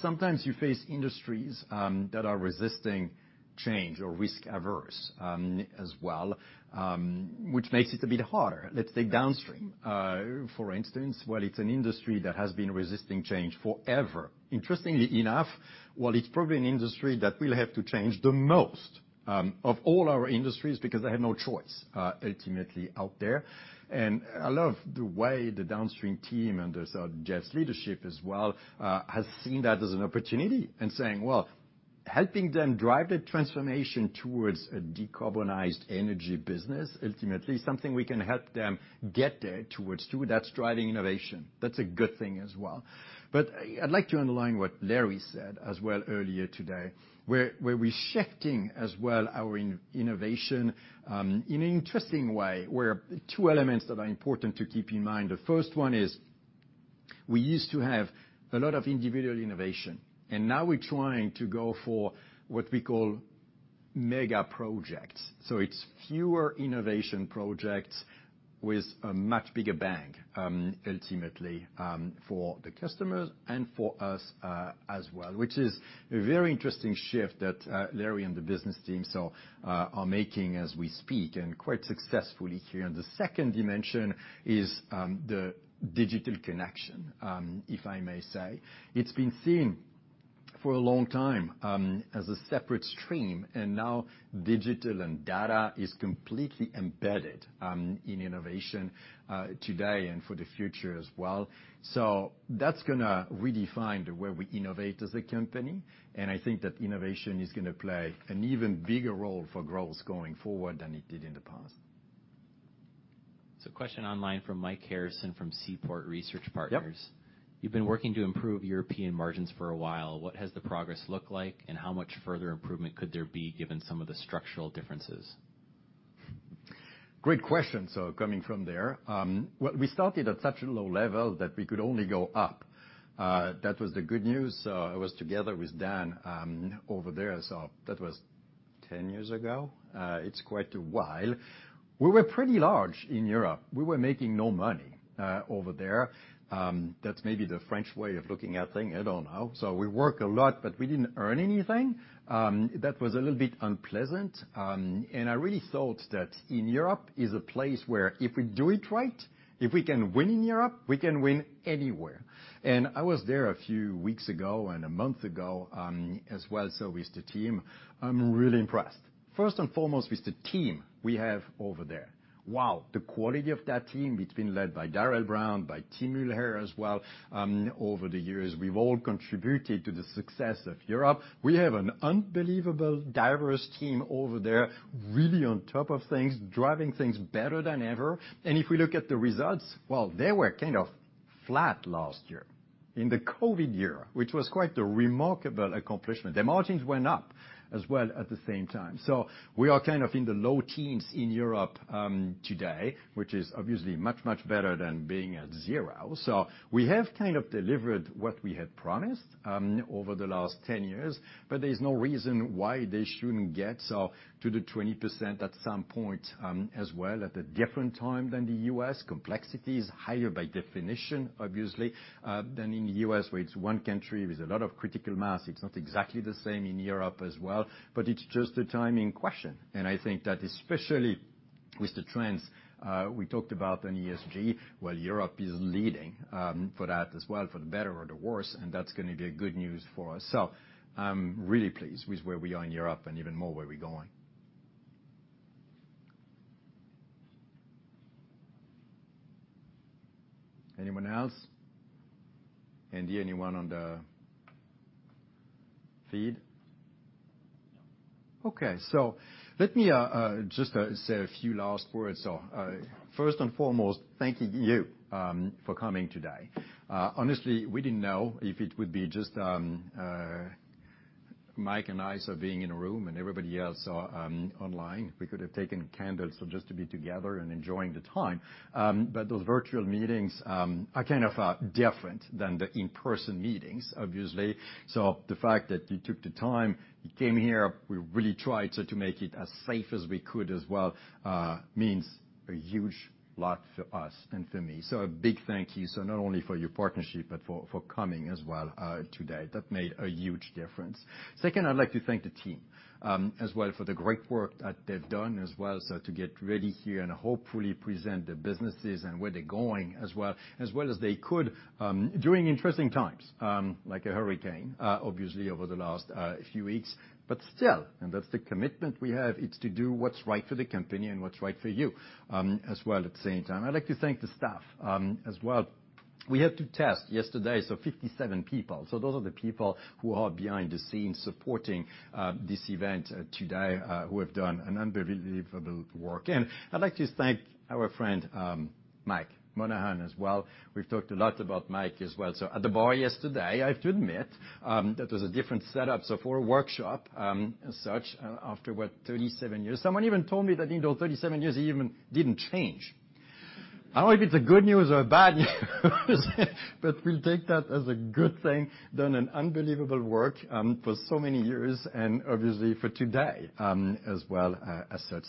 Sometimes you face industries that are resisting change or risk averse as well, which makes it a bit harder. Let's take downstream, for instance. Well, it's an industry that has been resisting change forever. Interestingly enough, while it's probably an industry that will have to change the most of all our industries because they have no choice, ultimately, out there. I love the way the downstream team and also Jeff's leadership as well, has seen that as an opportunity and saying, well, helping them drive the transformation towards a decarbonized energy business, ultimately something we can help them get there towards too, that's driving innovation. That's a good thing as well. I'd like to underline what Larry said as well earlier today, where we're shifting as well our innovation in an interesting way, where two elements that are important to keep in mind. The first one is we used to have a lot of individual innovation, and now we're trying to go for what we call mega projects. It's fewer innovation projects with a much bigger bang, ultimately, for the customers and for us as well, which is a very interesting shift that Larry and the business teams are making as we speak, and quite successfully here. The second dimension is the digital connection, if I may say. It's been seen for a long time as a separate stream, and now digital and data is completely embedded in innovation today and for the future as well. That's going to redefine the way we innovate as a company, and I think that innovation is going to play an even bigger role for growth going forward than it did in the past. Question online from Mike Harrison from Seaport Research Partners. Yep. You've been working to improve European margins for a while. What has the progress looked like, and how much further improvement could there be given some of the structural differences? Great question, coming from there. We started at such a low level that we could only go up. That was the good news. I was together with Dan over there, that was 10 years ago. It's quite a while. We were pretty large in Europe. We were making no money over there. That's maybe the French way of looking at things. I don't know. We work a lot, but we didn't earn anything. That was a little bit unpleasant. I really thought that in Europe is a place where if we do it right, if we can win in Europe, we can win anywhere. I was there a few weeks ago and a month ago, as well as with the team. I'm really impressed, first and foremost, with the team we have over there. Wow, the quality of that team. It's been led by Darrell Brown, by Tim Mulhere as well. Over the years, we've all contributed to the success of Europe. We have an unbelievable, diverse team over there, really on top of things, driving things better than ever. If we look at the results, well, they were kind of flat last year in the COVID year, which was quite a remarkable accomplishment. The margins went up as well at the same time. We are kind of in the low teens in Europe today, which is obviously much, much better than being at 0. We have kind of delivered what we had promised over the last 10 years, but there's no reason why they shouldn't get to the 20% at some point as well, at a different time than the U.S. Complexity is higher by definition, obviously, than in the U.S., where it's one country with a lot of critical mass. It's not exactly the same in Europe as well, but it's just a timing question. I think that especially with the trends, we talked about an ESG. Well, Europe is leading for that as well, for the better or the worse, that's going to be a good news for us. I'm really pleased with where we are in Europe and even more where we're going. Anyone else? Andy, anyone on the feed? Okay. Let me just say a few last words. First and foremost, thank you for coming today. Honestly, we didn't know if it would be just Mike and I being in a room and everybody else online. We could have taken candles just to be together and enjoying the time. Those virtual meetings are kind of different than the in-person meetings, obviously. The fact that you took the time, you came here, we really tried to make it as safe as we could as well, means a huge lot for us and for me. A big thank you, not only for your partnership, but for coming as well today. That made a huge difference. Second, I'd like to thank the team as well for the great work that they've done as well. To get ready here and hopefully present the businesses and where they're going as well as they could during interesting times, like a hurricane, obviously, over the last few weeks. Still, and that's the commitment we have, it's to do what's right for the company and what's right for you as well at the same time. I'd like to thank the staff as well. We had to test yesterday so 57 people. Those are the people who are behind the scenes supporting this event today who have done an unbelievable work. I'd like to thank our friend, Mike Monahan, as well. We've talked a lot about Mike as well. At the bar yesterday, I have to admit, that was a different setup. For a workshop, as such, after what, 37 years. Someone even told me that in those 37 years, he even didn't change. I don't know if it's good news or bad news but we'll take that as a good thing. Done an unbelievable work for so many years and obviously for today, as well as such.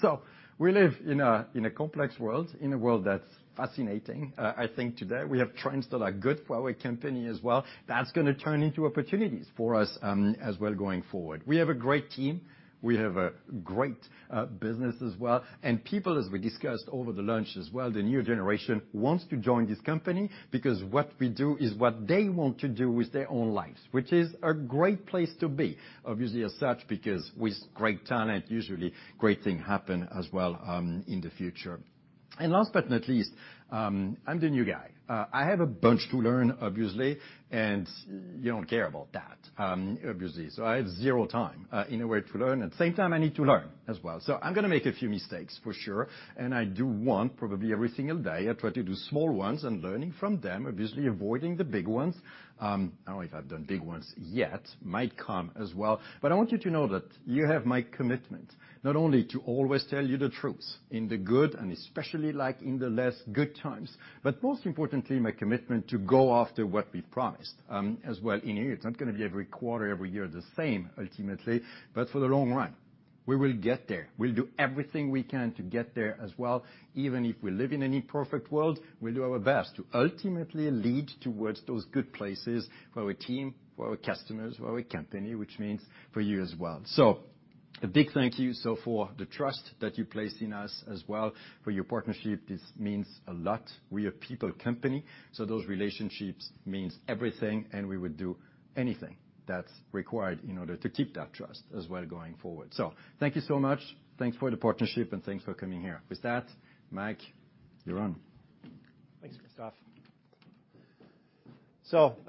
We live in a complex world, in a world that's fascinating. I think today we have trends that are good for our company as well. That's going to turn into opportunities for us as well going forward. We have a great team. We have a great business as well. People, as we discussed over the lunch as well, the new generation wants to join this company because what we do is what they want to do with their own lives, which is a great place to be, obviously, as such, because with great talent, usually great things happen as well in the future. Last but not least, I'm the new guy. I have a bunch to learn, obviously. You don't care about that, obviously. I have 0 time, in a way, to learn. At the same time, I need to learn as well. I'm going to make a few mistakes for sure. I do want probably every single day, I try to do small ones and learning from them, obviously avoiding the big ones. I don't know if I've done big ones yet, might come as well. I want you to know that you have my commitment, not only to always tell you the truth in the good and especially like in the less good times, but most importantly, my commitment to go after what we promised as well in here. It's not going to be every quarter, every year the same ultimately, but for the long run, we will get there. We'll do everything we can to get there as well. Even if we live in an imperfect world, we'll do our best to ultimately lead towards those good places for our team, for our customers, for our company, which means for you as well. A big thank you so for the trust that you place in us as well, for your partnership. This means a lot. We are a people company, so those relationships means everything, and we would do anything that's required in order to keep that trust as well going forward. Thank you so much. Thanks for the partnership and thanks for coming here. With that, Mike, you're on. Thanks, Christophe.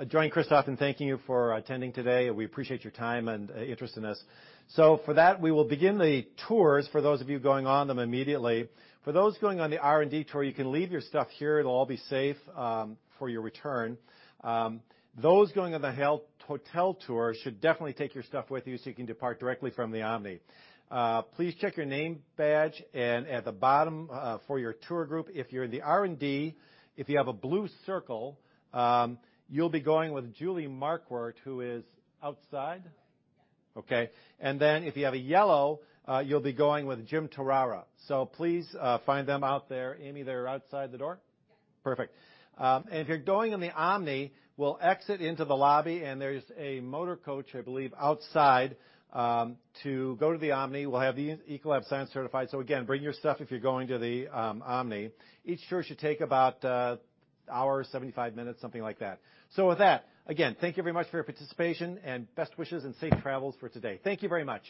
Joining Christophe in thanking you for attending today. We appreciate your time and interest in us. For that, we will begin the tours for those of you going on them immediately. For those going on the R&D tour, you can leave your stuff here. It'll all be safe for your return. Those going on the hotel tour should definitely take your stuff with you so you can depart directly from the Omni. Please check your name badge and at the bottom for your tour group. If you're in the R&D, if you have a blue circle, you'll be going with Julie Markward, who is outside? Okay. If you have a yellow, you'll be going with Jim Tarara. Please find them out there. Amy, they're outside the door? Perfect. If you're going in the Omni, we'll exit into the lobby, there's a motor coach, I believe, outside to go to the Omni. We'll have the Ecolab Science Certified. Again, bring your stuff if you're going to the Omni. Each tour should take about an hour, 75 minutes, something like that. With that, again, thank you very much for your participation and best wishes and safe travels for today. Thank you very much.